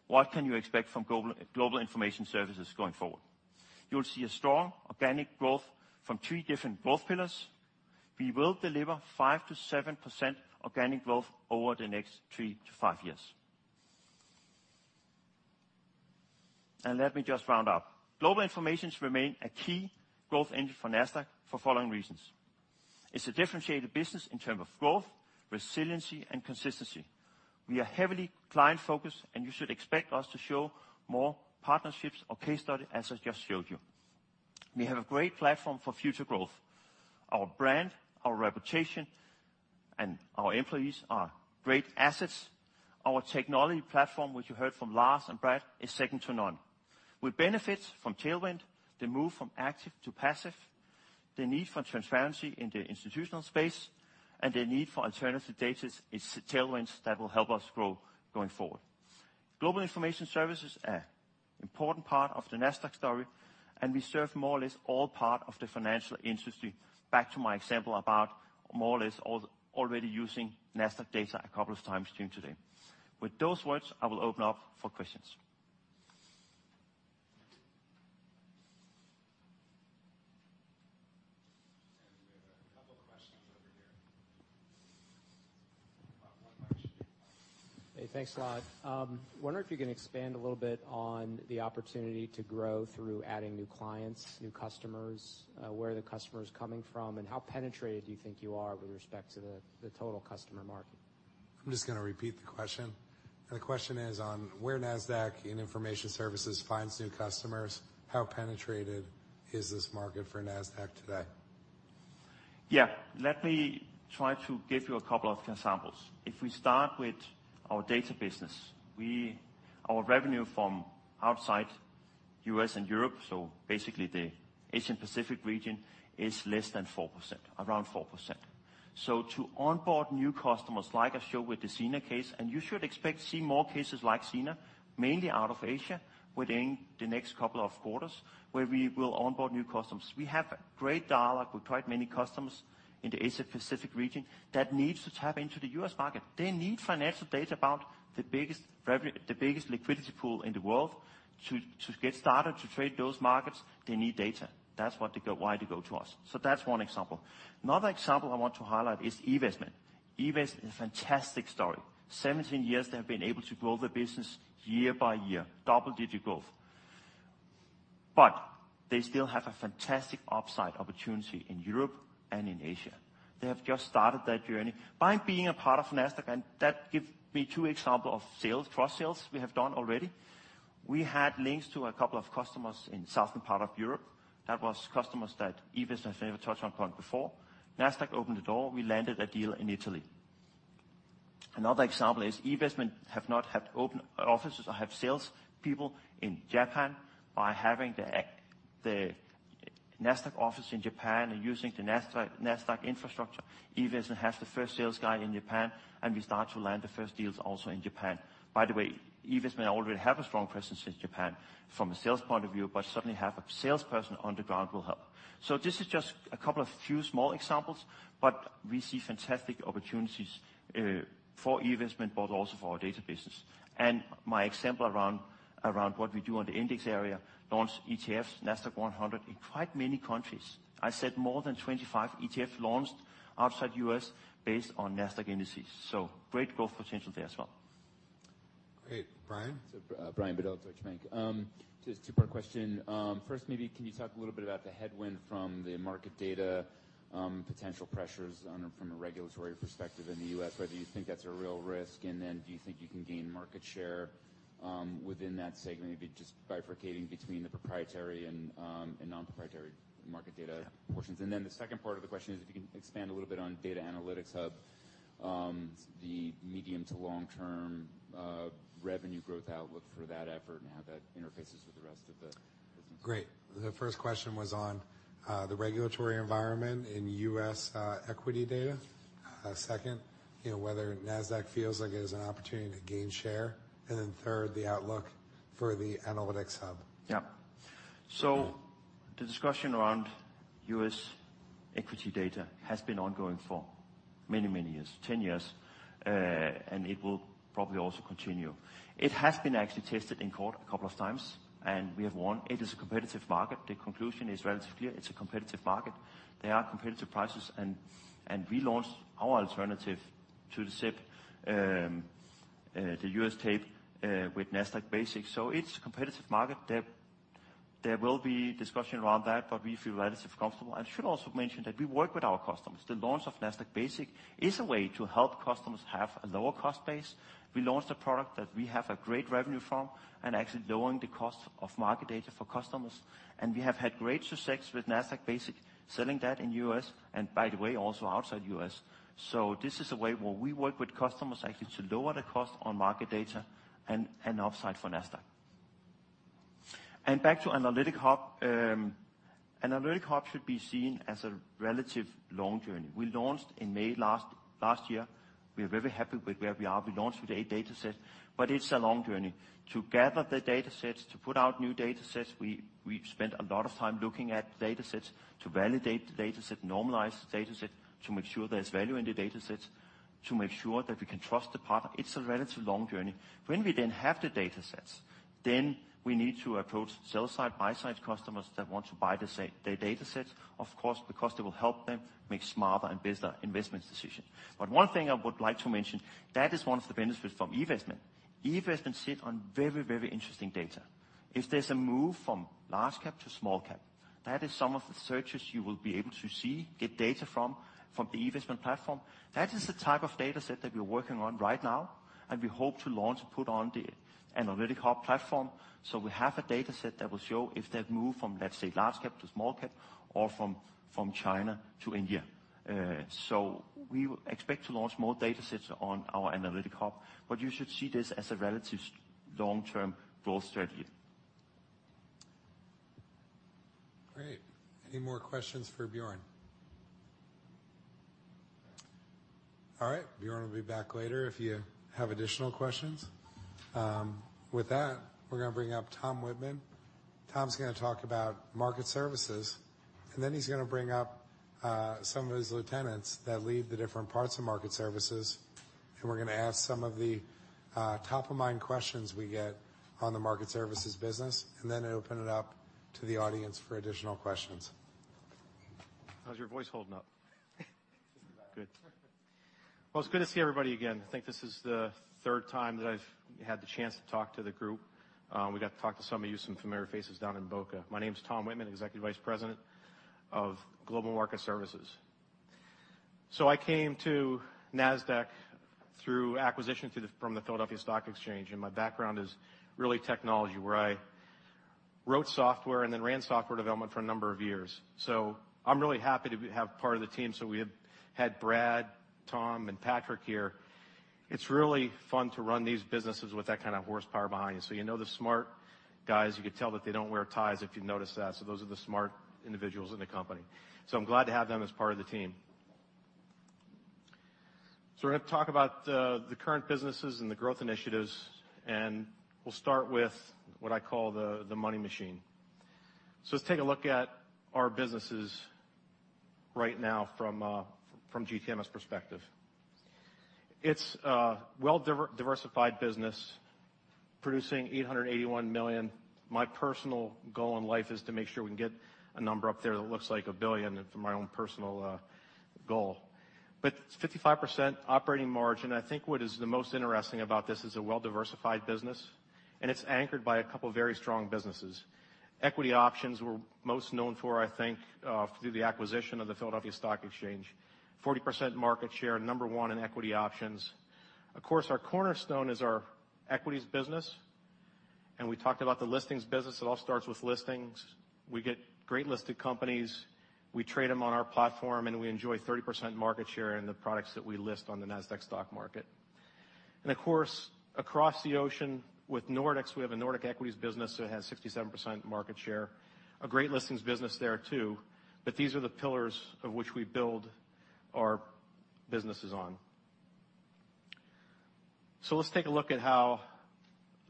What can you expect from Global Information Services going forward? You'll see a strong organic growth from three different growth pillars. We will deliver 5%-7% organic growth over the next three to five years. Let me just round up. Global Information remain a key growth engine for Nasdaq for following reasons. It's a differentiated business in term of growth, resiliency, and consistency. We are heavily client-focused, and you should expect us to show more partnerships or case study, as I just showed you. We have a great platform for future growth. Our brand, our reputation, and our employees are great assets. Our technology platform, which you heard from Lars and Brad, is second to none. We benefit from tailwind, the move from active to passive, the need for transparency in the institutional space, and the need for alternative data is tailwinds that will help us grow going forward. Global Information Services, an important part of the Nasdaq story, and we serve more or less all part of the financial industry. Back to my example about more or less already using Nasdaq data a couple of times during today. With those words, I will open up for questions. We have a couple of questions over here. One mic. Hey, thanks a lot. Wonder if you can expand a little bit on the opportunity to grow through adding new clients, new customers, where the customer is coming from, and how penetrated do you think you are with respect to the total customer market? I'm just going to repeat the question. The question is on where Nasdaq in Information Services finds new customers, how penetrated is this market for Nasdaq today? Let me try to give you a couple of examples. If we start with our data business, our revenue from outside U.S. and Europe, so basically the Asia Pacific region, is less than 4%, around 4%. To onboard new customers, like I showed with the Sina case, and you should expect to see more cases like Sina, mainly out of Asia, within the next couple of quarters, where we will onboard new customers. We have great dialogue with quite many customers in the Asia Pacific region that need to tap into the U.S. market. They need financial data about the biggest liquidity pool in the world. To get started to trade those markets, they need data. That's why they go to us. That's one example. Another example I want to highlight is eVestment. eVestment is a fantastic story. 17 years, they have been able to grow their business year by year, double-digit growth. They still have a fantastic upside opportunity in Europe and in Asia. They have just started that journey by being a part of Nasdaq, and that give me two example of cross-sales we have done already. We had links to a couple of customers in southern part of Europe. That was customers that eVestment have never touched on point before. Nasdaq opened the door, we landed a deal in Italy. Another example is eVestment have not had open offices or have sales people in Japan. By having the Nasdaq office in Japan and using the Nasdaq infrastructure, eVestment has the first sales guy in Japan, and we start to land the first deals also in Japan. By the way, eVestment already have a strong presence in Japan from a sales point of view, but suddenly have a salesperson on the ground will help. This is just a couple of few small examples, but we see fantastic opportunities, for eVestment, but also for our data business. My example around what we do on the index area, launch ETFs, Nasdaq-100 in quite many countries. I said more than 25 ETF launched outside U.S. based on Nasdaq indices. Great growth potential there as well. Great, Brian? Brian Bedell, Deutsche Bank. Just two-part question. First, maybe can you talk a little bit about the headwind from the market data, potential pressures from a regulatory perspective in the U.S., whether you think that's a real risk, and then do you think you can gain market share, within that segment, maybe just bifurcating between the proprietary and non-proprietary market data portions. The second part of the question is if you can expand a little bit on data analytics hub, the medium to long term revenue growth outlook for that effort and how that interfaces with the rest of the business. Great. The first question was on the regulatory environment in U.S. equity data. Second, whether Nasdaq feels like it has an opportunity to gain share. Third, the outlook for the analytics hub. Yeah. The discussion around U.S. equity data has been ongoing for many, many years, 10 years, and it will probably also continue. It has been actually tested in court a couple of times, and we have won. It is a competitive market. The conclusion is relatively clear. It's a competitive market. There are competitive prices, and we launched our alternative to the SIP, the U.S. tape, with Nasdaq Basic. It's a competitive market. There will be discussion around that, but we feel relatively comfortable. I should also mention that we work with our customers. The launch of Nasdaq Basic is a way to help customers have a lower cost base. We launched a product that we have a great revenue from and actually lowering the cost of market data for customers. We have had great success with Nasdaq Basic, selling that in U.S., by the way, also outside U.S. This is a way where we work with customers actually to lower the cost on market data and an offsite for Nasdaq. Back to Analytics Hub. Analytics Hub should be seen as a relative long journey. We launched in May last year. We are very happy with where we are. We launched with a data set, but it's a long journey. To gather the data sets, to put out new data sets, we've spent a lot of time looking at data sets, to validate the data set, normalize the data set, to make sure there's value in the data sets, to make sure that we can trust the partner. It's a relative long journey. When we then have the data sets, we need to approach sell-side, buy-side customers that want to buy the data set, of course, because it will help them make smarter and better investments decision. One thing I would like to mention, that is one of the benefits from eVestment. eVestment sit on very, very interesting data. If there's a move from large-cap to small-cap, that is some of the searches you will be able to see, get data from the eVestment platform. That is the type of data set that we're working on right now, and we hope to launch and put on the Analytics Hub platform. We have a data set that will show if they've moved from, let's say, large-cap to small-cap or from China to India. We expect to launch more data sets on our Analytics Hub, but you should see this as a relative long-term growth strategy. Great. Any more questions for Bjørn? All right. Bjørn will be back later if you have additional questions. With that, we're going to bring up Tom Wittman. Tom's going to talk about Market Services, and then he's going to bring up some of his lieutenants that lead the different parts of Market Services. We're going to ask some of the top-of-mind questions we get on the Market Services business, and then open it up to the audience for additional questions. How's your voice holding up? Good. Well, it's good to see everybody again. I think this is the third time that I've had the chance to talk to the group. We got to talk to some of you, some familiar faces down in Boca. My name's Tom Wittman, Executive Vice President of Global Trading and Market Services. I came to Nasdaq through acquisition from the Philadelphia Stock Exchange, and my background is really technology, where I wrote software and then ran software development for a number of years. I'm really happy to have part of the team. We have had Brad, Tom, and Patrik here. It's really fun to run these businesses with that kind of horsepower behind you. You know they're smart guys. You could tell that they don't wear ties, if you notice that. Those are the smart individuals in the company. I'm glad to have them as part of the team. We're going to talk about the current businesses and the growth initiatives, we'll start with what I call the money machine. Let's take a look at our businesses right now from GTMS perspective. It's a well-diversified business. Producing $881 million. My personal goal in life is to make sure we can get a number up there that looks like a billion for my own personal goal. 55% operating margin. I think what is the most interesting about this is a well-diversified business, it's anchored by a couple of very strong businesses. Equity options we're most known for, I think, through the acquisition of the Philadelphia Stock Exchange. 40% market share, number one in equity options. Of course, our cornerstone is our equities business. We talked about the listings business. It all starts with listings. We get great listed companies. We trade them on our platform, we enjoy 30% market share in the products that we list on the Nasdaq stock market. Of course, across the ocean with Nordics, we have a Nordic equities business that has 67% market share. A great listings business there too. These are the pillars of which we build our businesses on. Let's take a look at how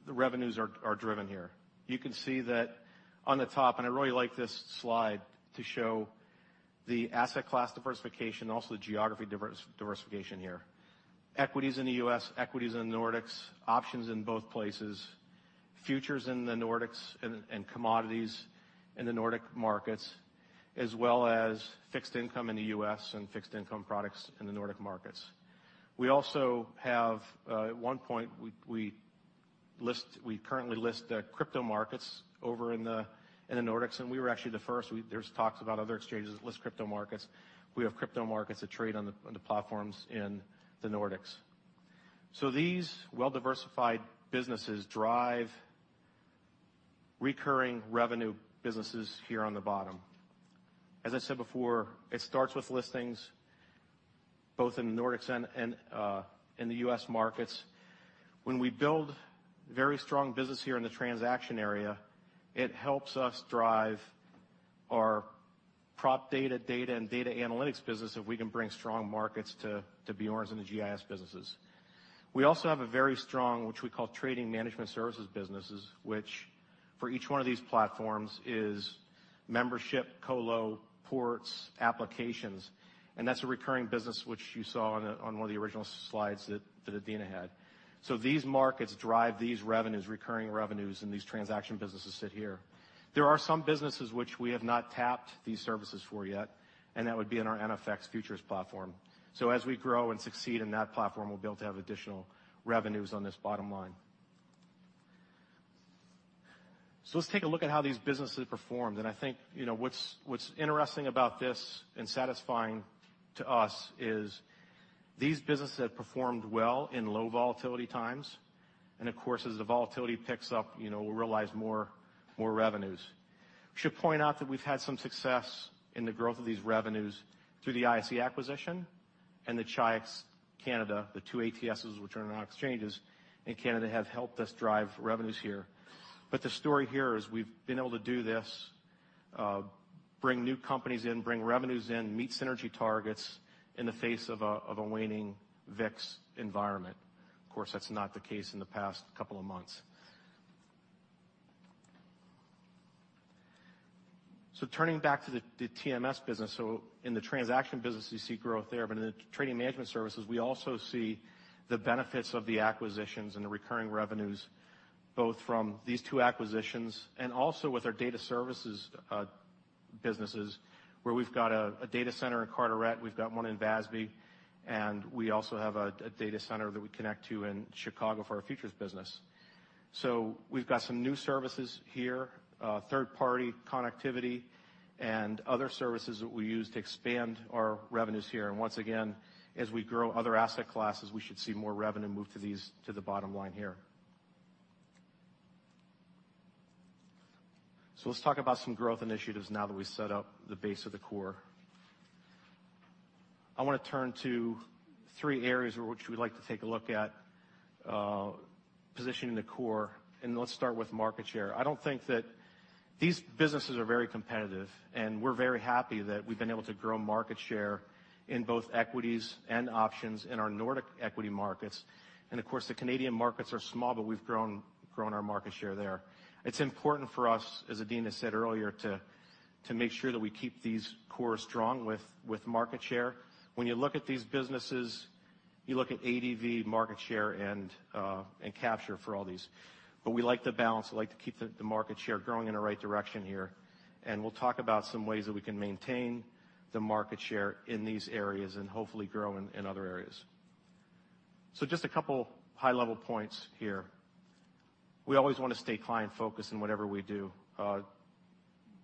the revenues are driven here. You can see that on the top. I really like this slide to show the asset class diversification, also the geography diversification here. Equities in the U.S., equities in the Nordics, options in both places, futures in the Nordics, and commodities in the Nordic markets, as well as fixed income in the U.S. and fixed income products in the Nordic markets. We also have, at one point, we currently list crypto markets over in the Nordics, and we were actually the first. There's talk about other exchanges that list crypto markets. We have crypto markets that trade on the platforms in the Nordics. These well-diversified businesses drive recurring revenue businesses here on the bottom. As I said before, it starts with listings both in the Nordics and in the U.S. markets. When we build very strong business here in the transaction area, it helps us drive our prop data and data analytics business if we can bring strong markets to Bjørn's and the GIS businesses. We also have a very strong, which we call trading management services businesses, which for each one of these platforms is membership, colo, ports, applications, and that's a recurring business which you saw on one of the original slides that Adena had. These markets drive these revenues, recurring revenues, and these transaction businesses sit here. There are some businesses which we have not tapped these services for yet, and that would be in our NFX Futures platform. As we grow and succeed in that platform, we'll be able to have additional revenues on this bottom line. Let's take a look at how these businesses performed. I think what's interesting about this and satisfying to us is these businesses have performed well in low volatility times. Of course, as the volatility picks up, we'll realize more revenues. We should point out that we've had some success in the growth of these revenues through the ISE acquisition and the Chi-X Canada. The two ATSs, which are now exchanges in Canada, have helped us drive revenues here. The story here is we've been able to do this, bring new companies in, bring revenues in, meet synergy targets in the face of a waning VIX environment. Of course, that's not the case in the past couple of months. Turning back to the TMS business. In the transaction business, you see growth there. In the trading management services, we also see the benefits of the acquisitions and the recurring revenues, both from these two acquisitions and also with our data services businesses, where we've got a data center in Carteret, we've got one in Väsby, and we also have a data center that we connect to in Chicago for our futures business. We've got some new services here, third-party connectivity and other services that we use to expand our revenues here. Once again, as we grow other asset classes, we should see more revenue move to the bottom line here. Let's talk about some growth initiatives now that we set up the base of the core. I want to turn to three areas which we'd like to take a look at positioning the core, and let's start with market share. I don't think that these businesses are very competitive, we're very happy that we've been able to grow market share in both equities and options in our Nordic equity markets. Of course, the Canadian markets are small, but we've grown our market share there. It's important for us, as Adena said earlier, to make sure that we keep these cores strong with market share. When you look at these businesses, you look at ADV market share and capture for all these. We like to balance, we like to keep the market share growing in the right direction here. We'll talk about some ways that we can maintain the market share in these areas and hopefully grow in other areas. Just a couple high-level points here. We always want to stay client-focused in whatever we do.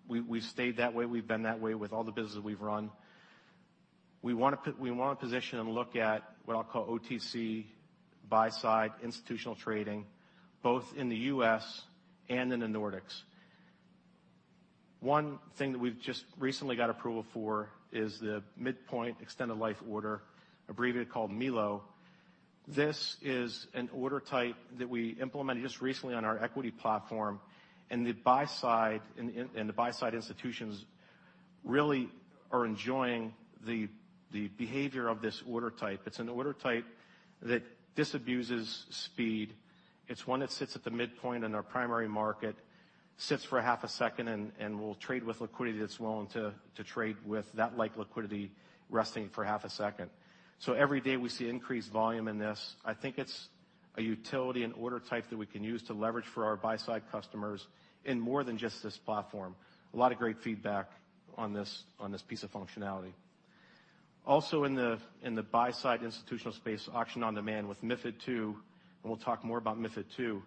We've stayed that way. We've been that way with all the businesses we've run. We want to position and look at what I'll call OTC buy-side institutional trading, both in the U.S. and in the Nordics. One thing that we've just recently got approval for is the Midpoint Extended Life Order, abbreviated called MILO. This is an order type that we implemented just recently on our equity platform. The buy-side institutions really are enjoying the behavior of this order type. It's an order type that disabuses speed. It's one that sits at the midpoint in our primary market. Sits for half a second and will trade with liquidity that's willing to trade with that like liquidity resting for half a second. Every day we see increased volume in this. I think it's a utility and order type that we can use to leverage for our buy-side customers in more than just this platform. A lot of great feedback on this piece of functionality. Also in the buy-side institutional space, auction on demand with MiFID II, we'll talk more about MiFID II,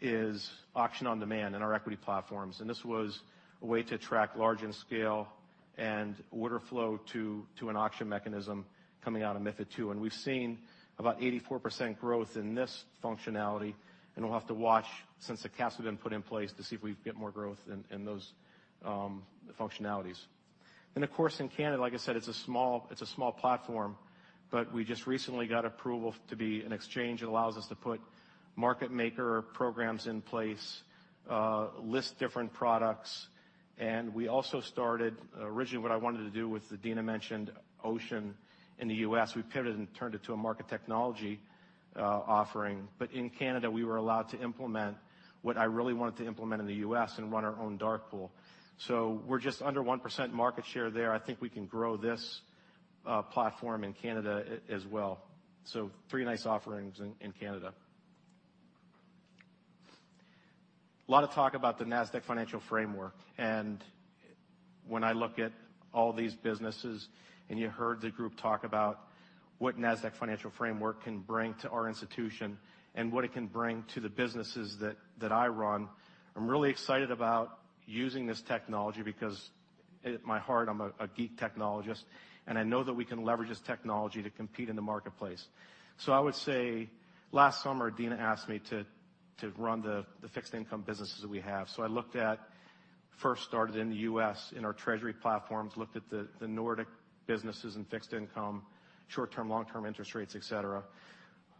is auction on demand in our equity platforms. This was a way to attract large in scale and order flow to an auction mechanism coming out of MiFID II. We've seen about 84% growth in this functionality, we'll have to watch since the caps have been put in place to see if we can get more growth in those functionalities. Of course, in Canada, like I said, it's a small platform, but we just recently got approval to be an exchange. It allows us to put market maker programs in place, list different products, we also started, originally what I wanted to do with what Adena mentioned, Ocean, in the U.S., we pivoted and turned it to a market technology offering. In Canada, we were allowed to implement what I really wanted to implement in the U.S. and run our own dark pool. We're just under 1% market share there. I think we can grow this platform in Canada as well. Three nice offerings in Canada. A lot of talk about the Nasdaq Financial Framework. When I look at all these businesses, you heard the group talk about what Nasdaq Financial Framework can bring to our institution and what it can bring to the businesses that I run, I'm really excited about using this technology because at my heart, I'm a geek technologist, and I know that we can leverage this technology to compete in the marketplace. I would say last summer, Adena asked me to run the fixed income businesses that we have. I looked at first started in the U.S. in our treasury platforms, looked at the Nordic businesses and fixed income, short-term, long-term interest rates, et cetera.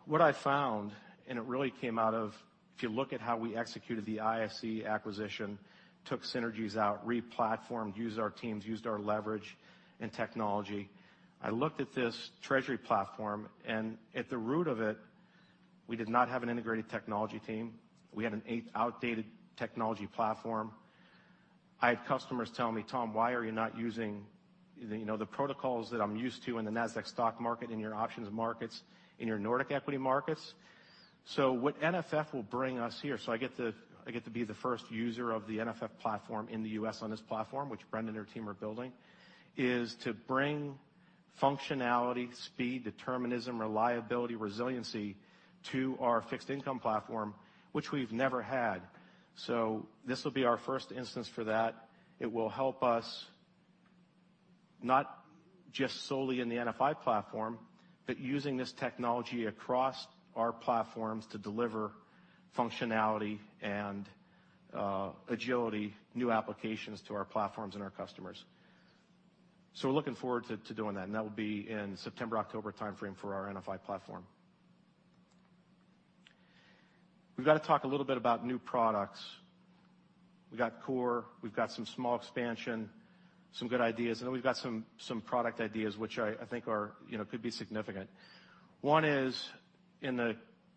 What I found, and it really came out of, if you look at how we executed the ISE acquisition, took synergies out, re-platformed, used our teams, used our leverage and technology. I looked at this treasury platform, and at the root of it, we did not have an integrated technology team. We had an outdated technology platform. I had customers telling me, "Tom, why are you not using the protocols that I'm used to in the Nasdaq stock market, in your options markets, in your Nordic equity markets?" What NFF will bring us here, so I get to be the first user of the NFF platform in the U.S. on this platform, which Brendan and their team are building, is to bring functionality, speed, determinism, reliability, resiliency to our fixed income platform, which we've never had. This will be our first instance for that. It will help us not just solely in the NFI platform, but using this technology across our platforms to deliver functionality and agility, new applications to our platforms and our customers. We're looking forward to doing that, and that will be in September, October timeframe for our NFI platform. We've got to talk a little bit about new products. We got core, we've got some small expansion, some good ideas, and then we've got some product ideas, which I think could be significant. One is in the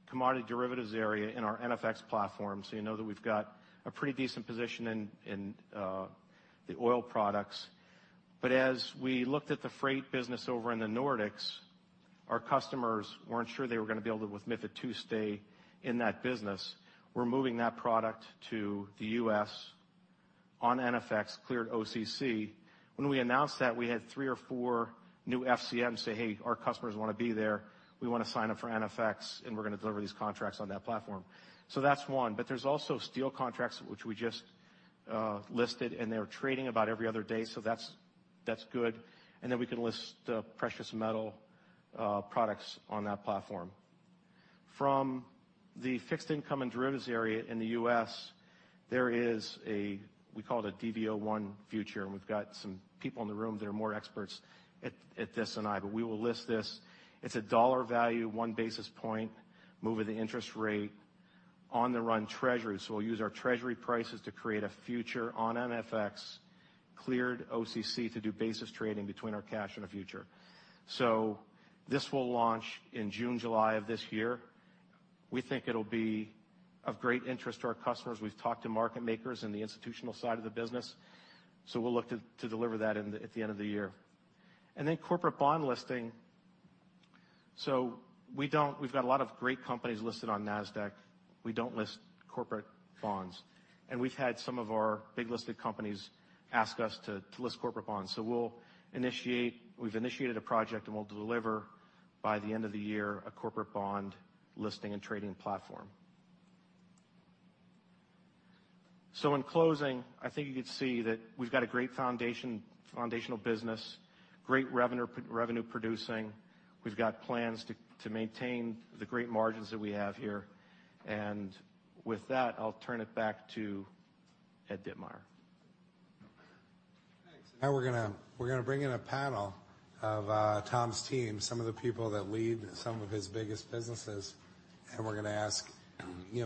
commodity derivatives area in our NFX platform. You know that we've got a pretty decent position in the oil products. As we looked at the freight business over in the Nordics, our customers weren't sure they were going to be able to, with MiFID II, stay in that business. We're moving that product to the U.S. on NFX, cleared OCC. When we announced that, we had three or four new FCMs say, "Hey, our customers want to be there. We want to sign up for NFX, and we're going to deliver these contracts on that platform." That's one. There's also steel contracts, which we just listed, and they're trading about every other day, so that's good. We can list precious metal products on that platform. From the fixed income and derivatives area in the U.S., there is a, we call it a DV01 future, and we've got some people in the room that are more experts at this than I, but we will list this. It's a dollar value, one basis point, move of the interest rate on the run Treasury. We'll use our Treasury prices to create a future on NFX, cleared OCC to do basis trading between our cash and a future. This will launch in June, July of this year. We think it'll be of great interest to our customers. We've talked to market makers in the institutional side of the business, we'll look to deliver that at the end of the year. Corporate bond listing. We've got a lot of great companies listed on Nasdaq. We don't list corporate bonds. We've had some of our big listed companies ask us to list corporate bonds. We've initiated a project, we'll deliver by the end of the year, a corporate bond listing and trading platform. In closing, I think you could see that we've got a great foundational business, great revenue producing. We've got plans to maintain the great margins that we have here. With that, I'll turn it back to Ed Ditmire. Thanks. Now we're going to bring in a panel of Tom's team, some of the people that lead some of his biggest businesses, and we're going to ask,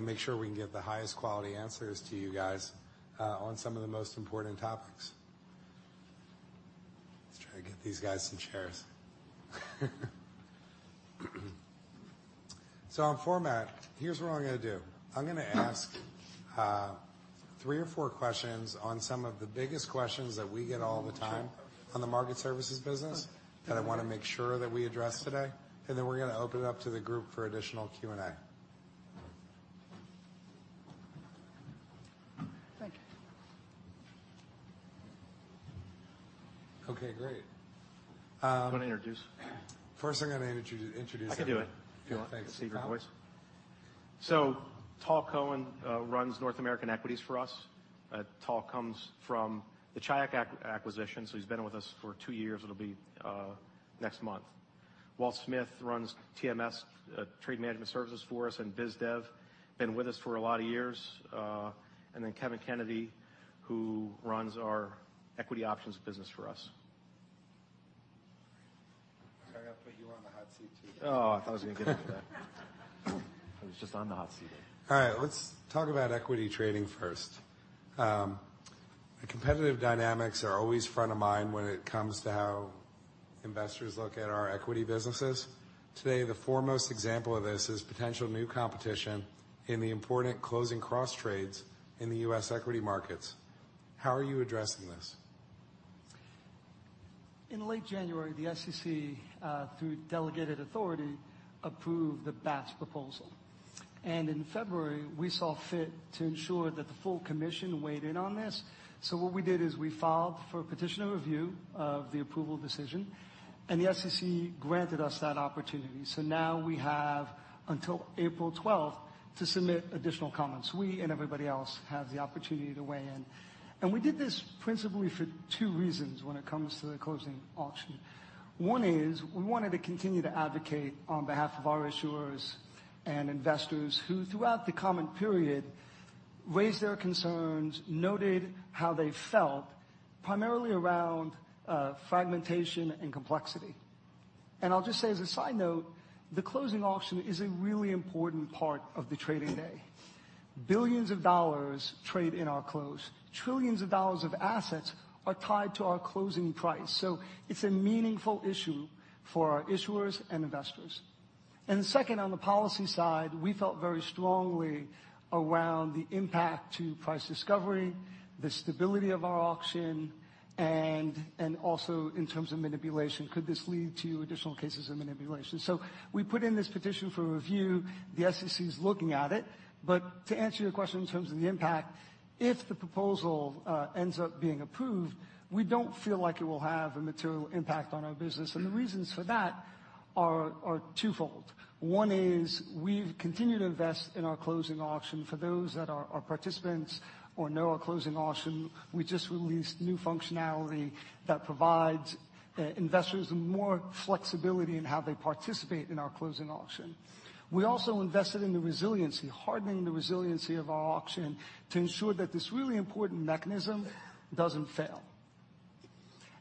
make sure we can get the highest quality answers to you guys on some of the most important topics. Let's try to get these guys some chairs. On format, here's what I'm going to do. I'm going to ask three or four questions on some of the biggest questions that we get all the time on the market services business that I want to make sure that we address today, and then we're going to open it up to the group for additional Q&A. Thank you. Okay, great. Do you want to introduce? First I'm going to introduce- I can do it. Yeah. Thanks. Tal Cohen runs North American Equities for us. Tal comes from the Chi-X acquisition, he's been with us for two years it'll be next month. Walt Smith runs TMS, Trade Management Services for us, and BizDev. Been with us for a lot of years. Kevin Kennedy, who runs our equity options business for us. Sorry, I put you on the hot seat, too. I thought I was going to get into that. I was just on the hot seat. Let's talk about equity trading first. Competitive dynamics are always front of mind when it comes to how investors look at our equity businesses. Today, the foremost example of this is potential new competition in the important closing cross trades in the U.S. equity markets. How are you addressing this? In late January, the SEC, through delegated authority, approved the Bats proposal. In February, we saw fit to ensure that the full commission weighed in on this. What we did is we filed for a petition of review of the approval decision, and the SEC granted us that opportunity. Now we have until April 12th to submit additional comments. We and everybody else have the opportunity to weigh in. We did this principally for two reasons when it comes to the closing auction. One is we wanted to continue to advocate on behalf of our issuers and investors who, throughout the comment period, raised their concerns, noted how they felt, primarily around fragmentation and complexity. I'll just say as a side note, the closing auction is a really important part of the trading day. $ billions trade in our close. $ trillions of assets are tied to our closing price. It's a meaningful issue for our issuers and investors. Second, on the policy side, we felt very strongly around the impact to price discovery, the stability of our auction, and also in terms of manipulation. Could this lead to additional cases of manipulation? We put in this petition for review. The SEC is looking at it. To answer your question in terms of the impact, if the proposal ends up being approved, we don't feel like it will have a material impact on our business, and the reasons for that are twofold. One is we've continued to invest in our closing auction. For those that are our participants or know our closing auction, we just released new functionality that provides investors more flexibility in how they participate in our closing auction. We also invested in the resiliency, hardening the resiliency of our auction to ensure that this really important mechanism doesn't fail.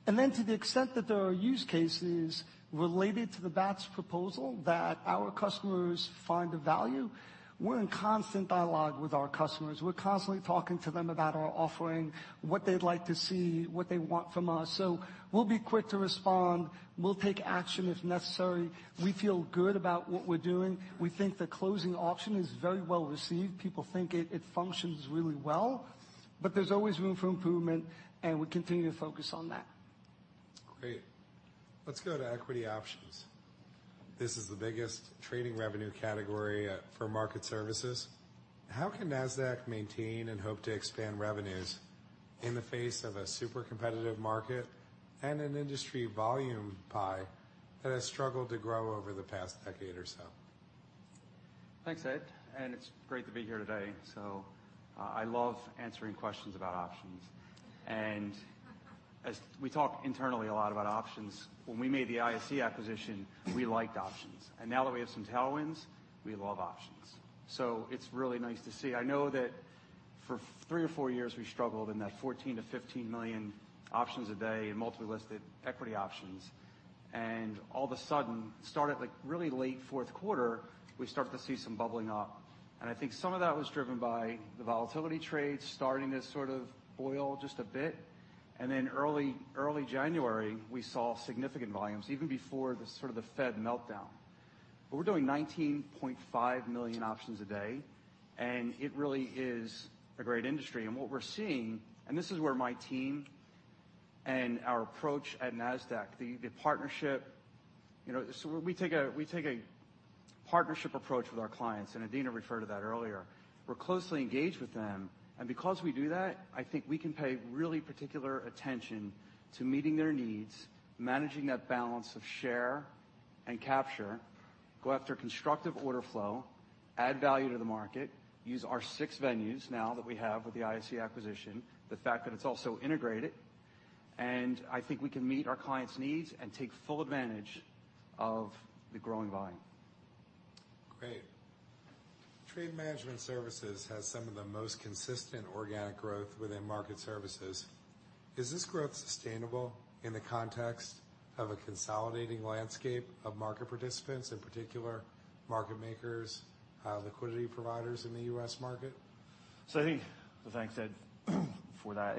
To the extent that there are use cases related to the Bats proposal that our customers find of value, we're in constant dialogue with our customers. We're constantly talking to them about our offering, what they'd like to see, what they want from us. We'll be quick to respond. We'll take action if necessary. We feel good about what we're doing. We think the closing auction is very well received. People think it functions really well, but there's always room for improvement, and we continue to focus on that. Great. Let's go to equity options. This is the biggest trading revenue category for market services. How can Nasdaq maintain and hope to expand revenues in the face of a super competitive market and an industry volume pie that has struggled to grow over the past decade or so? Thanks, Ed. It's great to be here today. I love answering questions about options. As we talk internally a lot about options, when we made the ISE acquisition, we liked options. Now that we have some tailwinds, we love options. It's really nice to see. I know that for three or four years, we struggled in that 14 million-15 million options a day in multi-listed equity options. All of a sudden, started really late fourth quarter, we started to see some bubbling up. I think some of that was driven by the volatility trades starting to sort of boil just a bit. Then early January, we saw significant volumes, even before the Fed meltdown. We're doing 19.5 million options a day, and it really is a great industry. What we're seeing, this is where my team and our approach at Nasdaq, the partnership. We take a partnership approach with our clients. Adena referred to that earlier. We're closely engaged with them. Because we do that, I think we can pay really particular attention to meeting their needs, managing that balance of share and capture, go after constructive order flow, add value to the market, use our six venues now that we have with the ISE acquisition, the fact that it's also integrated. I think we can meet our clients' needs and take full advantage of the growing volume. Great. Trade Management Services has some of the most consistent organic growth within Market Services. Is this growth sustainable in the context of a consolidating landscape of market participants, in particular, market makers, liquidity providers in the U.S. market? I think, thanks, Ed, for that.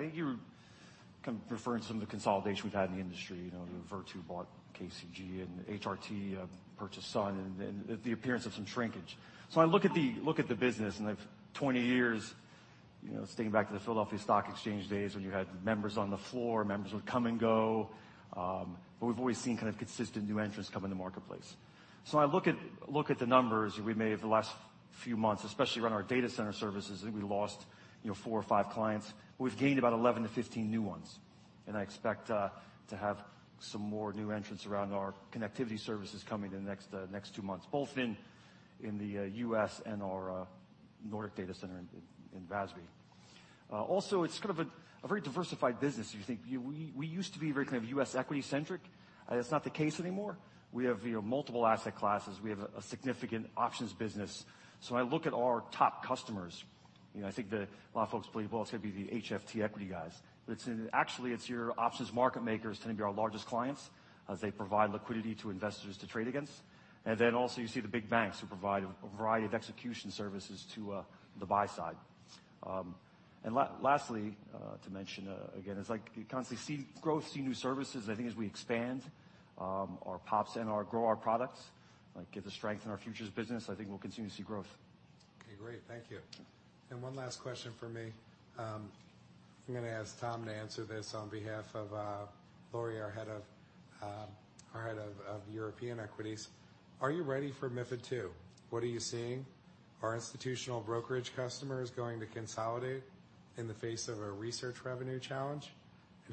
Referring to some of the consolidation we've had in the industry, Virtu bought KCG, and HRT purchased Sun, and the appearance of some shrinkage. I look at the business, and I have 20 years, thinking back to the Philadelphia Stock Exchange days when you had members on the floor, members would come and go. We've always seen kind of consistent new entrants come in the marketplace. I look at the numbers we've made over the last few months, especially around our data center services. I think we lost four or five clients, but we've gained about 11 to 15 new ones, and I expect to have some more new entrants around our connectivity services coming in the next two months, both in the U.S. and our Nordic data center in Väsby. It's kind of a very diversified business if you think. We used to be very U.S. equity centric. That's not the case anymore. We have multiple asset classes. We have a significant options business. When I look at our top customers, I think that a lot of folks believe, well, it's going to be the HFT equity guys. Actually, it's your options market makers tend to be our largest clients, as they provide liquidity to investors to trade against. Also, you see the big banks who provide a variety of execution services to the buy side. Lastly, to mention again, it's like you constantly see growth, see new services, and I think as we expand our pops and grow our products, like the strength in our futures business, I think we'll continue to see growth. Okay, great. Thank you. One last question from me. I'm going to ask Tom to answer this on behalf of Laurie, our head of European equities. Are you ready for MiFID II? What are you seeing? Are institutional brokerage customers going to consolidate in the face of a research revenue challenge?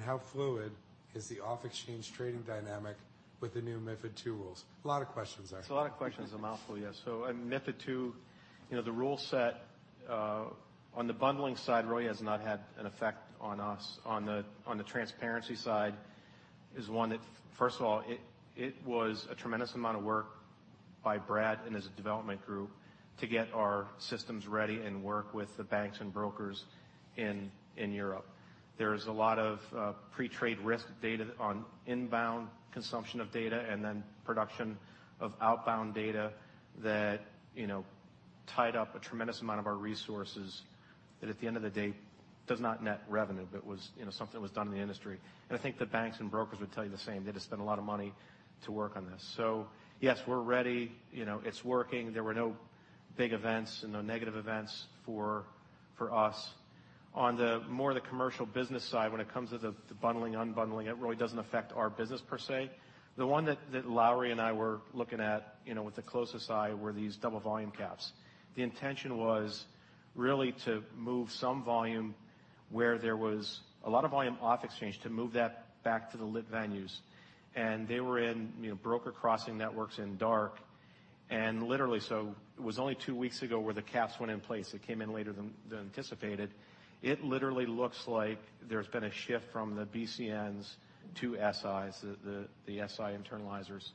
How fluid is the off-exchange trading dynamic with the new MiFID II rules? A lot of questions there. It's a lot of questions, a mouthful. MiFID II, the rule set, on the bundling side, really has not had an effect on us. On the transparency side is one that, first of all, it was a tremendous amount of work by Brad and his development group to get our systems ready and work with the banks and brokers in Europe. There's a lot of pre-trade risk data on inbound consumption of data, and then production of outbound data that tied up a tremendous amount of our resources that at the end of the day, does not net revenue, but something that was done in the industry. I think the banks and brokers would tell you the same. They just spent a lot of money to work on this. Yes, we're ready. It's working. There were no big events and no negative events for us. On more the commercial business side, when it comes to the bundling, unbundling, it really doesn't affect our business per se. The one that Laurie and I were looking at with the closest eye were these double volume caps. The intention was really to move some volume where there was a lot of volume off exchange, to move that back to the lit venues. They were in broker crossing networks in dark, literally, it was only two weeks ago where the caps went in place. It came in later than anticipated. It literally looks like there's been a shift from the BCNs to SIs, the SI internalizers,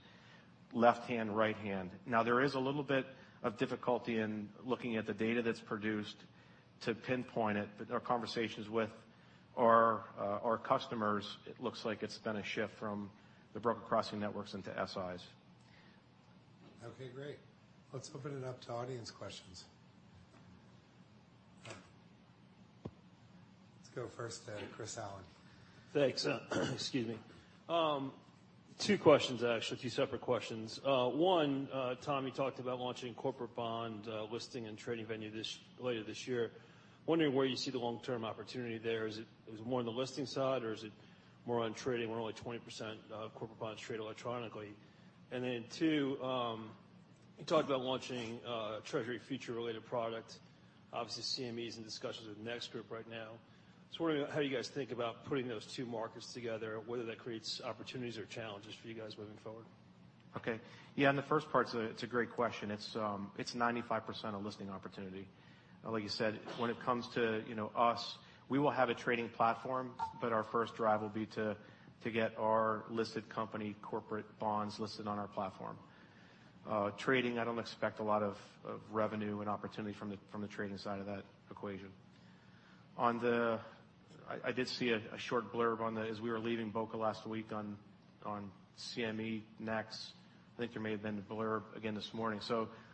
left hand, right hand. There is a little bit of difficulty in looking at the data that's produced to pinpoint it. Our conversations with our customers, it looks like it's been a shift from the broker crossing networks into SIs. Okay, great. Let's open it up to audience questions. Let's go first to Chris Allen. Thanks. Excuse me. Two questions, actually. Two separate questions. One, Tom, you talked about launching corporate bond listing and trading venue later this year. Wondering where you see the long-term opportunity there. Is it more on the listing side, or is it more on trading, where only 20% of corporate bonds trade electronically? Two, you talked about launching a treasury future related product. Obviously, CME's in discussions with NEX Group right now. Wondering how you guys think about putting those two markets together, whether that creates opportunities or challenges for you guys moving forward. Okay. Yeah, on the first part, it's a great question. It's 95% a listing opportunity. Like you said, when it comes to us, we will have a trading platform, but our first drive will be to get our listed company corporate bonds listed on our platform. Trading, I don't expect a lot of revenue and opportunity from the trading side of that equation. I did see a short blurb on that as we were leaving Boca last week on CME, NEX. I think there may have been a blurb again this morning.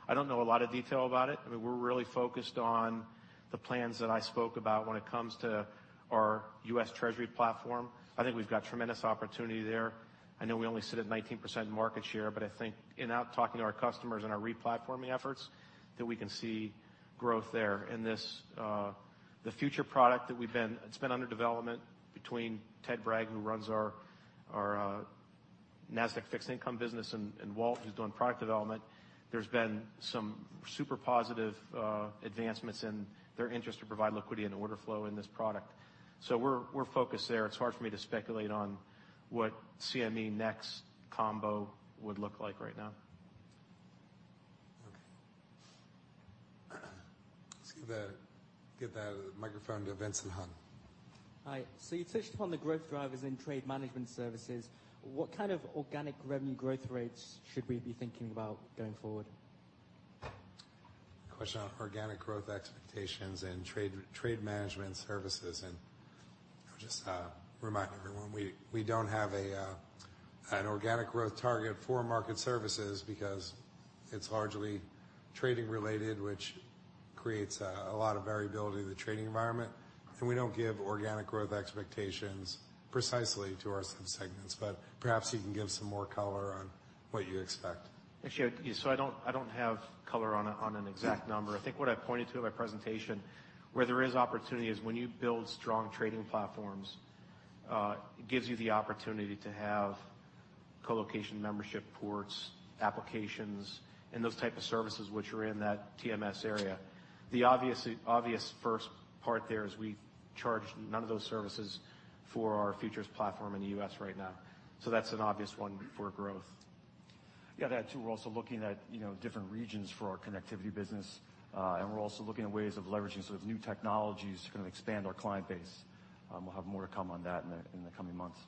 I don't know a lot of detail about it. We're really focused on the plans that I spoke about when it comes to our U.S. Treasury platform. I think we've got tremendous opportunity there. I know we only sit at 19% market share, but I think in talking to our customers and our re-platforming efforts, that we can see growth there. The future product, it's been under development between Ted Bragg, who runs our Nasdaq Fixed Income business, and Walt, who's doing product development. There's been some super positive advancements, and they're interested to provide liquidity and order flow in this product. We're focused there. It's hard for me to speculate on what CME, NEX combo would look like right now. Okay. Let's give the microphone to Vincent Hung. Hi. You touched upon the growth drivers in Trade Management Services. What kind of organic revenue growth rates should we be thinking about going forward? Question on organic growth expectations and Trade Management Services, I'll just remind everyone, we don't have a An organic growth target for Market Services because it's largely trading related, which creates a lot of variability in the trading environment. We don't give organic growth expectations precisely to our sub-segments, but perhaps you can give some more color on what you expect? Actually, I don't have color on an exact number. I think what I pointed to in my presentation, where there is opportunity, is when you build strong trading platforms, it gives you the opportunity to have co-location membership ports, applications, and those type of services which are in that TMS area. The obvious first part there is we charge none of those services for our futures platform in the U.S. right now. That's an obvious one for growth. Yeah, that too. We're also looking at different regions for our connectivity business. We're also looking at ways of leveraging sort of new technologies to expand our client base. We'll have more to come on that in the coming months.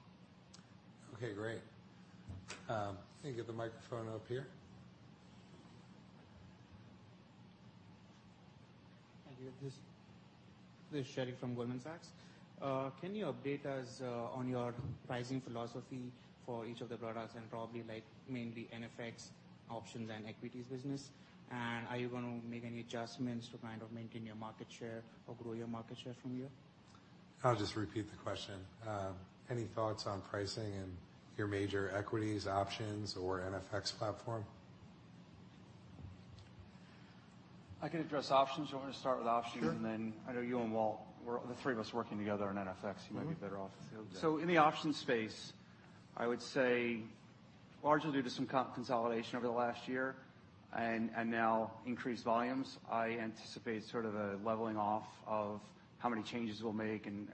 Okay, great. Can we get the microphone up here? Thank you. This is Sherry from Goldman Sachs. Can you update us on your pricing philosophy for each of the products and probably mainly NFX options and equities business? Are you going to make any adjustments to kind of maintain your market share or grow your market share from here? I will just repeat the question. Any thoughts on pricing in your major equities, options, or NFX platform? I can address options. You want me to start with options? Sure. I know you and Walt, the three of us working together on NFX, you might be better off. Yeah. In the options space, I would say largely due to some consolidation over the last year and now increased volumes, I anticipate sort of a leveling off of how many changes we'll make and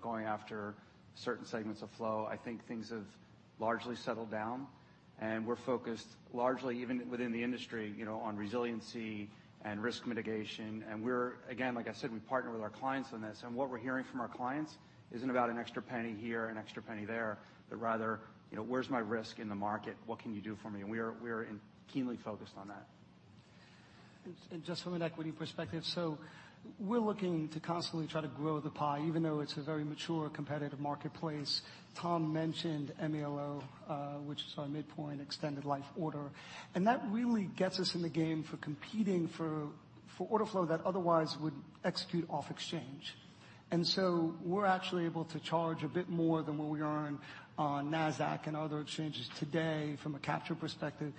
going after certain segments of flow. I think things have largely settled down, and we're focused largely even within the industry, on resiliency and risk mitigation. We're, again, like I said, we partner with our clients on this. What we're hearing from our clients isn't about an extra $0.01 here, an extra $0.01 there, but rather, "Where's my risk in the market? What can you do for me?" We are keenly focused on that. Just from an equity perspective. We're looking to constantly try to grow the pie, even though it's a very mature, competitive marketplace. Tom mentioned M-ELO, which is our midpoint extended life order. That really gets us in the game for competing for order flow that otherwise would execute off exchange. We're actually able to charge a bit more than what we earn on Nasdaq and other exchanges today from a capture perspective,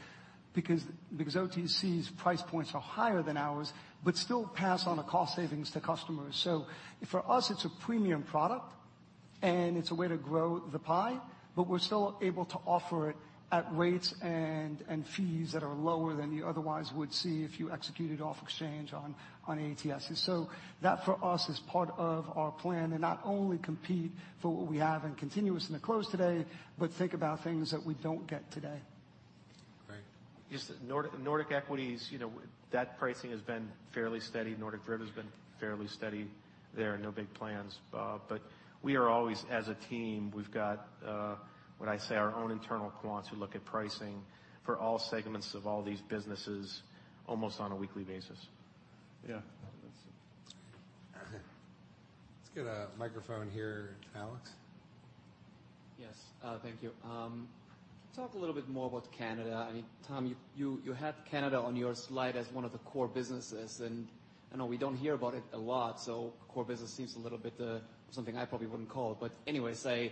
because OTC's price points are higher than ours, but still pass on the cost savings to customers. For us, it's a premium product, and it's a way to grow the pie, but we're still able to offer it at rates and fees that are lower than you otherwise would see if you executed off exchange on ATS. That for us is part of our plan to not only compete for what we have and continuous in the close today, but think about things that we don't get today. Great. Just Nordic equities, that pricing has been fairly steady. [Nordic drift] has been fairly steady. There are no big plans. We are always, as a team, we've got our own internal quants who look at pricing for all segments of all these businesses almost on a weekly basis. Yeah. Let's get a microphone here. Alex? Yes. Thank you. Talk a little bit more about Canada. Tom, you had Canada on your slide as one of the core businesses. I know we don't hear about it a lot, core business seems a little bit, something I probably wouldn't call it.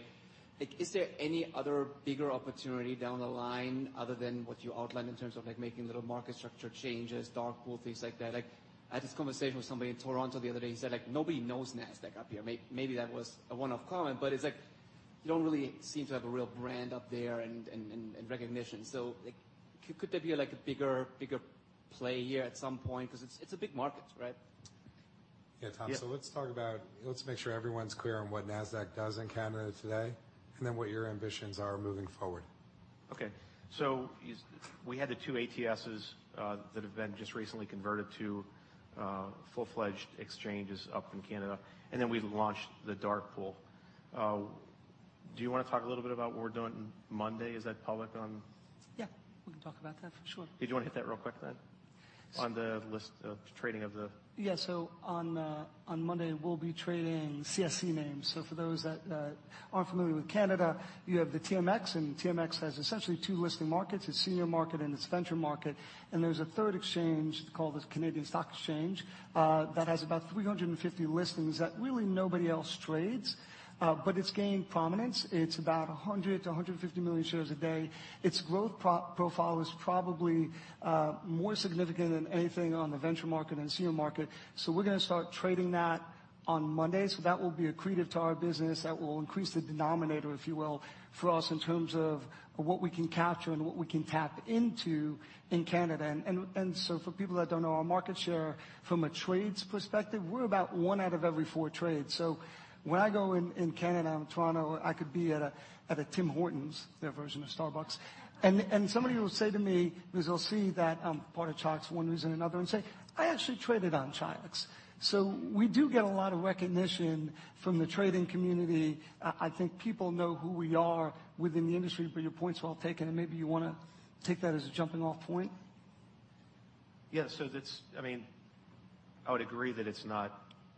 Is there any other bigger opportunity down the line other than what you outlined in terms of making little market structure changes, dark pool, things like that? I had this conversation with somebody in Toronto the other day. He said, "Nobody knows Nasdaq up here." Maybe that was a one-off comment, but it's like you don't really seem to have a real brand up there and recognition. Could there be a bigger play here at some point? It's a big market, right? Yeah. Tom, let's make sure everyone's clear on what Nasdaq does in Canada today, and then what your ambitions are moving forward. Okay. We had the two ATSs, that have been just recently converted to full-fledged exchanges up in Canada. We launched the dark pool. Do you want to talk a little bit about what we're doing Monday? Is that public on Yeah. We can talk about that for sure. Did you want to hit that real quick then? On the list of trading of the- Yeah. On Monday, we'll be trading CSE names. For those that aren't familiar with Canada, you have the TMX, and TMX has essentially two listing markets, its senior market and its venture market. There's a third exchange called the Canadian Securities Exchange, that has about 350 listings that really nobody else trades. It's gained prominence. It's about 100 to 150 million shares a day. Its growth profile is probably more significant than anything on the venture market and senior market. We're going to start trading that on Monday. That will be accretive to our business. That will increase the denominator, if you will, for us in terms of what we can capture and what we can tap into in Canada. For people that don't know our market share from a trades perspective, we're about one out of every four trades. When I go in Canada, in Toronto, I could be at a Tim Hortons, their version of Starbucks. Somebody will say to me, because they'll see that I'm part of Chi-X one reason or another and say, "I actually traded on Chi-X." We do get a lot of recognition from the trading community. I think people know who we are within the industry, but your point's well taken, and maybe you want to take that as a jumping off point. Yes. I would agree that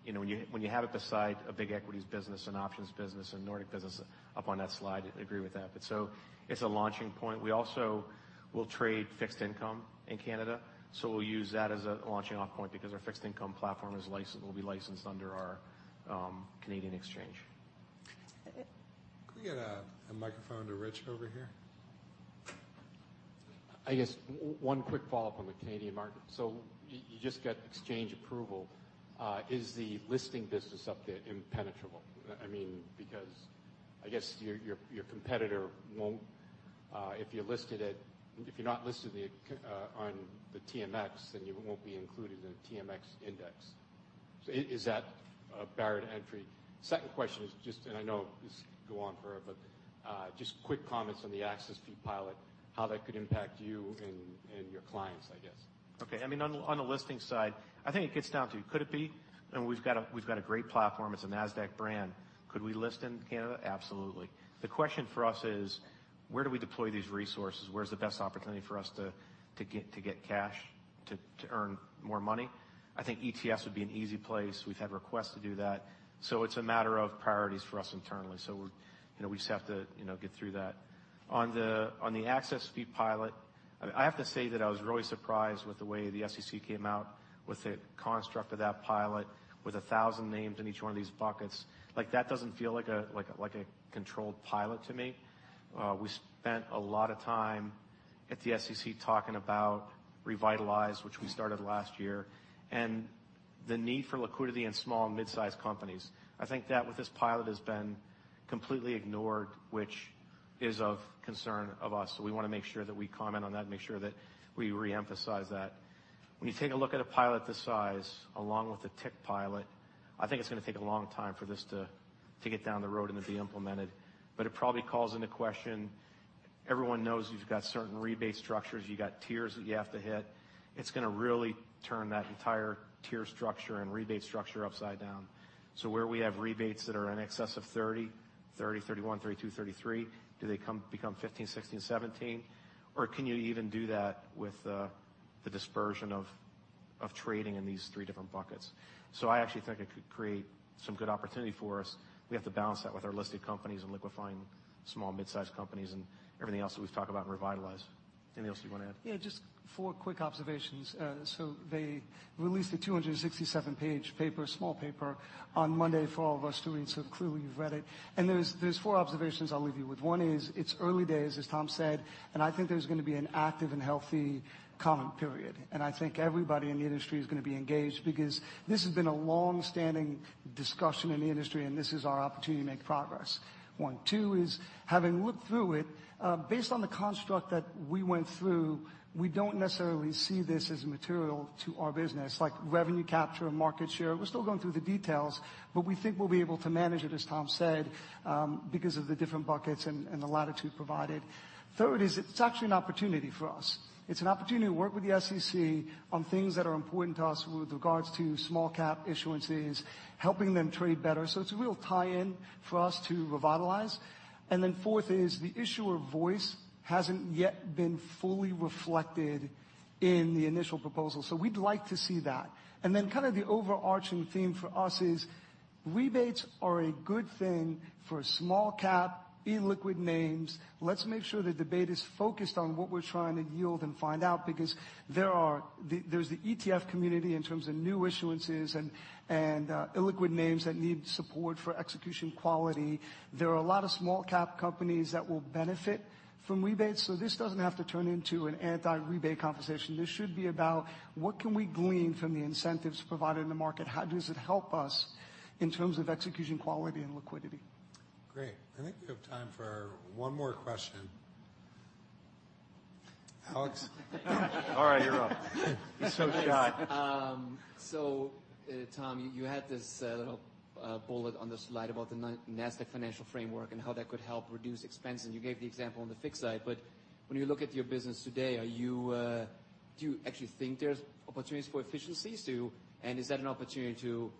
when you have it beside a big equities business, an options business, a Nordic business up on that slide, I agree with that. It's a launching point. We also will trade fixed income in Canada, we'll use that as a launching off point because our fixed income platform will be licensed under our Canadian exchange. Could we get a microphone to Rich over here? I guess one quick follow-up on the Canadian market. You just got exchange approval. Is the listing business up there impenetrable? Because I guess your competitor, if you're not listed on the TMX, then you won't be included in a TMX index. Is that a barrier to entry? Second question is just, and I know this could go on forever, but just quick comments on the access fee pilot, how that could impact you and your clients, I guess. On the listing side, I think it gets down to could it be? We've got a great platform. It's a Nasdaq brand. Could we list in Canada? Absolutely. The question for us is: where do we deploy these resources? Where's the best opportunity for us to get cash to earn more money? I think ETFs would be an easy place. We've had requests to do that. It's a matter of priorities for us internally. We just have to get through that. On the access fee pilot, I have to say that I was really surprised with the way the SEC came out with the construct of that pilot, with 1,000 names in each one of these buckets. That doesn't feel like a controlled pilot to me. We spent a lot of time at the SEC talking about Revitalize, which we started last year, and the need for liquidity in small and mid-size companies. I think that with this pilot has been completely ignored, which is of concern of us. We want to make sure that we comment on that and make sure that we reemphasize that. When you take a look at a pilot this size, along with a tick pilot, I think it's going to take a long time for this to get down the road and to be implemented. It probably calls into question, everyone knows you've got certain rebate structures. You've got tiers that you have to hit. It's going to really turn that entire tier structure and rebate structure upside down. Where we have rebates that are in excess of 30, 31, 32, 33, do they become 15, 16, 17? Can you even do that with the dispersion of trading in these three different buckets? I actually think it could create some good opportunity for us. We have to balance that with our listed companies and liquefying small, mid-size companies and everything else that we've talked about in Revitalize. Anything else you want to add? Yeah, just four quick observations. They released a 267-page paper, small paper, on Monday for all of us to read. Clearly, you've read it. There's four observations I'll leave you with. One is, it's early days, as Tom said, and I think there's going to be an active and healthy comment period. I think everybody in the industry is going to be engaged because this has been a longstanding discussion in the industry, and this is our opportunity to make progress. One. Two is, having looked through it, based on the construct that we went through, we don't necessarily see this as material to our business, like revenue capture and market share. We're still going through the details, but we think we'll be able to manage it, as Tom said, because of the different buckets and the latitude provided. Third is, it's actually an opportunity for us. It's an opportunity to work with the SEC on things that are important to us with regards to small cap issuances, helping them trade better. It's a real tie-in for us to Revitalize. Fourth is the issuer voice hasn't yet been fully reflected in the initial proposal. We'd like to see that. Kind of the overarching theme for us is rebates are a good thing for small cap, illiquid names. Let's make sure the debate is focused on what we're trying to yield and find out, because there's the ETF community in terms of new issuances and illiquid names that need support for execution quality. There are a lot of small cap companies that will benefit from rebates. This doesn't have to turn into an anti-rebate conversation. This should be about what can we glean from the incentives provided in the market? How does it help us in terms of execution quality and liquidity? Great. I think we have time for one more question. Alex? All right, you're up. He's so shy. Tom, you had this little bullet on the slide about the Nasdaq Financial Framework and how that could help reduce expense, and you gave the example on the fixed side. When you look at your business today, do you actually think there's opportunities for efficiencies, too? Is that an opportunity to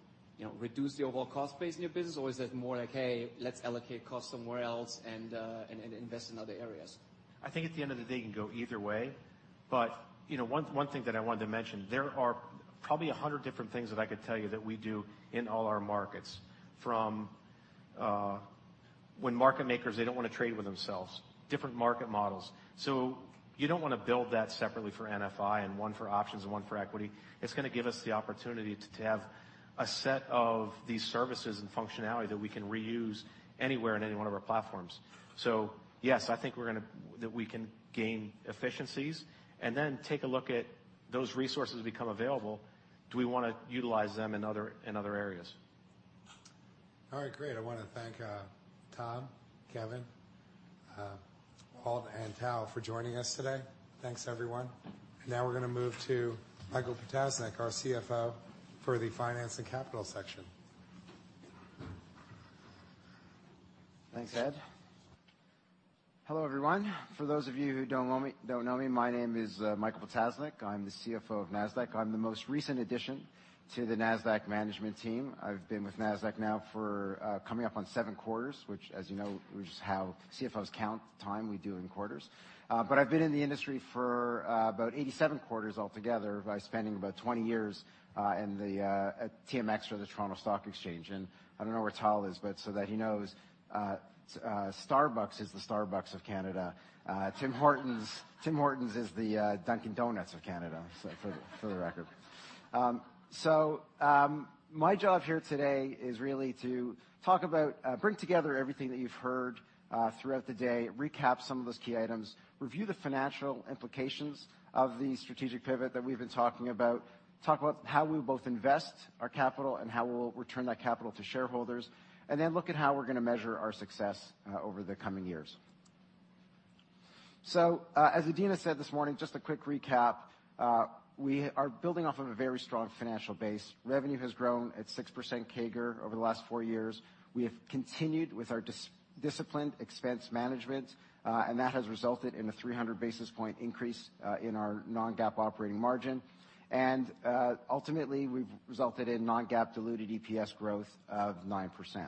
reduce the overall cost base in your business? Is that more like, "Hey, let's allocate costs somewhere else and invest in other areas? I think at the end of the day, it can go either way. One thing that I wanted to mention, there are probably 100 different things that I could tell you that we do in all our markets, from when market makers, they don't want to trade with themselves, different market models. You don't want to build that separately for NFI and one for options and one for equity. It's going to give us the opportunity to have a set of these services and functionality that we can reuse anywhere in any one of our platforms. Yes, I think that we can gain efficiencies. Take a look at those resources become available, do we want to utilize them in other areas? All right. Great. I want to thank Tom, Kevin, Walt, and Tal for joining us today. Thanks, everyone. Now we're going to move to Michael Ptasznik, our CFO, for the finance and capital section. Thanks, Ed. Hello, everyone. For those of you who don't know me, my name is Michael Ptasznik. I'm the CFO of Nasdaq. I'm the most recent addition to the Nasdaq management team. I've been with Nasdaq now for coming up on seven quarters, which, as you know, is how CFOs count time. We do it in quarters. I've been in the industry for about 87 quarters altogether by spending about 20 years at TMX, or the Toronto Stock Exchange. I don't know where Tal is, but so that he knows, Starbucks is the Starbucks of Canada. Tim Hortons is the Dunkin' Donuts of Canada, for the record. My job here today is really to bring together everything that you've heard throughout the day, recap some of those key items, review the financial implications of the strategic pivot that we've been talking about, talk about how we will both invest our capital and how we'll return that capital to shareholders, then look at how we're going to measure our success over the coming years. As Adena said this morning, just a quick recap. We are building off of a very strong financial base. Revenue has grown at 6% CAGR over the last four years. We have continued with our disciplined expense management, and that has resulted in a 300 basis point increase in our non-GAAP operating margin. Ultimately, we've resulted in non-GAAP diluted EPS growth of 9%.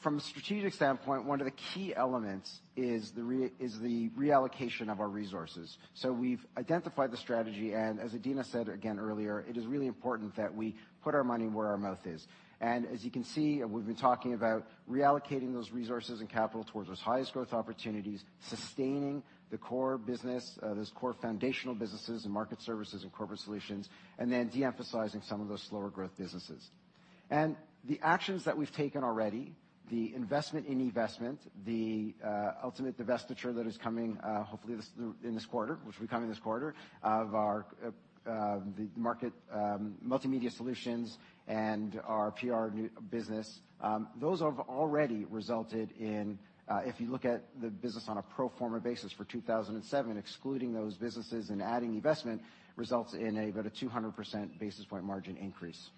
From a strategic standpoint, one of the key elements is the reallocation of our resources. We've identified the strategy, as Adena said again earlier, it is really important that we put our money where our mouth is. As you can see, we've been talking about reallocating those resources and capital towards those highest growth opportunities, sustaining the core business, those core foundational businesses in market services and corporate solutions, de-emphasizing some of those slower growth businesses. The actions that we've taken already, the investment in eVestment, the ultimate divestiture that is coming, hopefully in this quarter, which will be coming this quarter, of the multimedia solutions and our PR business. Those have already resulted in, if you look at the business on a pro forma basis for 2007, excluding those businesses and adding eVestment, results in about a 200 basis point margin increase.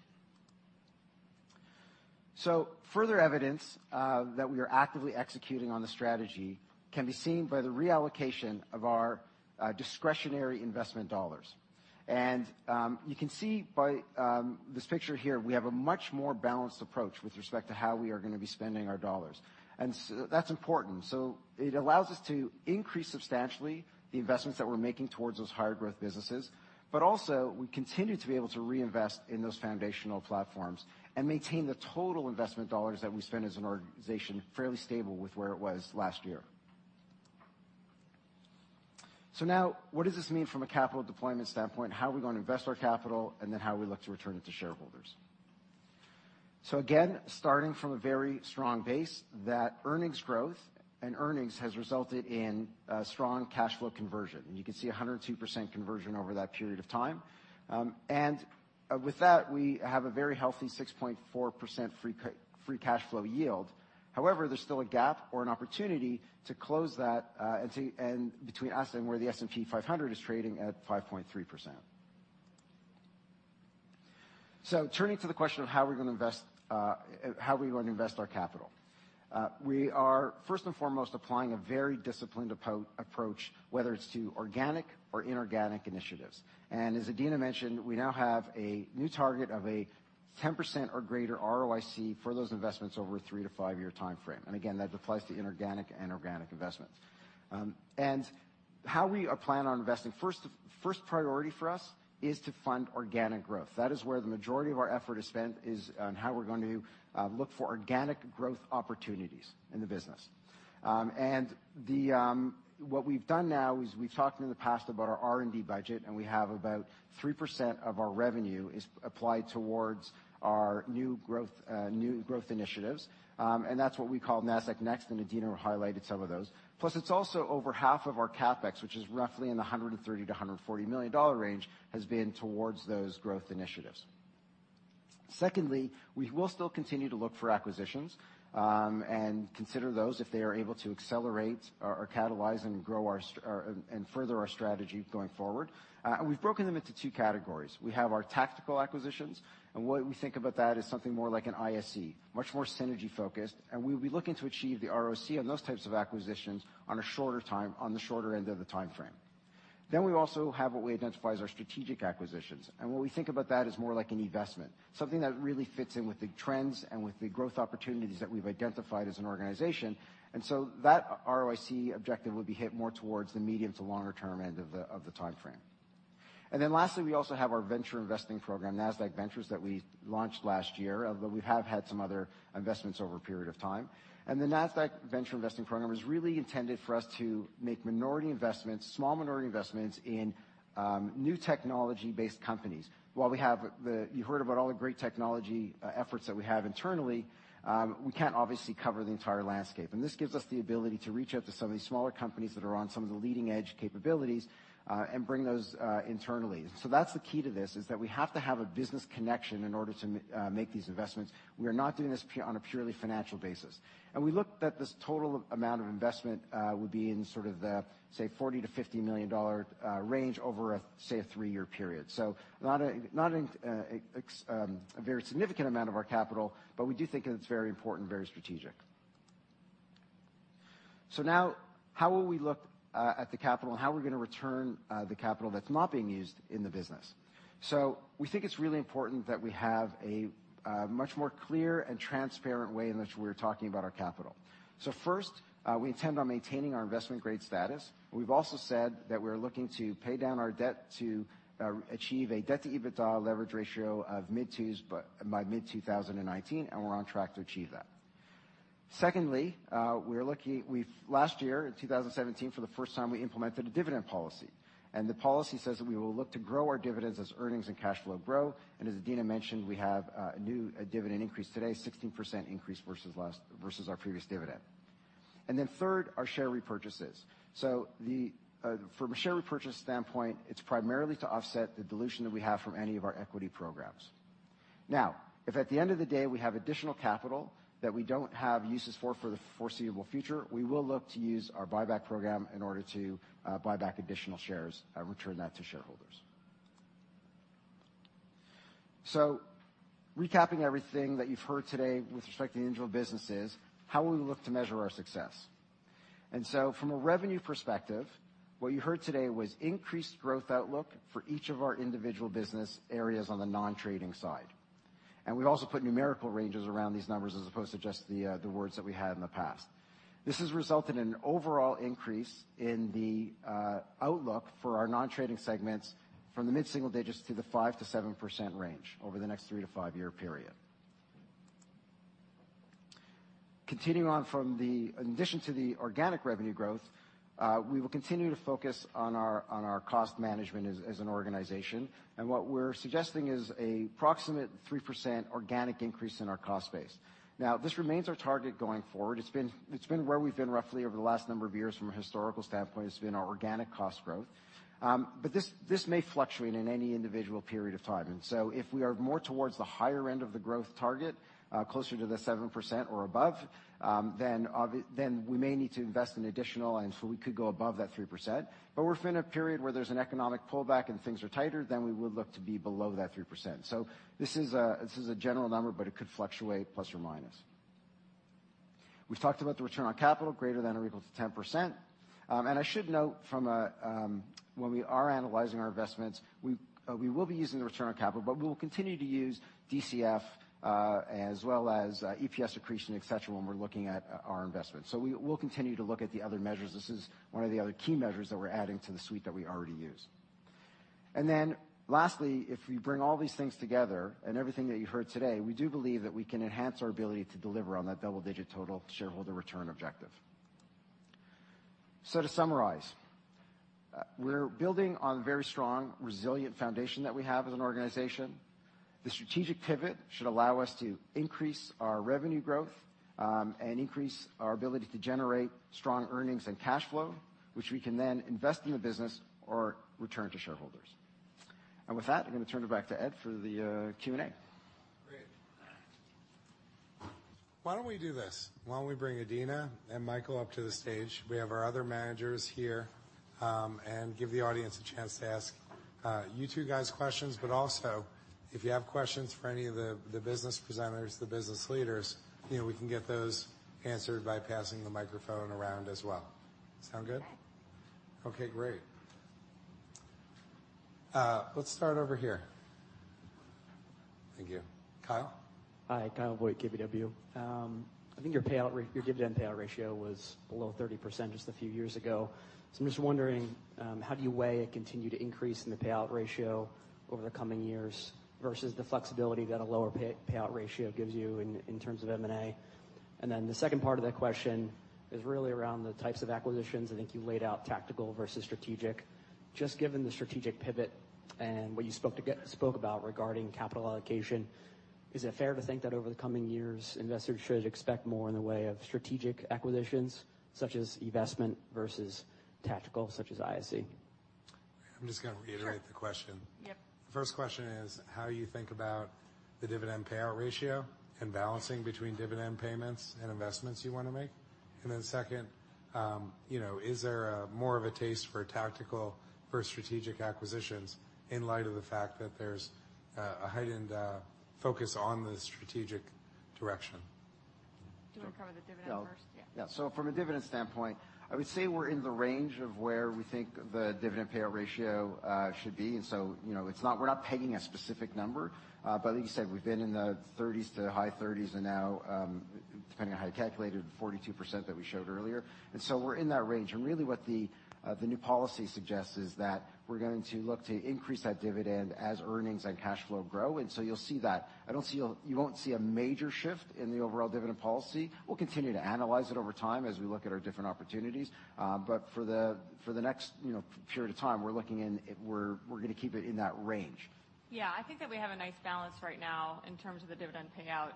Further evidence that we are actively executing on the strategy can be seen by the reallocation of our discretionary investment dollars. You can see by this picture here, we have a much more balanced approach with respect to how we are going to be spending our dollars. That's important. It allows us to increase substantially the investments that we're making towards those higher growth businesses, also, we continue to be able to reinvest in those foundational platforms and maintain the total investment dollars that we spend as an organization fairly stable with where it was last year. What does this mean from a capital deployment standpoint? How are we going to invest our capital, how are we look to return it to shareholders? Starting from a very strong base, that earnings growth and earnings has resulted in strong cash flow conversion. You can see 102% conversion over that period of time. With that, we have a very healthy 6.4% free cash flow yield. However, there's still a gap or an opportunity to close that, between us and where the S&P 500 is trading at 5.3%. Turning to the question of how we are going to invest our capital. We are first and foremost applying a very disciplined approach, whether it's to organic or inorganic initiatives. As Adena mentioned, we now have a new target of a 10% or greater ROIC for those investments over a three to five-year timeframe. Again, that applies to inorganic and organic investments. How we plan on investing, first priority for us is to fund organic growth. That is where the majority of our effort is spent, is on how we're going to look for organic growth opportunities in the business. What we've done now is we've talked in the past about our R&D budget, we have about 3% of our revenue is applied towards our new growth initiatives. That's what we call Nasdaq Next, Adena highlighted some of those. Plus, it's also over half of our CapEx, which is roughly in the $130 million to $140 million range, has been towards those growth initiatives. Secondly, we will still continue to look for acquisitions, consider those if they are able to accelerate or catalyze and further our strategy going forward. We've broken them into 2 categories. We have our tactical acquisitions, what we think about that is something more like an ISE. Much more synergy focused, and we will be looking to achieve the ROIC on those types of acquisitions on the shorter end of the timeframe. Then we also have what we identify as our strategic acquisitions. What we think about that is more like an eVestment. Something that really fits in with the trends and with the growth opportunities that we have identified as an organization. That ROIC objective would be hit more towards the medium to longer term end of the timeframe. Then lastly, we also have our venture investing program, Nasdaq Ventures, that we launched last year, although we have had some other investments over a period of time. The Nasdaq Venture investing program is really intended for us to make small minority investments in new technology-based companies. You heard about all the great technology efforts that we have internally. We cannot obviously cover the entire landscape, and this gives us the ability to reach out to some of these smaller companies that are on some of the leading edge capabilities, and bring those internally. That is the key to this, is that we have to have a business connection in order to make these investments. We are not doing this on a purely financial basis. We looked at this total amount of investment would be in sort of the, say, $40 million-$50 million range over, say, a three-year period. Not a very significant amount of our capital, but we do think it is very important, very strategic. Now, how will we look at the capital? How are we going to return the capital that is not being used in the business? We think it is really important that we have a much more clear and transparent way in which we are talking about our capital. First, we intend on maintaining our investment grade status. We have also said that we are looking to pay down our debt to achieve a debt-to-EBITDA leverage ratio of mid-2s by mid-2019, and we are on track to achieve that. Secondly, last year, in 2017, for the first time, we implemented a dividend policy. The policy says that we will look to grow our dividends as earnings and cash flow grow. As Adena mentioned, we have a new dividend increase today, 16% increase versus our previous dividend. Then third, our share repurchases. From a share repurchase standpoint, it is primarily to offset the dilution that we have from any of our equity programs. If at the end of the day, we have additional capital that we do not have uses for the foreseeable future, we will look to use our buyback program in order to buy back additional shares and return that to shareholders. Recapping everything that you have heard today with respect to the individual businesses, how will we look to measure our success? From a revenue perspective, what you heard today was increased growth outlook for each of our individual business areas on the non-trading side. We have also put numerical ranges around these numbers as opposed to just the words that we had in the past. This has resulted in an overall increase in the outlook for our non-trading segments from the mid-single digits to the 5%-7% range over the next 3- to 5-year period. Continuing on, in addition to the organic revenue growth, we will continue to focus on our cost management as an organization. What we're suggesting is a proximate 3% organic increase in our cost base. This remains our target going forward. It's been where we've been roughly over the last number of years from a historical standpoint. It's been our organic cost growth. This may fluctuate in any individual period of time. If we are more towards the higher end of the growth target, closer to the 7% or above, then we may need to invest in additional, we could go above that 3%. If we're in a period where there's an economic pullback and things are tighter, then we would look to be below that 3%. This is a general number, but it could fluctuate, plus or minus. We've talked about the return on capital greater than or equal to 10%. I should note, when we are analyzing our investments, we will be using the return on capital, but we will continue to use DCF as well as EPS accretion, et cetera, when we're looking at our investments. We'll continue to look at the other measures. This is one of the other key measures that we're adding to the suite that we already use. Lastly, if we bring all these things together and everything that you heard today, we do believe that we can enhance our ability to deliver on that double-digit total shareholder return objective. To summarize, we're building on a very strong, resilient foundation that we have as an organization. The strategic pivot should allow us to increase our revenue growth, increase our ability to generate strong earnings and cash flow, which we can then invest in the business or return to shareholders. With that, I'm going to turn it back to Ed for the Q&A. Great. Why don't we do this? Why don't we bring Adena and Michael up to the stage, we have our other managers here, give the audience a chance to ask you two guys questions, but also, if you have questions for any of the business presenters, the business leaders, we can get those answered by passing the microphone around as well. Sound good? Okay. Okay, great. Let's start over here. Thank you. Kyle? Hi. Kyle Voigt, KBW. I think your dividend payout ratio was below 30% just a few years ago. I'm just wondering, how do you weigh a continued increase in the payout ratio over the coming years versus the flexibility that a lower payout ratio gives you in terms of M&A? The second part of that question is really around the types of acquisitions. I think you laid out tactical versus strategic. Just given the strategic pivot and what you spoke about regarding capital allocation, is it fair to think that over the coming years, investors should expect more in the way of strategic acquisitions, such as eVestment, versus tactical, such as ISE? I'm just going to reiterate the question. Yep. The first question is how you think about the dividend payout ratio and balancing between dividend payments and investments you want to make. Second, is there more of a taste for tactical versus strategic acquisitions in light of the fact that there's a heightened focus on the strategic direction? Do you want to cover the dividend first? Yeah. From a dividend standpoint, I would say we're in the range of where we think the dividend payout ratio should be. We're not pegging a specific number, but like you said, we've been in the 30s to high 30s, and now, depending on how you calculate it, the 42% that we showed earlier. We're in that range. Really what the new policy suggests is that we're going to look to increase that dividend as earnings and cash flow grow. You'll see that. You won't see a major shift in the overall dividend policy. We'll continue to analyze it over time as we look at our different opportunities. For the next period of time, we're going to keep it in that range. Yeah. I think that we have a nice balance right now in terms of the dividend payout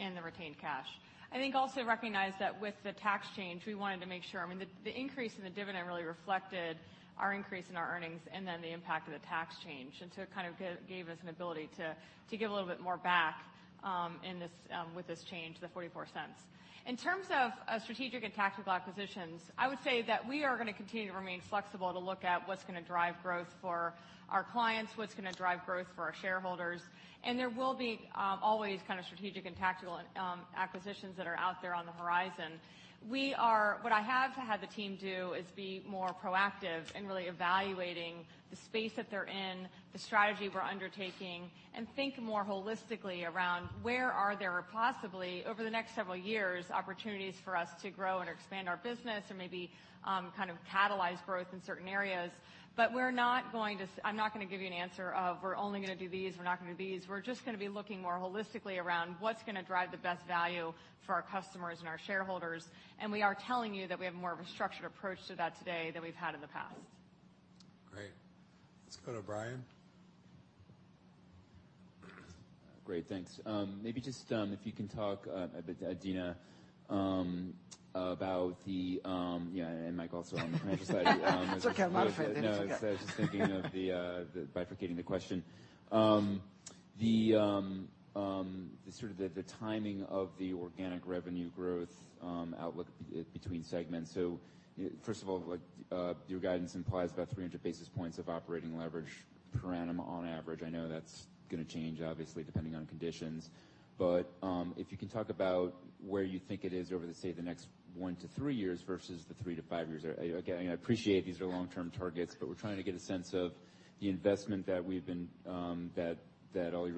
and the retained cash. I think also recognize that with the tax change, we wanted to make sure, the increase in the dividend really reflected our increase in our earnings and then the impact of the tax change. It kind of gave us an ability to give a little bit more back In this, with this change, the $0.44. In terms of strategic and tactical acquisitions, I would say that we are going to continue to remain flexible to look at what's going to drive growth for our clients, what's going to drive growth for our shareholders. There will be always kind of strategic and tactical acquisitions that are out there on the horizon. What I have had the team do is be more proactive in really evaluating the space that they're in, the strategy we're undertaking, and think more holistically around where are there possibly, over the next several years, opportunities for us to grow and expand our business and maybe kind of catalyze growth in certain areas. I'm not going to give you an answer of we're only going to do these, we're not going to do these. We're just going to be looking more holistically around what's going to drive the best value for our customers and our shareholders, and we are telling you that we have more of a structured approach to that today than we've had in the past. Great. Let's go to Brian. Great. Thanks. Maybe just if you can talk, Adena, about Mike also. It's okay. I'm not afraid of anything, it's okay. I was just thinking of the, bifurcating the question. The sort of the timing of the organic revenue growth, outlook between segments. First of all, your guidance implies about 300 basis points of operating leverage per annum on average. I know that's going to change obviously depending on conditions. If you can talk about where you think it is over the, say, the next one to three years versus the three to five years. Again, I appreciate these are long-term targets, but we're trying to get a sense of the investment that all your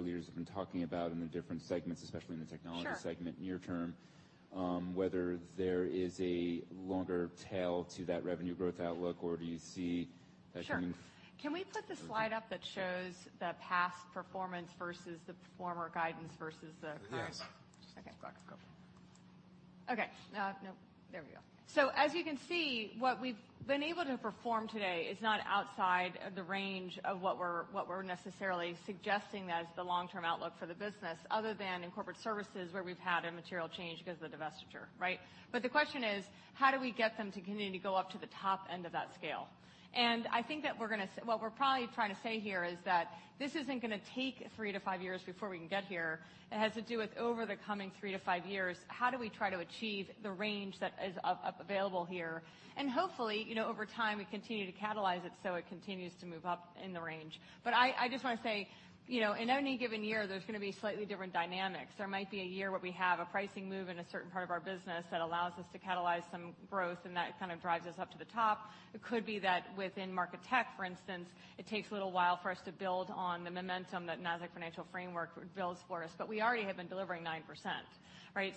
leaders have been talking about in the different segments, especially in the technology segment. Sure near-term, whether there is a longer tail to that revenue growth outlook, or do you see that? Sure. Can we put the slide up that shows the past performance versus the former guidance versus the current? Yes. Okay, go back. Go. Okay. No, there we go. As you can see, what we've been able to perform today is not outside of the range of what we're necessarily suggesting as the long-term outlook for the business, other than in corporate services, where we've had a material change because of the divestiture. Right? The question is, how do we get them to continue to go up to the top end of that scale? I think that what we're probably trying to say here is that this isn't going to take three to five years before we can get here. It has to do with over the coming three to five years, how do we try to achieve the range that is up available here? Hopefully, over time, we continue to catalyze it so it continues to move up in the range. I just want to say, in any given year, there's going to be slightly different dynamics. There might be a year where we have a pricing move in a certain part of our business that allows us to catalyze some growth and that kind of drives us up to the top. It could be that within Market Tech, for instance, it takes a little while for us to build on the momentum that Nasdaq Financial Framework builds for us, but we already have been delivering 9%. Right?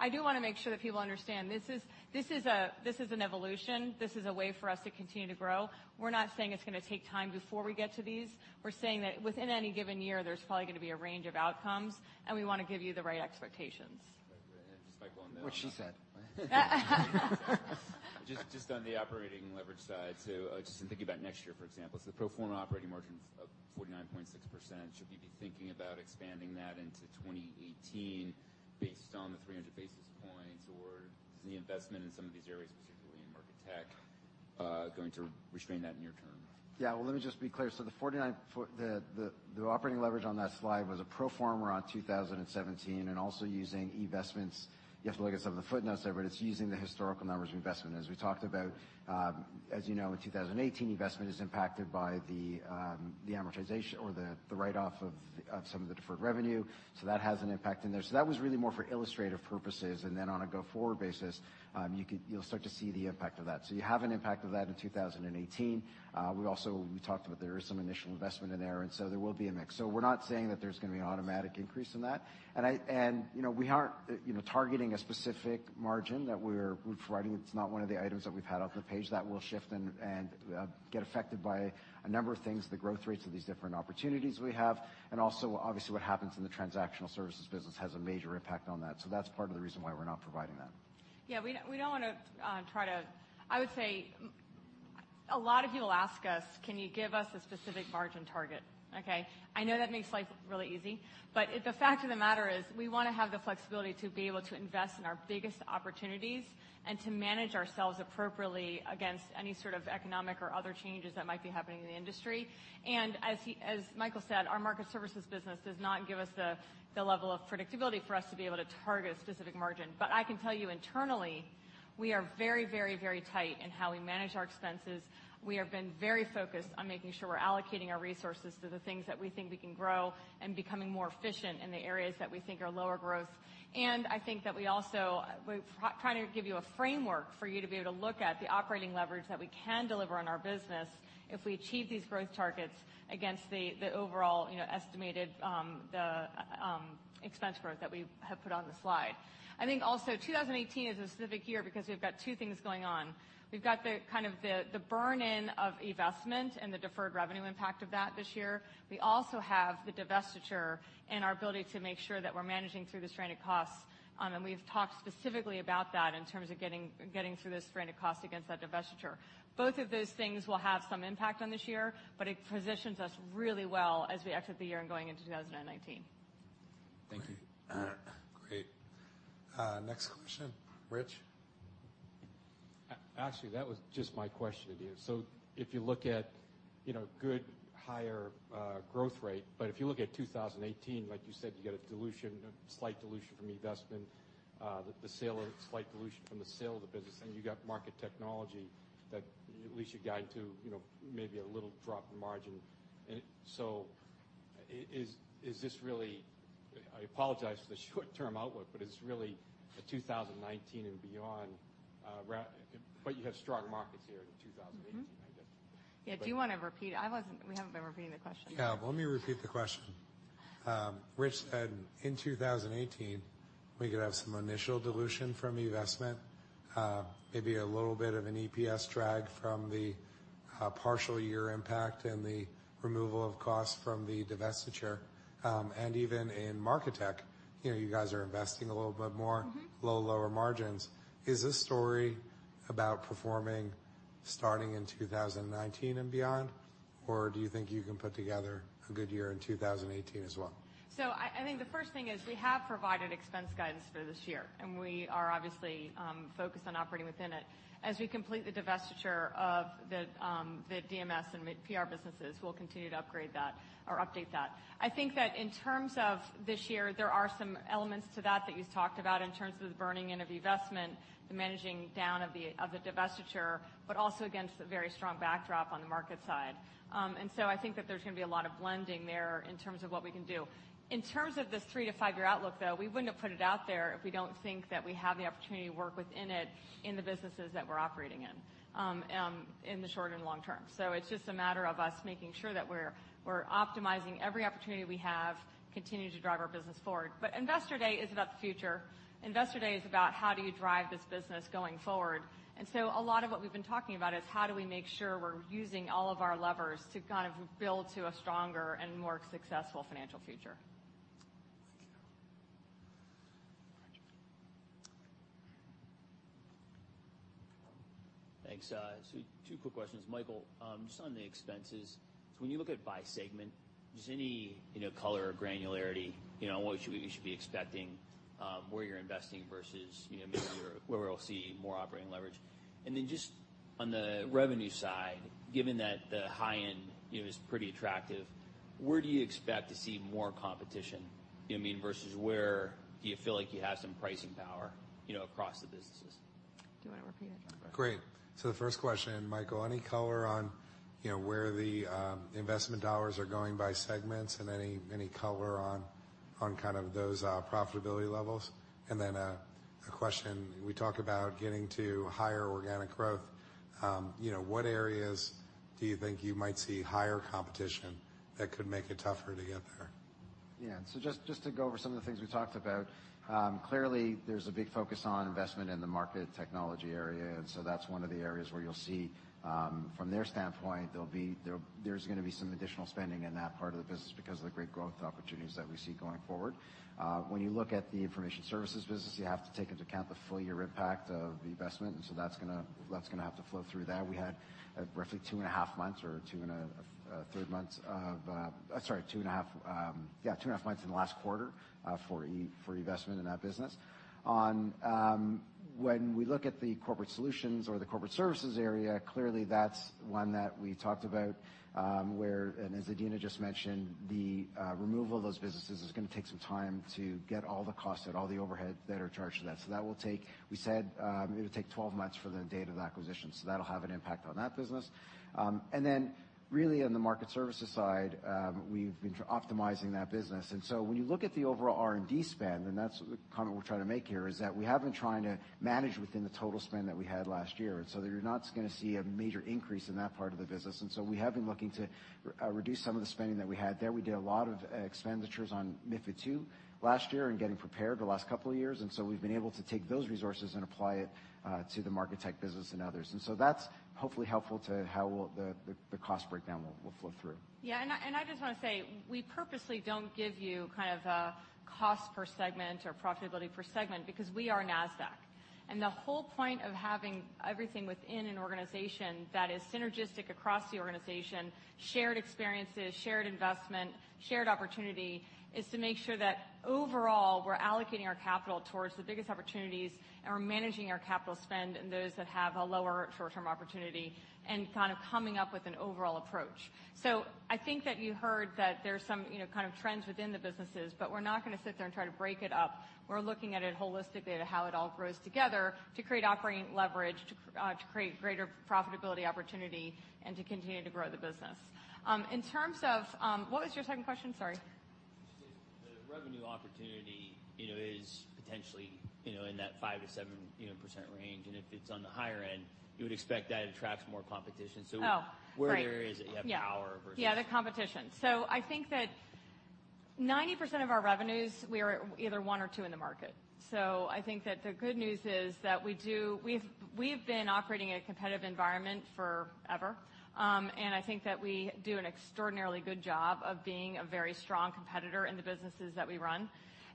I do want to make sure that people understand this is an evolution. This is a way for us to continue to grow. We're not saying it's going to take time before we get to these. We're saying that within any given year, there's probably going to be a range of outcomes, and we want to give you the right expectations. Just to follow on that. What she said. Just on the operating leverage side, just in thinking about next year, for example, the pro forma operating margin of 49.6%, should we be thinking about expanding that into 2018 based on the 300 basis points, or is the investment in some of these areas, specifically in Market Tech, going to restrain that near-term? Yeah. Well, let me just be clear. The operating leverage on that slide was a pro forma on 2017, also using eVestment. You have to look at some of the footnotes there, but it's using the historical numbers eVestment. As we talked about, as you know, in 2018, eVestment is impacted by the amortization or the write-off of some of the deferred revenue. That has an impact in there. That was really more for illustrative purposes. Then on a go-forward basis, you'll start to see the impact of that. You have an impact of that in 2018. We talked about there is some initial investment in there will be a mix. We're not saying that there's going to be an automatic increase in that. We aren't targeting a specific margin that we're providing. It's not one of the items that we've had up on the page. That will shift and get affected by a number of things, the growth rates of these different opportunities we have, and also obviously what happens in the transactional services business has a major impact on that. That's part of the reason why we're not providing that. We don't want to try to I would say a lot of people ask us, "Can you give us a specific margin target?" Okay? I know that makes life really easy, but the fact of the matter is we want to have the flexibility to be able to invest in our biggest opportunities and to manage ourselves appropriately against any sort of economic or other changes that might be happening in the industry. As Michael said, our market services business does not give us the level of predictability for us to be able to target a specific margin. I can tell you internally, we are very tight in how we manage our expenses. We have been very focused on making sure we're allocating our resources to the things that we think we can grow and becoming more efficient in the areas that we think are lower growth. I think that we also, we're trying to give you a framework for you to be able to look at the operating leverage that we can deliver on our business if we achieve these growth targets against the overall estimated expense growth that we have put on the slide. I think also 2018 is a specific year because we've got two things going on. We've got the kind of the burn-in of eVestment and the deferred revenue impact of that this year. We also have the divestiture and our ability to make sure that we're managing through the stranded costs. We've talked specifically about that in terms of getting through the stranded costs against that divestiture. Both of those things will have some impact on this year, but it positions us really well as we exit the year and going into 2019. Thank you. Great. Next question, Rich. Actually, that was just my question, Adena. If you look at good, higher growth rate. If you look at 2018, like you said, you get a slight dilution from eVestment, the slight dilution from the sale of the business, and you got Market Technology that at least you're guiding to maybe a little drop in margin. I apologize for the short-term outlook, but is this really a 2019 and beyond, but you have strong markets here in 2018, I guess? Yeah. Do you want to repeat? We haven't been repeating the questions. Yeah. Let me repeat the question. Rich, in 2018, we could have some initial dilution from eVestment, maybe a little bit of an EPS drag from the partial year impact and the removal of cost from the divestiture. Even in Market Tech, you guys are investing a little bit more. Low, lower margins. Is this story about performing starting in 2019 and beyond, or do you think you can put together a good year in 2018 as well? I think the first thing is we have provided expense guidance for this year, and we are obviously focused on operating within it. As we complete the divestiture of the DMS and PR businesses, we'll continue to upgrade that or update that. I think that in terms of this year, there are some elements to that that you talked about in terms of the burning in of eVestment, the managing down of the divestiture, but also, again, to the very strong backdrop on the Market side. I think that there's going to be a lot of blending there in terms of what we can do. In terms of this three- to five-year outlook, though, we wouldn't have put it out there if we don't think that we have the opportunity to work within it in the businesses that we're operating in the short and long term. It's just a matter of us making sure that we're optimizing every opportunity we have and continue to drive our business forward. Investor Day is about the future. Investor Day is about how do you drive this business going forward. A lot of what we've been talking about is how do we make sure we're using all of our levers to build to a stronger and more successful financial future. Thank you. Roger. Thanks. Two quick questions. Michael, just on the expenses, when you look at by segment, is there any color or granularity on what we should be expecting, where you're investing versus maybe where we'll see more operating leverage? Just on the revenue side, given that the high end is pretty attractive, where do you expect to see more competition versus where do you feel like you have some pricing power across the businesses? Do you want to repeat it, Michael? Great. The first question, Michael, any color on where the investment dollars are going by segments and any color on those profitability levels? A question, we talk about getting to higher organic growth. What areas do you think you might see higher competition that could make it tougher to get there? Yeah. Just to go over some of the things we talked about. Clearly, there's a big focus on investment in the Market Technology area, that's one of the areas where you'll see, from their standpoint, there's going to be some additional spending in that part of the business because of the great growth opportunities that we see going forward. When you look at the Information Services business, you have to take into account the full year impact of eVestment, that's going to have to flow through that. We had roughly two and a half months in the last quarter for eVestment in that business. When we look at the Corporate Solutions or the Corporate Services area, clearly that's one that we talked about, and as Adena just mentioned, the removal of those businesses is going to take some time to get all the costs out, all the overhead that are charged to that. That will take, we said, it'll take 12 months from the date of acquisition. That'll have an impact on that business. Really on the Market Services side, we've been optimizing that business. When you look at the overall R&D spend, and that's the comment we're trying to make here, is that we have been trying to manage within the total spend that we had last year. You're not going to see a major increase in that part of the business. We have been looking to reduce some of the spending that we had there. We did a lot of expenditures on MiFID II last year and getting prepared the last couple of years. We've been able to take those resources and apply it to the Market Tech business and others. That's hopefully helpful to how the cost breakdown will flow through. I just want to say, we purposely don't give you a cost per segment or profitability per segment because we are Nasdaq. The whole point of having everything within an organization that is synergistic across the organization, shared experiences, shared investment, shared opportunity, is to make sure that overall, we're allocating our capital towards the biggest opportunities and we're managing our capital spend in those that have a lower short-term opportunity and coming up with an overall approach. I think that you heard that there's some kind of trends within the businesses, we're not going to sit there and try to break it up. We're looking at it holistically to how it all grows together to create operating leverage, to create greater profitability opportunity, and to continue to grow the business. What was your second question? Sorry. Just the revenue opportunity is potentially in that 5% to 7% range, if it's on the higher end, you would expect that attracts more competition. Oh, right. Where there is, you have power versus- Yeah, the competition. I think that 90% of our revenues, we are either one or two in the market. I think that the good news is that we've been operating in a competitive environment forever. I think that we do an extraordinarily good job of being a very strong competitor in the businesses that we run.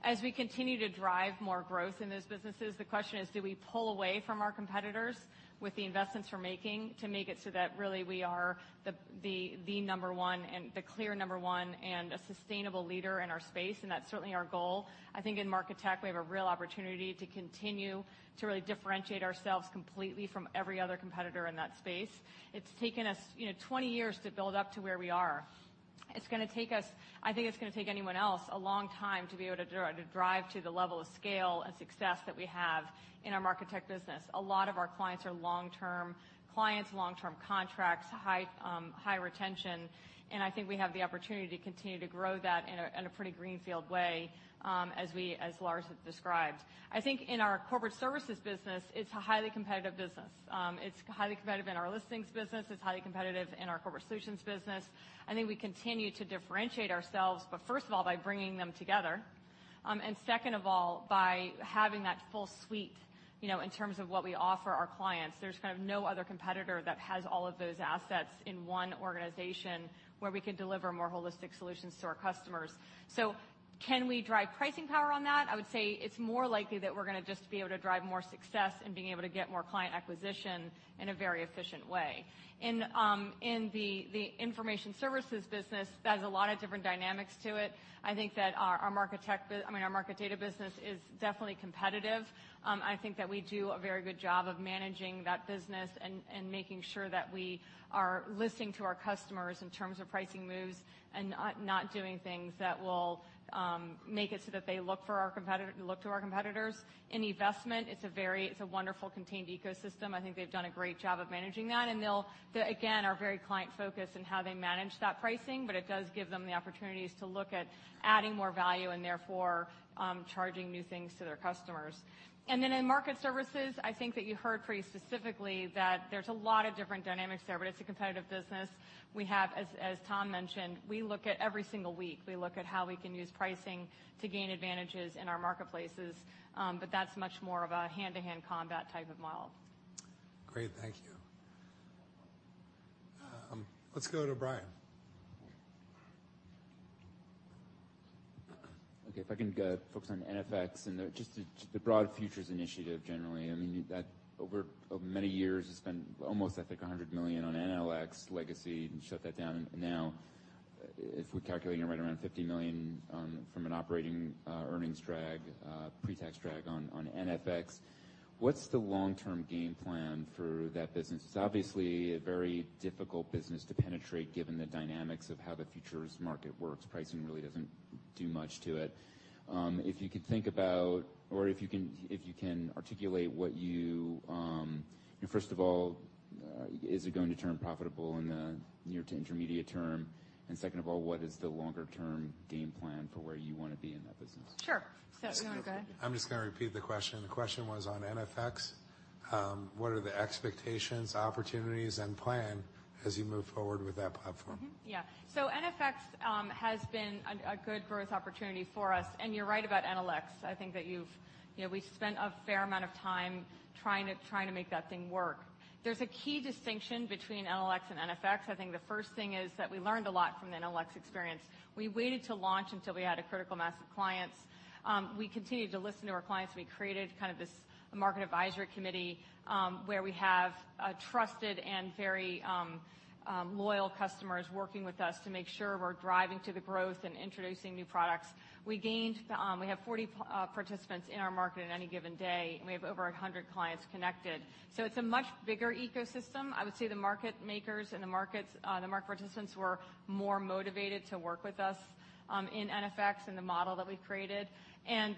As we continue to drive more growth in those businesses, the question is, do we pull away from our competitors with the investments we're making to make it so that really we are the clear number one and a sustainable leader in our space, and that's certainly our goal. I think in Market Tech, we have a real opportunity to continue to really differentiate ourselves completely from every other competitor in that space. It's taken us 20 years to build up to where we are. It's going to take us, I think it's going to take anyone else, a long time to be able to drive to the level of scale and success that we have in our Market Tech business. A lot of our clients are long-term clients, long-term contracts, high retention, I think we have the opportunity to continue to grow that in a pretty greenfield way, as Lars described. I think in our corporate services business, it's a highly competitive business. It's highly competitive in our listings business. It's highly competitive in our corporate solutions business. I think we continue to differentiate ourselves, first of all, by bringing them together, second of all, by having that full suite, in terms of what we offer our clients. There's kind of no other competitor that has all of those assets in one organization, where we can deliver more holistic solutions to our customers. Can we drive pricing power on that? I would say it's more likely that we're going to just be able to drive more success in being able to get more client acquisition in a very efficient way. In the information services business, there's a lot of different dynamics to it. I think that our market data business is definitely competitive. I think that we do a very good job of managing that business and making sure that we are listening to our customers in terms of pricing moves and not doing things that will make it so that they look to our competitors. In eVestment, it's a wonderful contained ecosystem. I think they've done a great job of managing that, and they again, are very client-focused in how they manage that pricing, but it does give them the opportunities to look at adding more value and therefore, charging new things to their customers. In market services, I think that you heard pretty specifically that there's a lot of different dynamics there, but it's a competitive business. We have, as Tom mentioned, we look at every single week, we look at how we can use pricing to gain advantages in our marketplaces. That's much more of a hand-to-hand combat type of model. Great. Thank you. Let's go to Brian. Okay. If I can focus on NFX and just the broad futures initiative generally. I mean, over many years, you spent almost, I think, $100 million on NLX Legacy and shut that down now. If we're calculating it right around $50 million from an operating earnings drag, pre-tax drag on NFX, what's the long-term game plan for that business? It's obviously a very difficult business to penetrate given the dynamics of how the futures market works. Pricing really doesn't do much to it. If you can articulate, first of all, is it going to turn profitable in the near to intermediate term? Second of all, what is the longer-term game plan for where you want to be in that business? Sure. Do you want to go ahead? I'm just going to repeat the question. The question was on NFX. What are the expectations, opportunities, and plan as you move forward with that platform? Yeah. NFX has been a good growth opportunity for us, and you're right about NLX. I think that we've spent a fair amount of time trying to make that thing work. There's a key distinction between NLX and NFX. I think the first thing is that we learned a lot from the NLX experience. We waited to launch until we had a critical mass of clients. We continued to listen to our clients. We created kind of this market advisory committee, where we have trusted and very loyal customers working with us to make sure we're driving to the growth and introducing new products. We have 40 participants in our market at any given day, and we have over 100 clients connected. It's a much bigger ecosystem. I would say the market makers and the market participants were more motivated to work with us in NFX, in the model that we've created.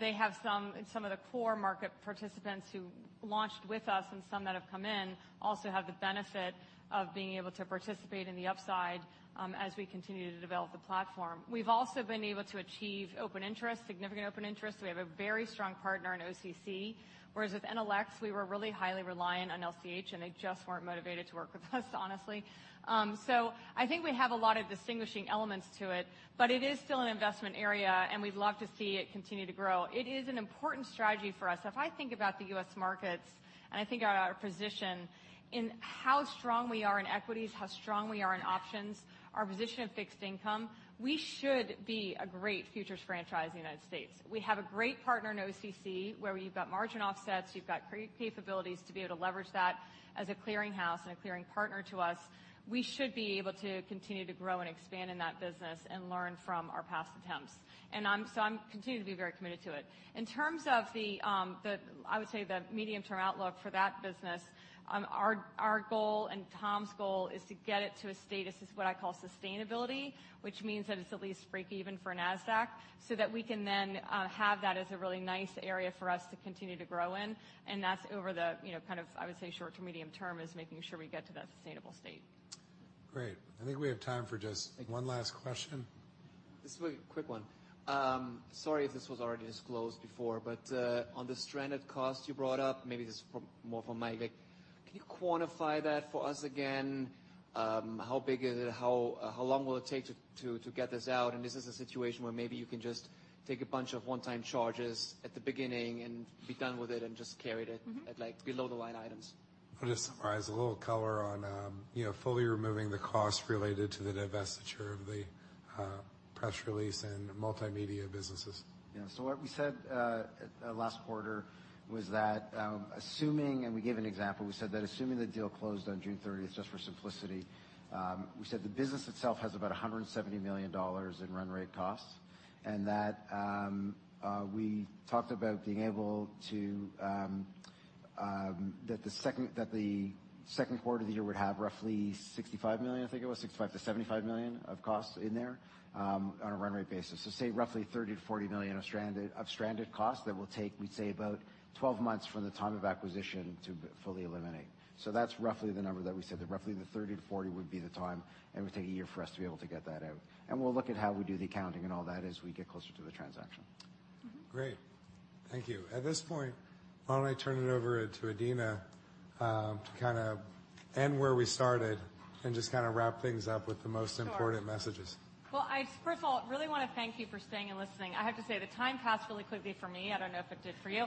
They have some of the core market participants who launched with us and some that have come in, also have the benefit of being able to participate in the upside, as we continue to develop the platform. We've also been able to achieve open interest, significant open interest. We have a very strong partner in OCC, whereas with NLX, we were really highly reliant on LCH, and they just weren't motivated to work with us, honestly. I think we have a lot of distinguishing elements to it, but it is still an investment area, and we'd love to see it continue to grow. It is an important strategy for us. If I think about the U.S. markets and I think about our position in how strong we are in equities, how strong we are in options, our position in fixed income, we should be a great futures franchise in the U.S. We have a great partner in OCC, where we've got margin offsets, you've got capabilities to be able to leverage that as a clearinghouse and a clearing partner to us. We should be able to continue to grow and expand in that business and learn from our past attempts. I'm continuing to be very committed to it. In terms of the, I would say, the medium-term outlook for that business, our goal and Tom's goal is to get it to a state of what I call sustainability, which means that it's at least break-even for Nasdaq, so that we can then have that as a really nice area for us to continue to grow in. That's over the, kind of, I would say, short to medium term, is making sure we get to that sustainable state. Great. I think we have time for just one last question. This is a really quick one. Sorry if this was already disclosed before, but, on the stranded cost you brought up, maybe this is more for Mike. Can you quantify that for us again? How big is it? How long will it take to get this out? Is this a situation where maybe you can just take a bunch of one-time charges at the beginning and be done with it and just carry it at below the line items? I'll just summarize. A little color on fully removing the cost related to the divestiture of the press release and multimedia businesses. Yeah. What we said last quarter was that, assuming, and we gave an example, we said that assuming the deal closed on June 30th, just for simplicity, we said the business itself has about $170 million in run rate costs, and that the second quarter of the year would have roughly $65 million, I think it was, $65 million-$75 million of costs in there, on a run rate basis. Say roughly $30 million-$40 million of stranded costs that will take, we'd say, about 12 months from the time of acquisition to fully eliminate. That's roughly the number that we said, that roughly the 30 to 40 would be the time, and it would take a year for us to be able to get that out. We'll look at how we do the accounting and all that as we get closer to the transaction. Great. Thank you. At this point, why don't I turn it over to Adena, to kind of end where we started and just wrap things up with the most important messages. Sure. Well, first of all, I really want to thank you for staying and listening. I have to say, the time passed really quickly for me. I don't know if it did for you.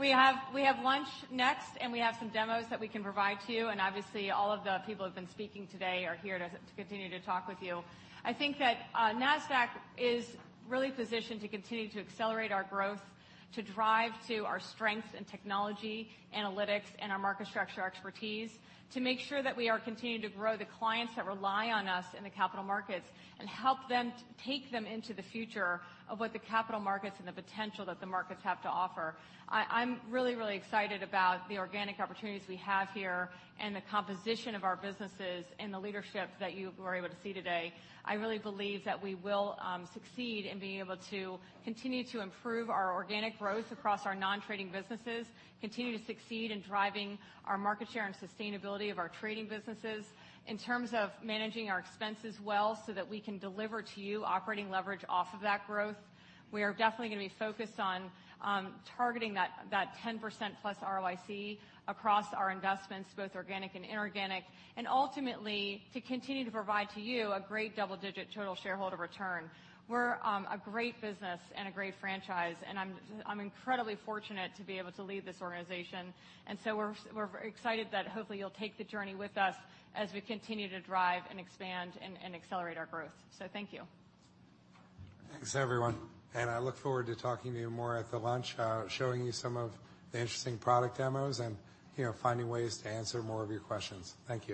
We have lunch next, and we have some demos that we can provide to you, and obviously, all of the people who've been speaking today are here to continue to talk with you. I think that Nasdaq is really positioned to continue to accelerate our growth, to drive to our strengths in technology, analytics, and our market structure expertise, to make sure that we are continuing to grow the clients that rely on us in the capital markets and help take them into the future of what the capital markets and the potential that the markets have to offer. I'm really excited about the organic opportunities we have here and the composition of our businesses and the leadership that you were able to see today. I really believe that we will succeed in being able to continue to improve our organic growth across our non-trading businesses, continue to succeed in driving our market share and sustainability of our trading businesses. In terms of managing our expenses well so that we can deliver to you operating leverage off of that growth, we are definitely going to be focused on targeting that 10%+ ROIC across our investments, both organic and inorganic, and ultimately, to continue to provide to you a great double-digit total shareholder return. We're a great business and a great franchise, and I'm incredibly fortunate to be able to lead this organization. We're excited that hopefully you'll take the journey with us as we continue to drive and expand and accelerate our growth. Thank you. Thanks, everyone. I look forward to talking to you more at the lunch, showing you some of the interesting product demos and finding ways to answer more of your questions. Thank you.